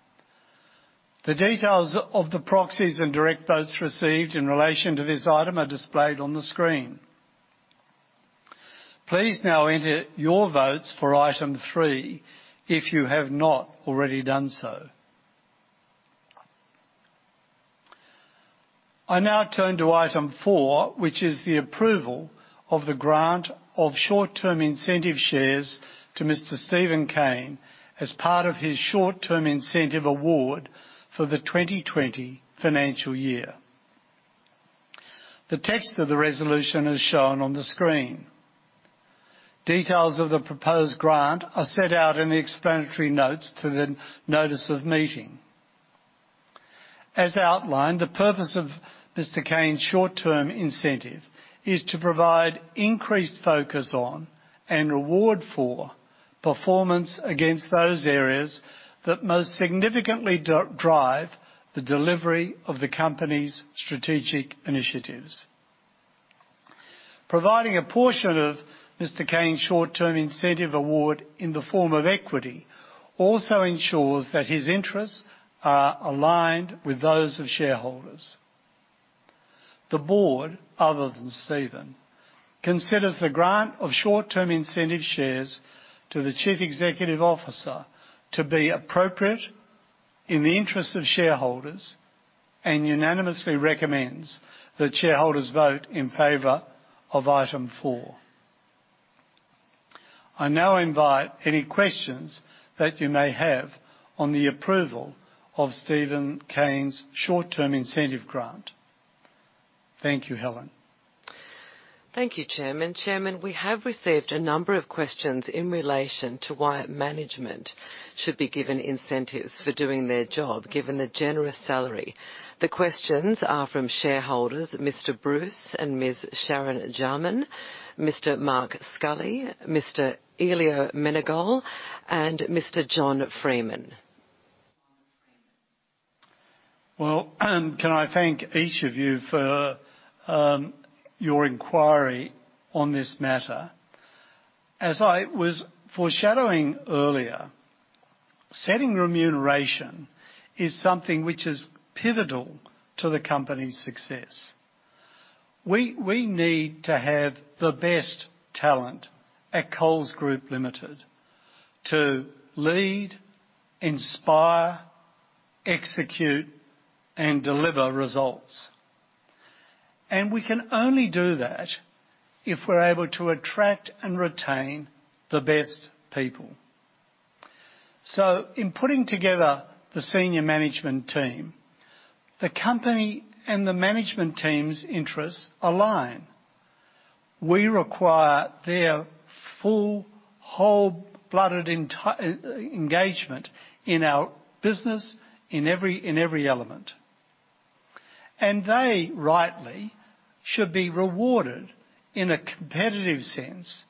The details of the proxies and direct votes received in relation to this item are displayed on the screen. Please now enter your votes for item three if you have not already done so. I now turn to item four, which is the approval of the grant of short-term incentive shares to Mr. Steven Cain as part of his short-term incentive award for the 2020 financial year. The text of the resolution is shown on the screen. Details of the proposed grant are set out in the explanatory notes to the notice of meeting. As outlined, the purpose of Mr. Cain's short-term incentive is to provide increased focus on and reward for performance against those areas that most significantly drive the delivery of the company's strategic initiatives. Providing a portion of Mr. Cain's short-term incentive award in the form of equity also ensures that his interests are aligned with those of shareholders. The board, other than Steven, considers the grant of short-term incentive shares to the Chief Executive Officer to be appropriate in the interests of shareholders and unanimously recommends that shareholders vote in favor of item four. I now invite any questions that you may have on the approval of Steven Cain's short-term incentive grant. Thank you, Helen. Thank you, Chairman. Chairman, we have received a number of questions in relation to why management should be given incentives for doing their job given the generous salary. The questions are from shareholders, Mr. Bruce and Ms. Sharon Jarman, Mr. Mark Scully, Mr. Elio Menegol, and Mr. John Freeman. Can I thank each of you for your inquiry on this matter? As I was foreshadowing earlier, setting remuneration is something which is pivotal to the company's success. We need to have the best talent at Coles Group Limited to lead, inspire, execute, and deliver results. We can only do that if we're able to attract and retain the best people. In putting together the senior management team, the company and the management team's interests align. We require their full, wholehearted engagement in our business in every element. They rightly should be rewarded in a competitive sense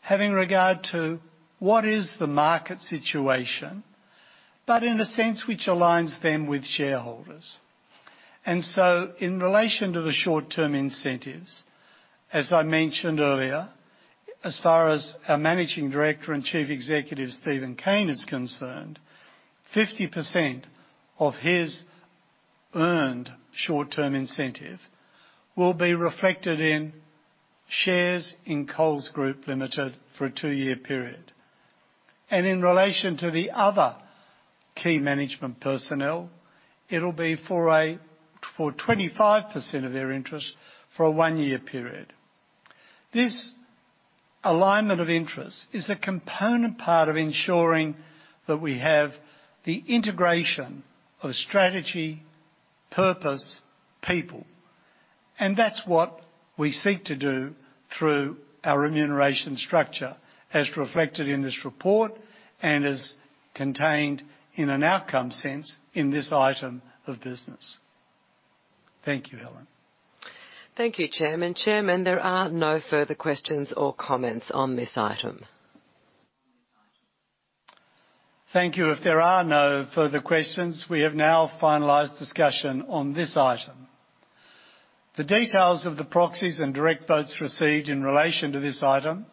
having regard to what is the market situation, but in a sense which aligns them with shareholders. And so in relation to the short-term incentives, as I mentioned earlier, as far as our Managing Director and Chief Executive Steven Cain is concerned, 50% of his earned short-term incentive will be reflected in shares in Coles Group Limited for a two-year period. And in relation to the other key management personnel, it'll be for 25% of their interest for a one-year period. This alignment of interests is a component part of ensuring that we have the integration of strategy, purpose, people. And that's what we seek to do through our remuneration structure as reflected in this report and as contained in an outcome sense in this item of business. Thank you, Helen. Thank you, Chairman. Chairman, there are no further questions or comments on this item. Thank you. If there are no further questions, we have now finalized discussion on this item. The details of the proxies and direct votes received in relation to this item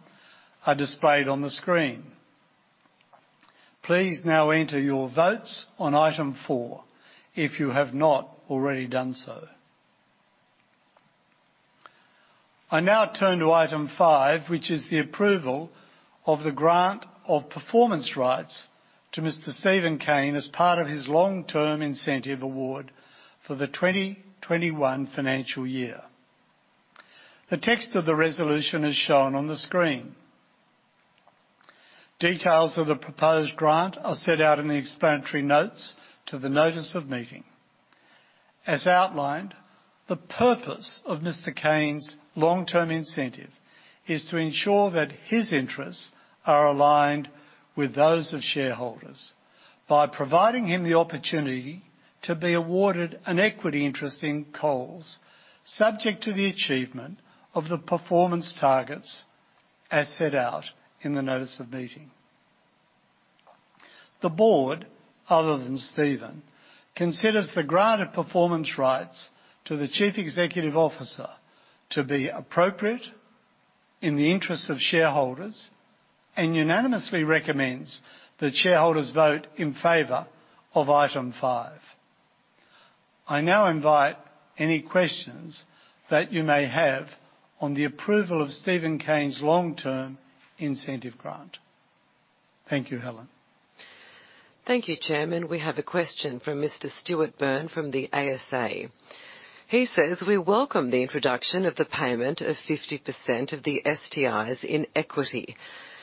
are displayed on the screen. Please now enter your votes on item four if you have not already done so. I now turn to item five, which is the approval of the grant of performance rights to Mr. Steven Cain as part of his long-term incentive award for the 2021 financial year. The text of the resolution is shown on the screen. Details of the proposed grant are set out in the explanatory notes to the notice of meeting. As outlined, the purpose of Mr. Cain's long-term incentive is to ensure that his interests are aligned with those of shareholders by providing him the opportunity to be awarded an equity interest in Coles, subject to the achievement of the performance targets as set out in the notice of meeting. The board, other than Steven, considers the grant of performance rights to the Chief Executive Officer to be appropriate in the interests of shareholders and unanimously recommends that shareholders vote in favor of item five. I now invite any questions that you may have on the approval of Steven Cain's long-term incentive grant. Thank you, Helen. Thank you, Chairman. We have a question from Mr. Stuart Byrne from the ASA. He says, "We welcome the introduction of the payment of 50% of the STIs in equity.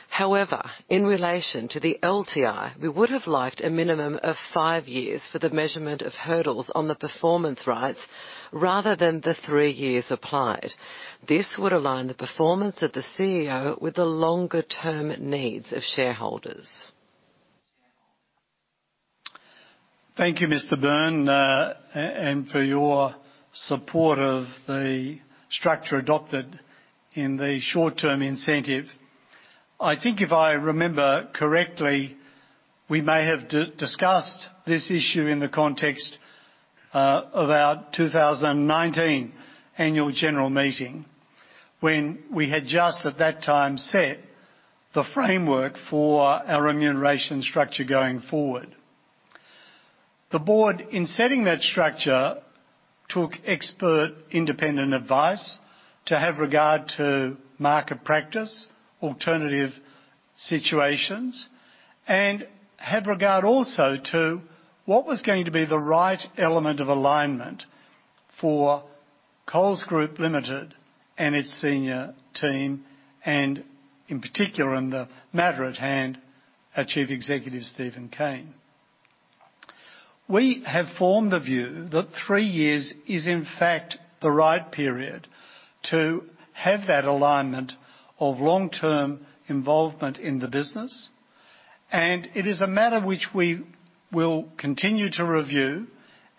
However, in relation to the LTI, we would have liked a minimum of five years for the measurement of hurdles on the performance rights rather than the three years applied. This would align the performance of the CEO with the longer-term needs of shareholders." Thank you, Mr. Byrne, and for your support of the structure adopted in the short-term incentive. I think if I remember correctly, we may have discussed this issue in the context of our 2019 annual general meeting when we had just at that time set the framework for our remuneration structure going forward. The board, in setting that structure, took expert independent advice to have regard to market practice, alternative situations, and have regard also to what was going to be the right element of alignment for Coles Group Limited and its senior team, and in particular, in the matter at hand, our Chief Executive Steven Cain. We have formed the view that three years is, in fact, the right period to have that alignment of long-term involvement in the business, and it is a matter which we will continue to review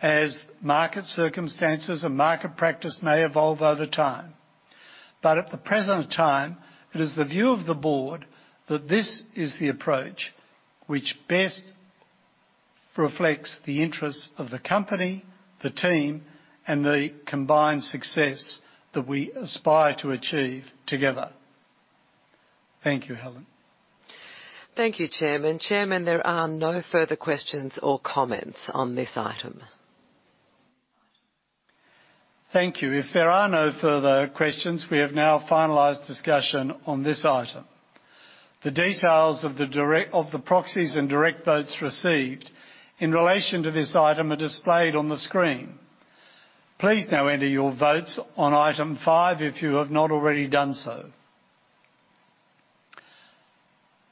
as market circumstances and market practice may evolve over time. But at the present time, it is the view of the board that this is the approach which best reflects the interests of the company, the team, and the combined success that we aspire to achieve together. Thank you, Helen. Thank you, Chairman. Chairman, there are no further questions or comments on this item. Thank you. If there are no further questions, we have now finalized discussion on this item. The details of the proxies and direct votes received in relation to this item are displayed on the screen. Please now enter your votes on item five if you have not already done so.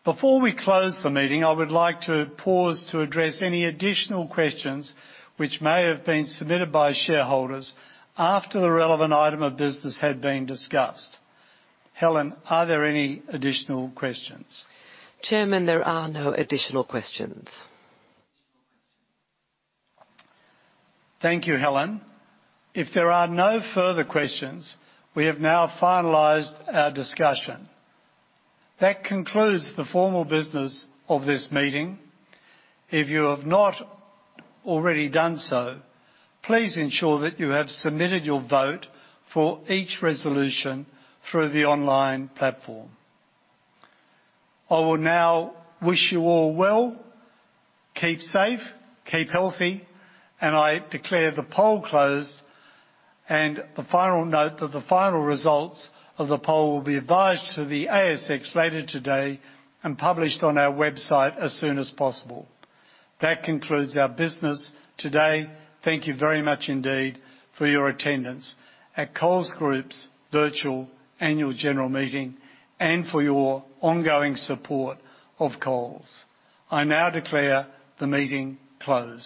Before we close the meeting, I would like to pause to address any additional questions which may have been submitted by shareholders after the relevant item of business had been discussed. Helen, are there any additional questions? Chairman, there are no additional questions. Thank you, Helen. If there are no further questions, we have now finalized our discussion. That concludes the formal business of this meeting. If you have not already done so, please ensure that you have submitted your vote for each resolution through the online platform. I will now wish you all well. Keep safe, keep healthy, and I declare the poll closed, and the final note that the final results of the poll will be advised to the ASX later today and published on our website as soon as possible. That concludes our business today. Thank you very much indeed for your attendance at Coles Group's virtual annual general meeting and for your ongoing support of Coles. I now declare the meeting closed.